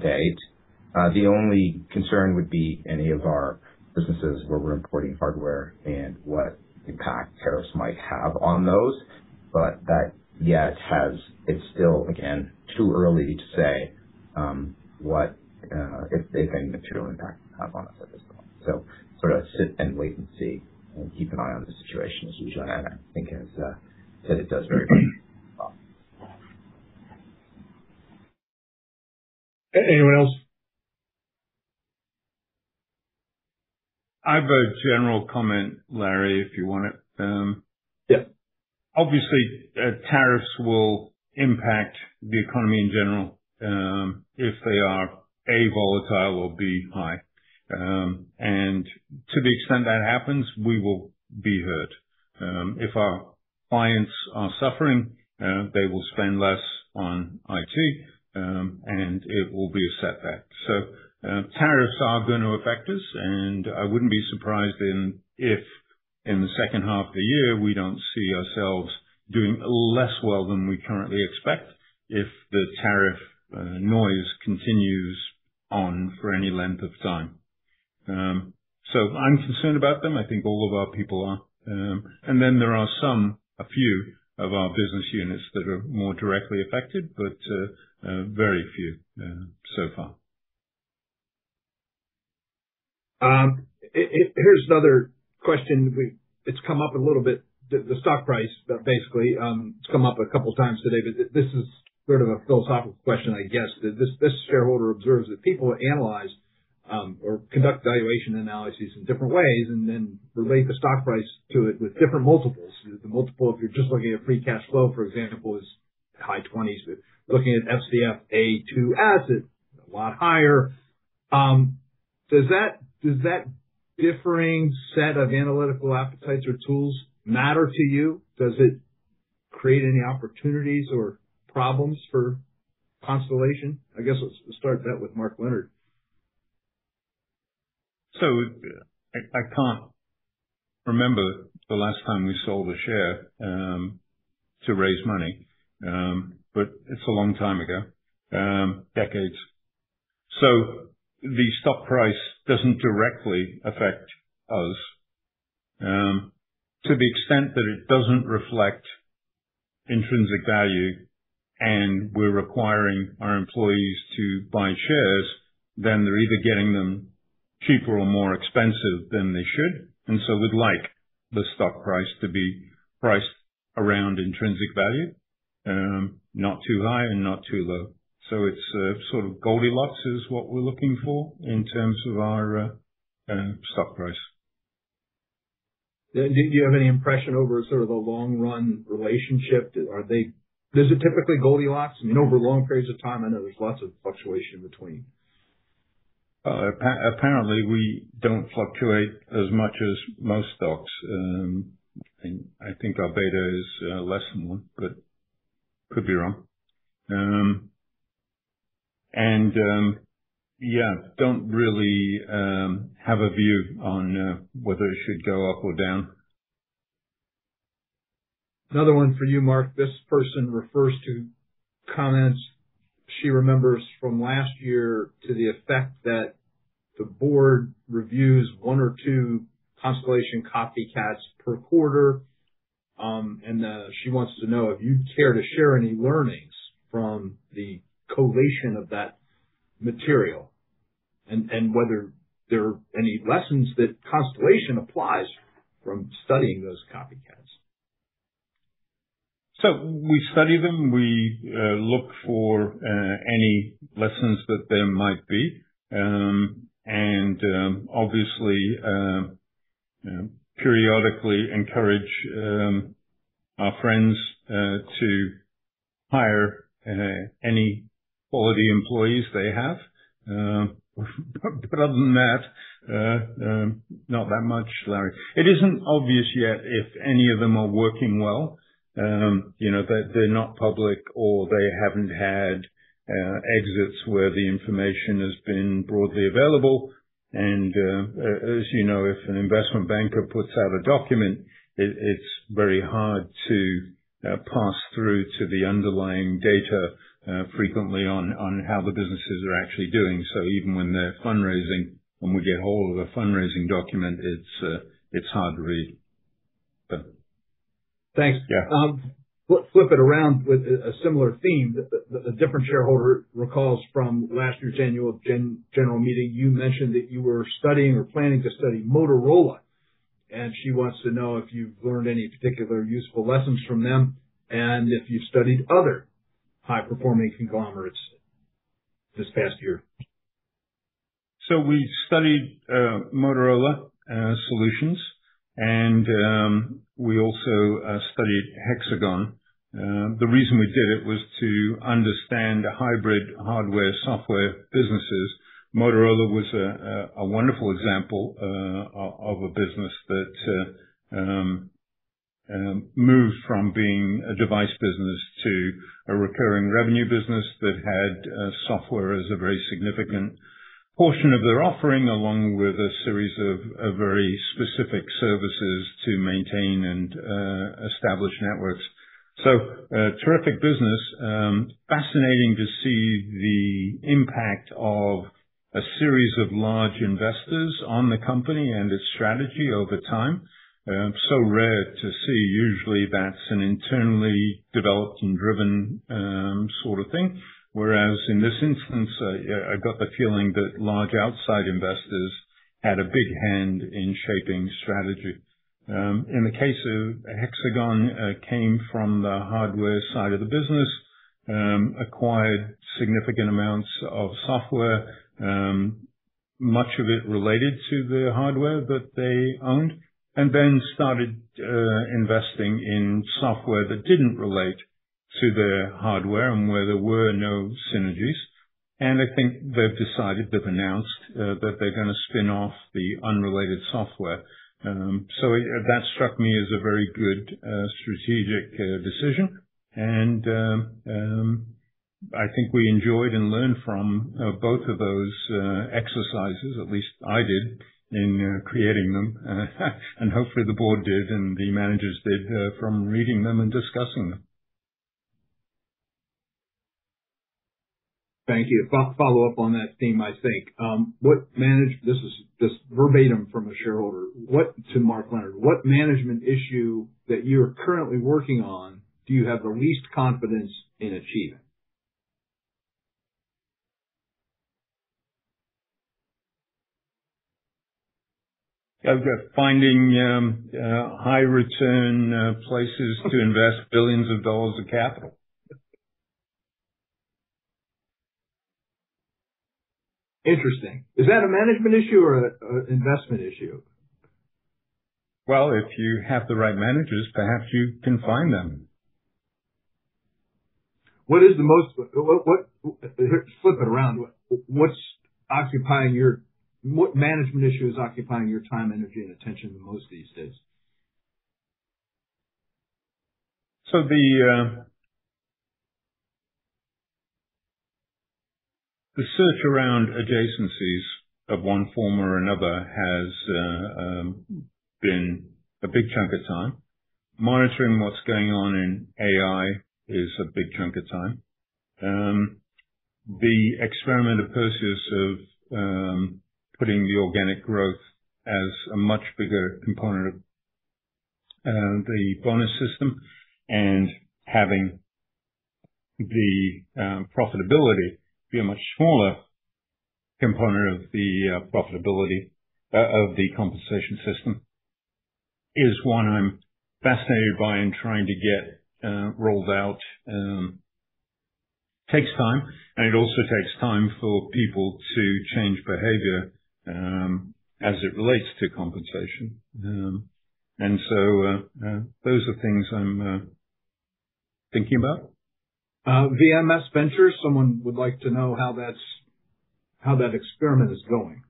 date. The only concern would be any of our businesses where we're importing hardware and what impact tariffs might have on those. That yet has—it's still, again, too early to say if any material impact will have on us at this point. Sort of sit and wait and see and keep an eye on the situation as we join in. I think it does very well. Anyone else? I have a general comment, Larry, if you want it. Obviously, tariffs will impact the economy in general if they are, A) volatile or, B) high. To the extent that happens, we will be hurt. If our clients are suffering, they will spend less on IT, and it will be a setback. Tariffs are going to affect us. I would not be surprised if in the second half of the year, we do not see ourselves doing less well than we currently expect if the tariff noise continues on for any length of time. I am concerned about them. I think all of our people are. There are a few of our business units that are more directly affected, but very few so far. Another topic: The stock price, basically, it's come up a couple of times today. This is sort of a philosophical question, I guess. This shareholder observes that people analyze or conduct valuation analyses in different ways and then relate the stock price to it with different multiples. The multiple, if you're just looking at free cash flow, for example, is high 20s. Looking at FCFA2 asset, a lot higher. Does that differing set of analytical appetites or tools matter to you? Does it create any opportunities or problems for Constellation? I guess let's start that with Mark Leonard. I can't remember the last time we sold a share to raise money. But it's a long time ago, decades. The stock price doesn't directly affect us. To the extent that it doesn't reflect intrinsic value and we're requiring our employees to buy shares, then they're either getting them cheaper or more expensive than they should. We'd like the stock price to be priced around intrinsic value, not too high and not too low. It's sort of Goldilocks is what we're looking for in terms of our stock price. Do you have any impression over sort of a long-run relationship? Are they—does it typically Goldilocks? I mean, over long periods of time, I know there's lots of fluctuation in between. Apparently, we do not fluctuate as much as most stocks. I think our beta is less than one, but could be wrong. Yeah, do not really have a view on whether it should go up or down. Another one for you, Mark. This person refers to comments she remembers from last year to the effect that the board reviews one or two Constellation copycats per quarter. She wants to know if you'd care to share any learnings from the collation of that material and whether there are any lessons that Constellation applies from studying those copycats. We study them. We look for any lessons that there might be. Obviously, periodically encourage our friends to hire any quality employees they have. Other than that, not that much, Larry. It is not obvious yet if any of them are working well. They are not public or they have not had exits where the information has been broadly available. As you know, if an investment banker puts out a document, it is very hard to pass through to the underlying data frequently on how the businesses are actually doing. Even when they are fundraising and we get hold of a fundraising document, it is hard to read. Thanks. Flip it around with a similar theme. A different shareholder recalls from last year's annual general meeting, you mentioned that you were studying or planning to study Motorola. She wants to know if you've learned any particular useful lessons from them and if you've studied other high-performing conglomerates this past year. We studied Motorola Solutions and Hexagon to understand hybrid hardware–software businesses. Motorola was an excellent example of a company that transitioned from a device-focused model to a recurring revenue model, with software forming a significant part of its offering, complemented by specialized services to establish and maintain networks. It is a remarkable business. It was fascinating to observe the influence of large investors on the company’s strategy over time—a rare occurrence, as strategy is usually developed internally. In this case, it appeared that major outside investors played a significant role in shaping the strategy. In the case of Hexagon, the company originated from the hardware side of the business, later acquiring significant software assets—much of which related directly to their hardware. They subsequently invested in software unrelated to their hardware, with no evident synergies. They have since announced plans to spin off this unrelated software. This, in my view, was a very strong strategic decision. I personally gained valuable insights from both exercises, and I hope the board and managers did as well through reading and discussion. Thank you. Follow up on that theme, I think. This is verbatim from a shareholder. To Mark Leonard, what management issue that you're currently working on do you have the least confidence in achieving? I've got finding high-return places to invest billions of dollars of capital. Interesting. Is that a management issue or an investment issue? If you have the right managers, perhaps you can find them. What is the most—flip it around. What's occupying your—what management issue is occupying your time, energy, and attention the most these days? The search around adjacencies of one form or another has been a big chunk of time. Monitoring what's going on in AI is a big chunk of time. The experiment of Perseus of putting the organic growth as a much bigger component of the bonus system and having the profitability be a much smaller component of the profitability of the compensation system is one I'm fascinated by and trying to get rolled out. It takes time. It also takes time for people to change behavior as it relates to compensation. Those are things I'm thinking about. VMS Ventures, someone would like to know how that experiment is going.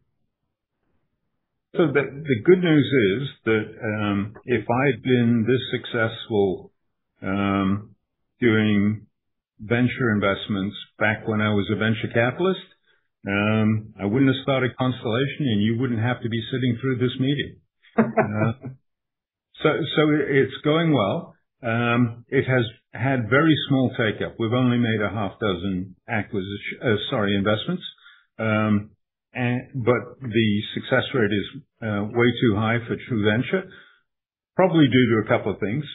The good news is that if I had been this successful doing venture investments back when I was a venture capitalist, I wouldn't have started Constellation and you wouldn't have to be sitting through this meeting. It's going well. It has had very small take-up. We've only made a half dozen investments. The success rate is way too high for true venture, probably due to a couple of things.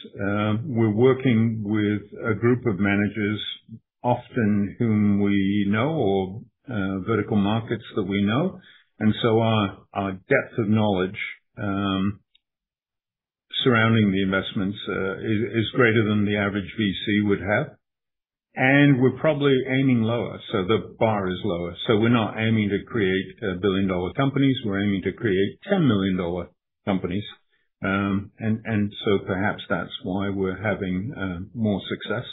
We're working with a group of managers, often whom we know or vertical markets that we know. Our depth of knowledge surrounding the investments is greater than the average VC would have. We're probably aiming lower. The bar is lower. We're not aiming to create billion-dollar companies. We're aiming to create $10 million companies. Perhaps that's why we're having more success.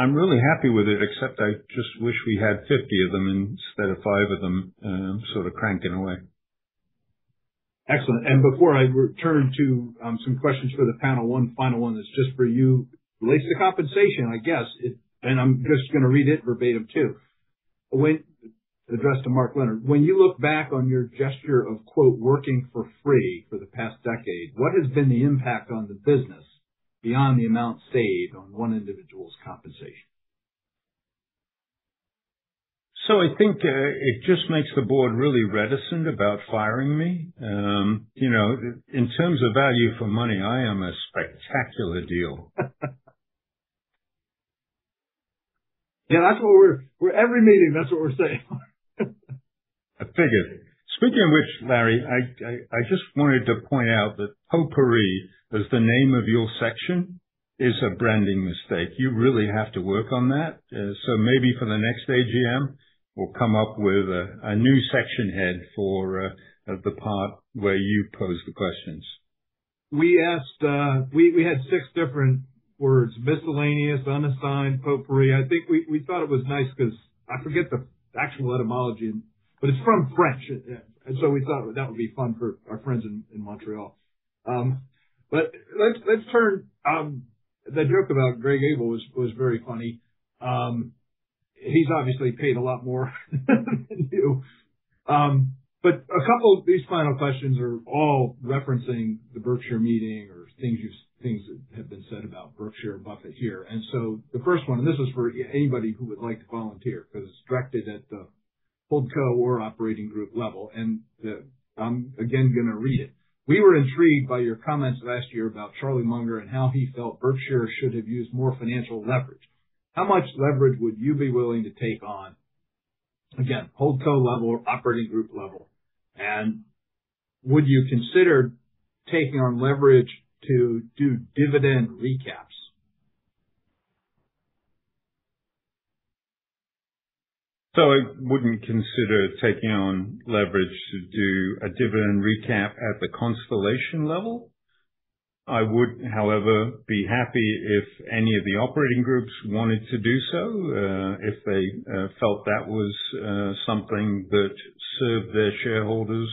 I'm really happy with it, except I just wish we had 50 of them instead of 5 of them sort of cranking away. Excellent. Before I return to some questions for the panel, one final one that's just for you relates to compensation, I guess. I'm just going to read it verbatim too. Addressed to Mark Leonard, when you look back on your gesture of, quote, "working for free" for the past decade, what has been the impact on the business beyond the amount saved on one individual's compensation? I think it just makes the board really reticent about firing me. In terms of value for money, I am a spectacular deal. That's what we're—every meeting, that's what we're saying. I figured. Speaking of which, Larry, I just wanted to point out that Potpourri, as the name of your section, is a branding mistake. You really have to work on that. Maybe for the next AGM, we'll come up with a new section head for the part where you pose the questions. We had six different words: miscellaneous, unassigned, potpourri. I think we thought it was nice because I forget the actual etymology. It is from French. We thought that would be fun for our friends in Montreal. Let's turn—the joke about Greg Abel was very funny. He's obviously paid a lot more than you. A couple of these final questions are all referencing the Berkshire meeting or things that have been said about Berkshire Buffett here. The first one, and this is for anybody who would like to volunteer because it's directed at the Holdco or operating group level. I'm again going to read it. We were intrigued by your comments last year about Charlie Munger and how he felt Berkshire should have used more financial leverage. How much leverage would you be willing to take on, again, Holdco level or operating group level? Would you consider taking on leverage to do dividend recaps? I wouldn't consider taking on leverage to do a dividend recap at the Constellation level. I would, however, be happy if any of the operating groups wanted to do so if they felt that was something that served their shareholders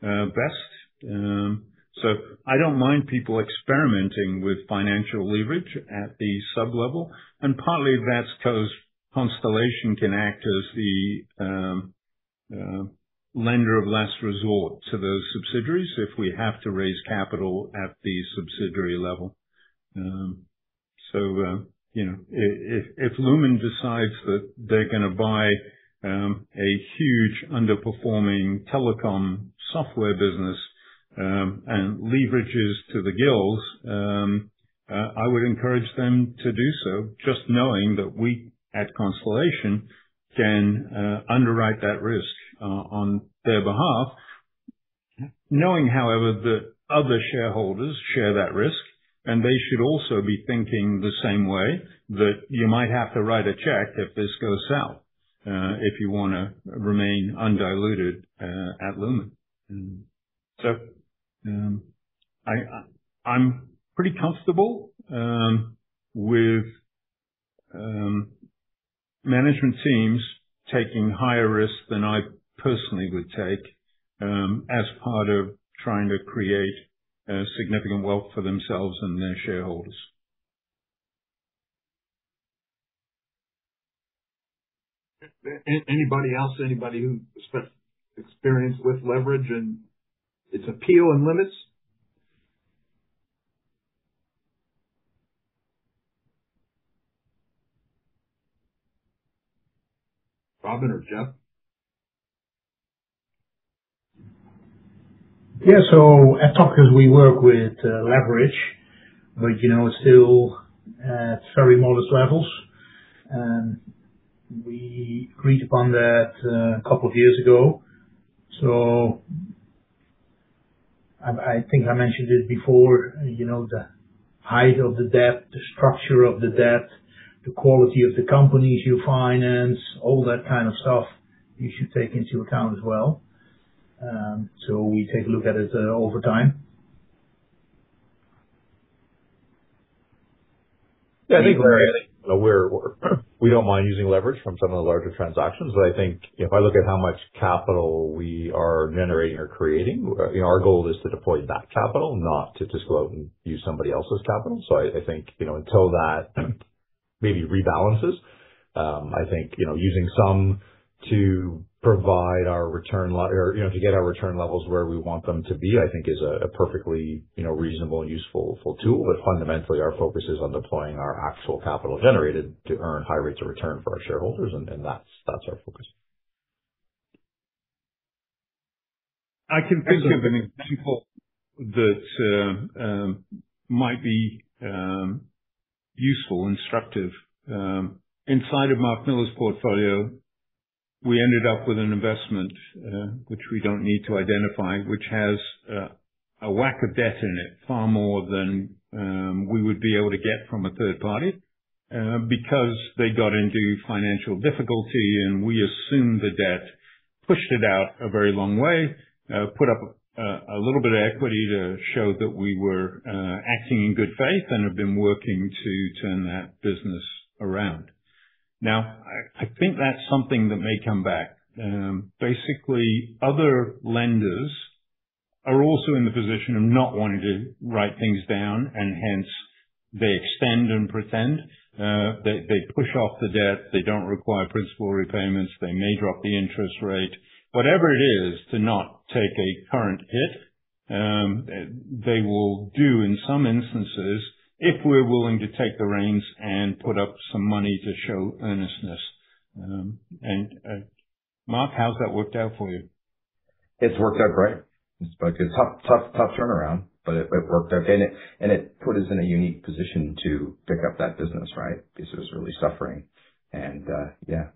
best. I don't mind people experimenting with financial leverage at the sublevel. Partly that's because Constellation can act as the lender of last resort to those subsidiaries if we have to raise capital at the subsidiary level. If Lumine decides that they're going to buy a huge underperforming telecom software business and leverages to the gills, I would encourage them to do so, just knowing that we at Constellation can underwrite that risk on their behalf, knowing, however, that other shareholders share that risk. They should also be thinking the same way that you might have to write a check if this goes south if you want to remain undiluted at Lumine. I'm pretty comfortable with management teams taking higher risks than I personally would take as part of trying to create significant wealth for themselves and their shareholders. Anybody else? Anybody who has experience with leverage and its appeal and limits? Robin or Jeff? At Topicus, we work with leverage, but it's still at very modest levels. We agreed upon that a couple of years ago. I think I mentioned it before, the height of the debt, the structure of the debt, the quality of the companies you finance, all that kind of stuff you should take into account as well. We take a look at it over time. I think we're aware of it. We don't mind using leverage for some of the larger transactions. I look at how much capital we are generating or creating, our goal is to deploy that capital, not to just go out and use somebody else's capital. I think until that maybe rebalances, using some to provide our return or to get our return levels where we want them to be, I think, is a perfectly reasonable and useful tool. Fundamentally, our focus is on deploying our actual capital generated to earn high rates of return for our shareholders. That's our focus. I can think of an example that might be useful, instructive. Inside of Mark Miller's portfolio, we ended up with an investment, which we do not need to identify, which has a whack of debt in it, far more than we would be able to get from a third party because they got into financial difficulty. We assumed the debt, pushed it out a very long way, put up a little bit of equity to show that we were acting in good faith and have been working to turn that business around. Now, I think that is something that may come back. Basically, other lenders are also in the position of not wanting to write things down. Hence, they extend and pretend. They push off the debt. They do not require principal repayments. They may drop the interest rate. Whatever it is to not take a current hit, they will do in some instances if we're willing to take the reins and put up some money to show earnestness. Mark, how's that worked out for you? It's worked out great. It's a tough turnaround, but it worked out. It put us in a unique position to pick up that business, right, because it was really suffering. Yeah,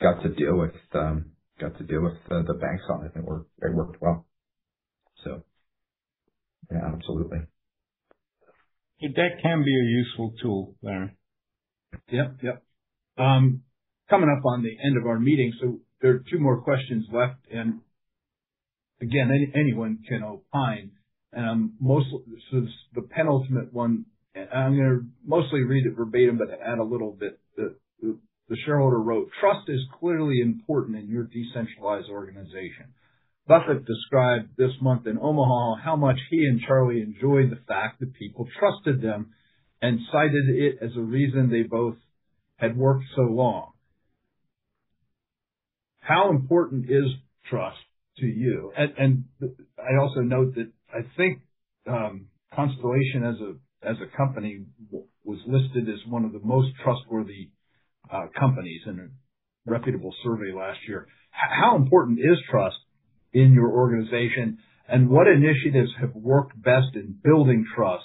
got to deal with the banks on it. It worked well. Yeah, absolutely. That can be a useful tool, Larry. Coming up on the end of our meeting. There are two more questions left. Again, anyone can opine. The penultimate one, I'm going to mostly read it verbatim, but add a little bit. The shareholder wrote, "Trust is clearly important in your decentralized organization." Buffett described this month in Omaha how much he and Charlie enjoyed the fact that people trusted them and cited it as a reason they both had worked so long. How important is trust to you? I also note that I think Constellation as a company was listed as one of the most trustworthy companies in a reputable survey last year. How important is trust in your organization? What initiatives have worked best in building trust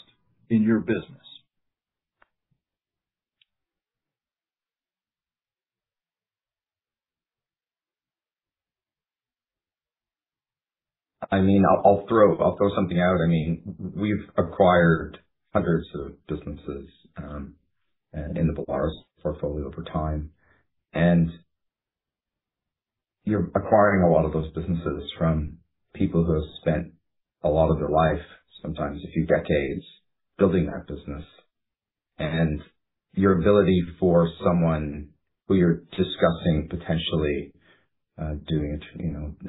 in your business? I'll throw something out. I mean, we've acquired hundreds of businesses in the Volaris portfolio over time. You're acquiring a lot of those businesses from people who have spent a lot of their life, sometimes a few decades, building that business. Your ability for someone who you're discussing potentially doing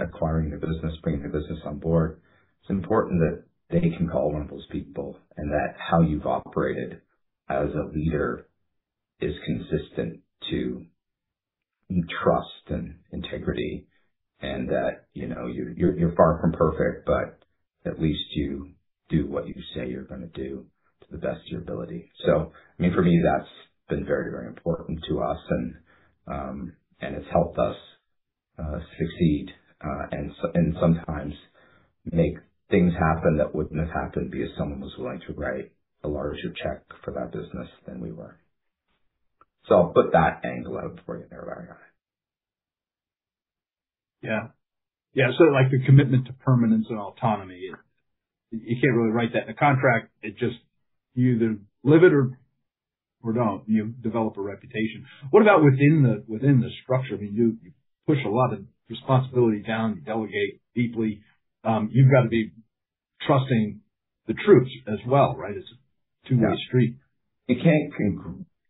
acquiring the business, bringing the business on board, it's important that they can call one of those people and that how you've operated as a leader is consistent to trust and integrity and that you're far from perfect, but at least you do what you say you're going to do to the best of your ability. I mean, for me, that's been very, very important to us. It has helped us succeed and sometimes make things happen that would not have happened because someone was willing to write a larger check for that business than we were. I will put that angle out before you throw it back at it. The commitment to permanence and autonomy, you can't really write that in the contract. It's just you either live it or don't. You develop a reputation. What about within the structure? I mean, you push a lot of responsibility down. You delegate deeply. You've got to be trusting the troops as well, right? It's a two-way street.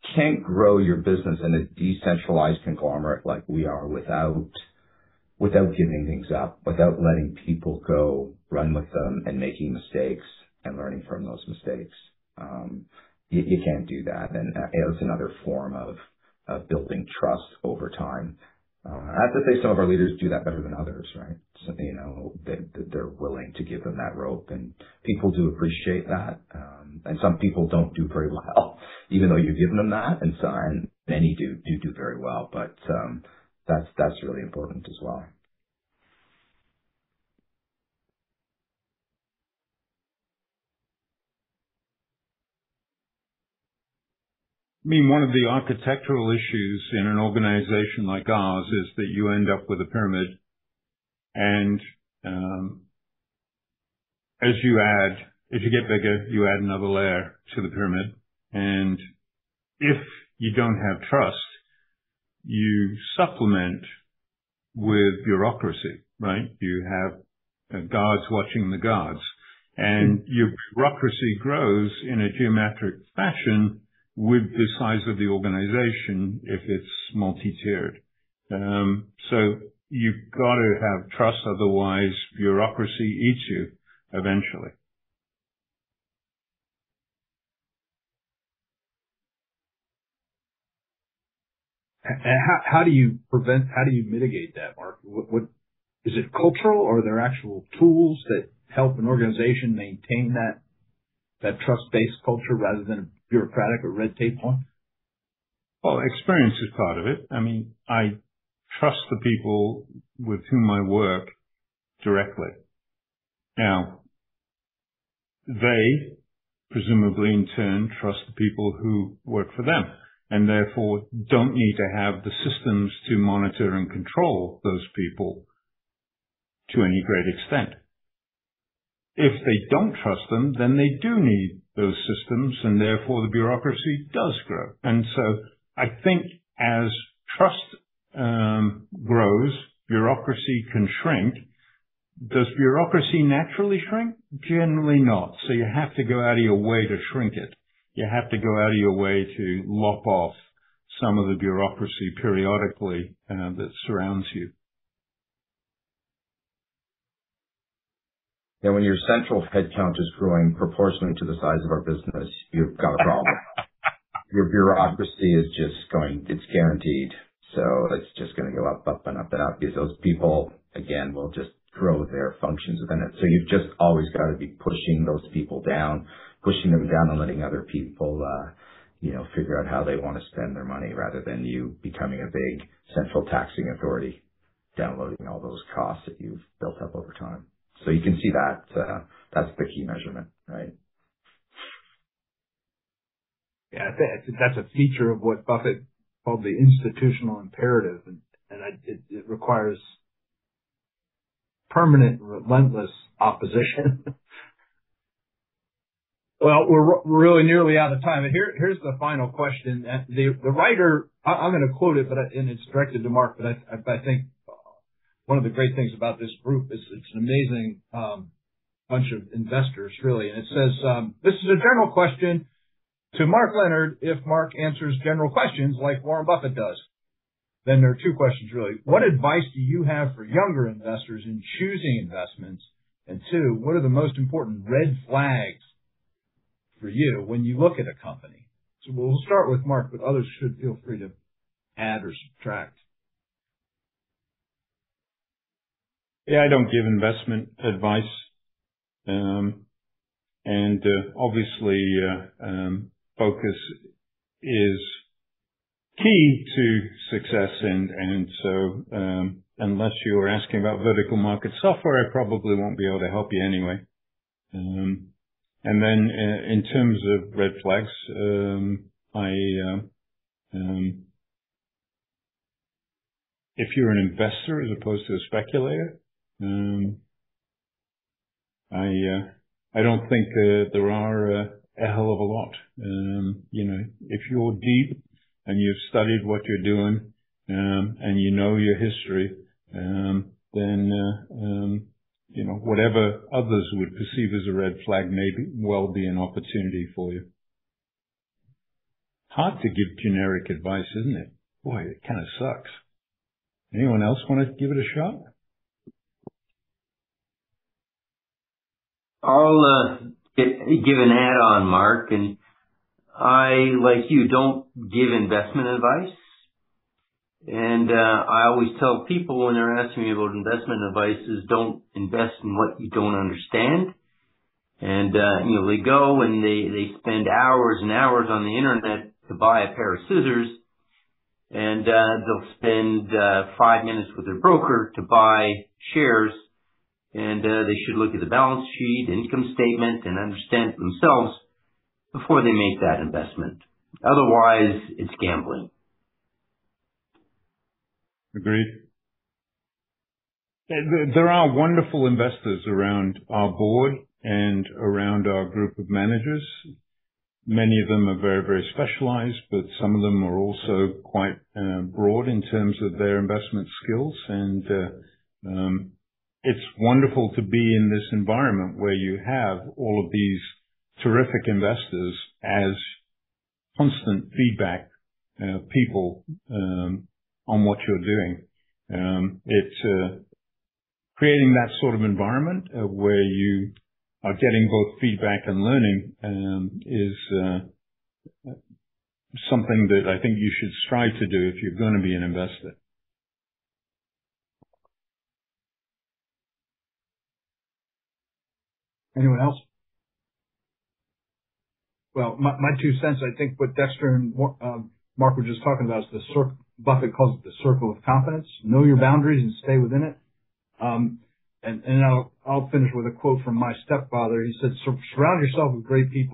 You can't grow your business in a decentralized conglomerate like we are without giving things up, without letting people go run with them and making mistakes and learning from those mistakes. You can't do that. It is another form of building trust over time. I have to say some of our leaders do that better than others, right? They're willing to give them that rope. People do appreciate that. Some people do not do very well, even though you've given them that and signed. Many do do very well. That is really important as well. One of the architectural issues in an organization like ours is that you end up with a pyramid. As you get bigger, you add another layer to the pyramid. If you do not have trust, you supplement with bureaucracy, right? You have guards watching the guards. Your bureaucracy grows in a geometric fashion with the size of the organization if it is multi-tiered. You have to have trust. Otherwise, bureaucracy eats you eventually. How do you prevent, how do you mitigate that, Mark? Is it cultural? Are there actual tools that help an organization maintain that trust-based culture rather than a bureaucratic or red-tape one? Experience is part of it. I mean, I trust the people with whom I work directly. Now, they presumably, in turn, trust the people who work for them and therefore do not need to have the systems to monitor and control those people to any great extent. If they do not trust them, then they do need those systems. Therefore, the bureaucracy does grow. I think as trust grows, bureaucracy can shrink. Does bureaucracy naturally shrink? Generally not. You have to go out of your way to shrink it. You have to go out of your way to lop off some of the bureaucracy periodically that surrounds you. When your central headcount is growing proportionally to the size of our business, you've got a problem. Your bureaucracy is just going—it's guaranteed. It is just going to go up, up, and up, and up because those people, again, will just grow their functions within it. You've just always got to be pushing those people down, pushing them down and letting other people figure out how they want to spend their money rather than you becoming a big central taxing authority downloading all those costs that you've built up over time. You can see that that's the key measurement, right? Yeah. That's a feature of what Buffett called the institutional imperative. It requires permanent, relentless opposition. We're really nearly out of time. Here's the final question. The writer—I'm going to quote it, and it's directed to Mark. I think one of the great things about this group is it's an amazing bunch of investors, really. It says, "This is a general question to Mark Leonard. If Mark answers general questions like Warren Buffett does, then there are two questions, really. What advice do you have for younger investors in choosing investments? And two, what are the most important red flags for you when you look at a company?" We'll start with Mark, but others should feel free to add or subtract. Yeah. I don't give investment advice. And obviously, focus is key to success. So unless you're asking about vertical market software, I probably won't be able to help you anyway. In terms of red flags, if you're an investor as opposed to a speculator, I don't think there are a hell of a lot. If you're deep and you've studied what you're doing and you know your history, then whatever others would perceive as a red flag may well be an opportunity for you. Hard to give generic advice, isn't it? Boy, it kind of sucks. Anyone else want to give it a shot? I'll give an add-on, Mark. I, like you, don't give investment advice. I always tell people when they're asking me about investment advice, "Don't invest in what you don't understand." They go, and they spend hours and hours on the internet to buy a pair of scissors. They'll spend five minutes with their broker to buy shares. They should look at the balance sheet, income statement, and understand it themselves before they make that investment. Otherwise, it's gambling. Agreed. There are wonderful investors around our board and around our group of managers. Many of them are very, very specialized, but some of them are also quite broad in terms of their investment skills. It is wonderful to be in this environment where you have all of these terrific investors as constant feedback people on what you're doing. Creating that sort of environment where you are getting both feedback and learning is something that I think you should strive to do if you're going to be an investor. Anyone else? My two cents, I think what Dexter and Mark were just talking about is the circle Buffett calls it, the circle of confidence. Know your boundaries and stay within it. I'll finish with a quote from my stepfather. He said, "Surround yourself with great people.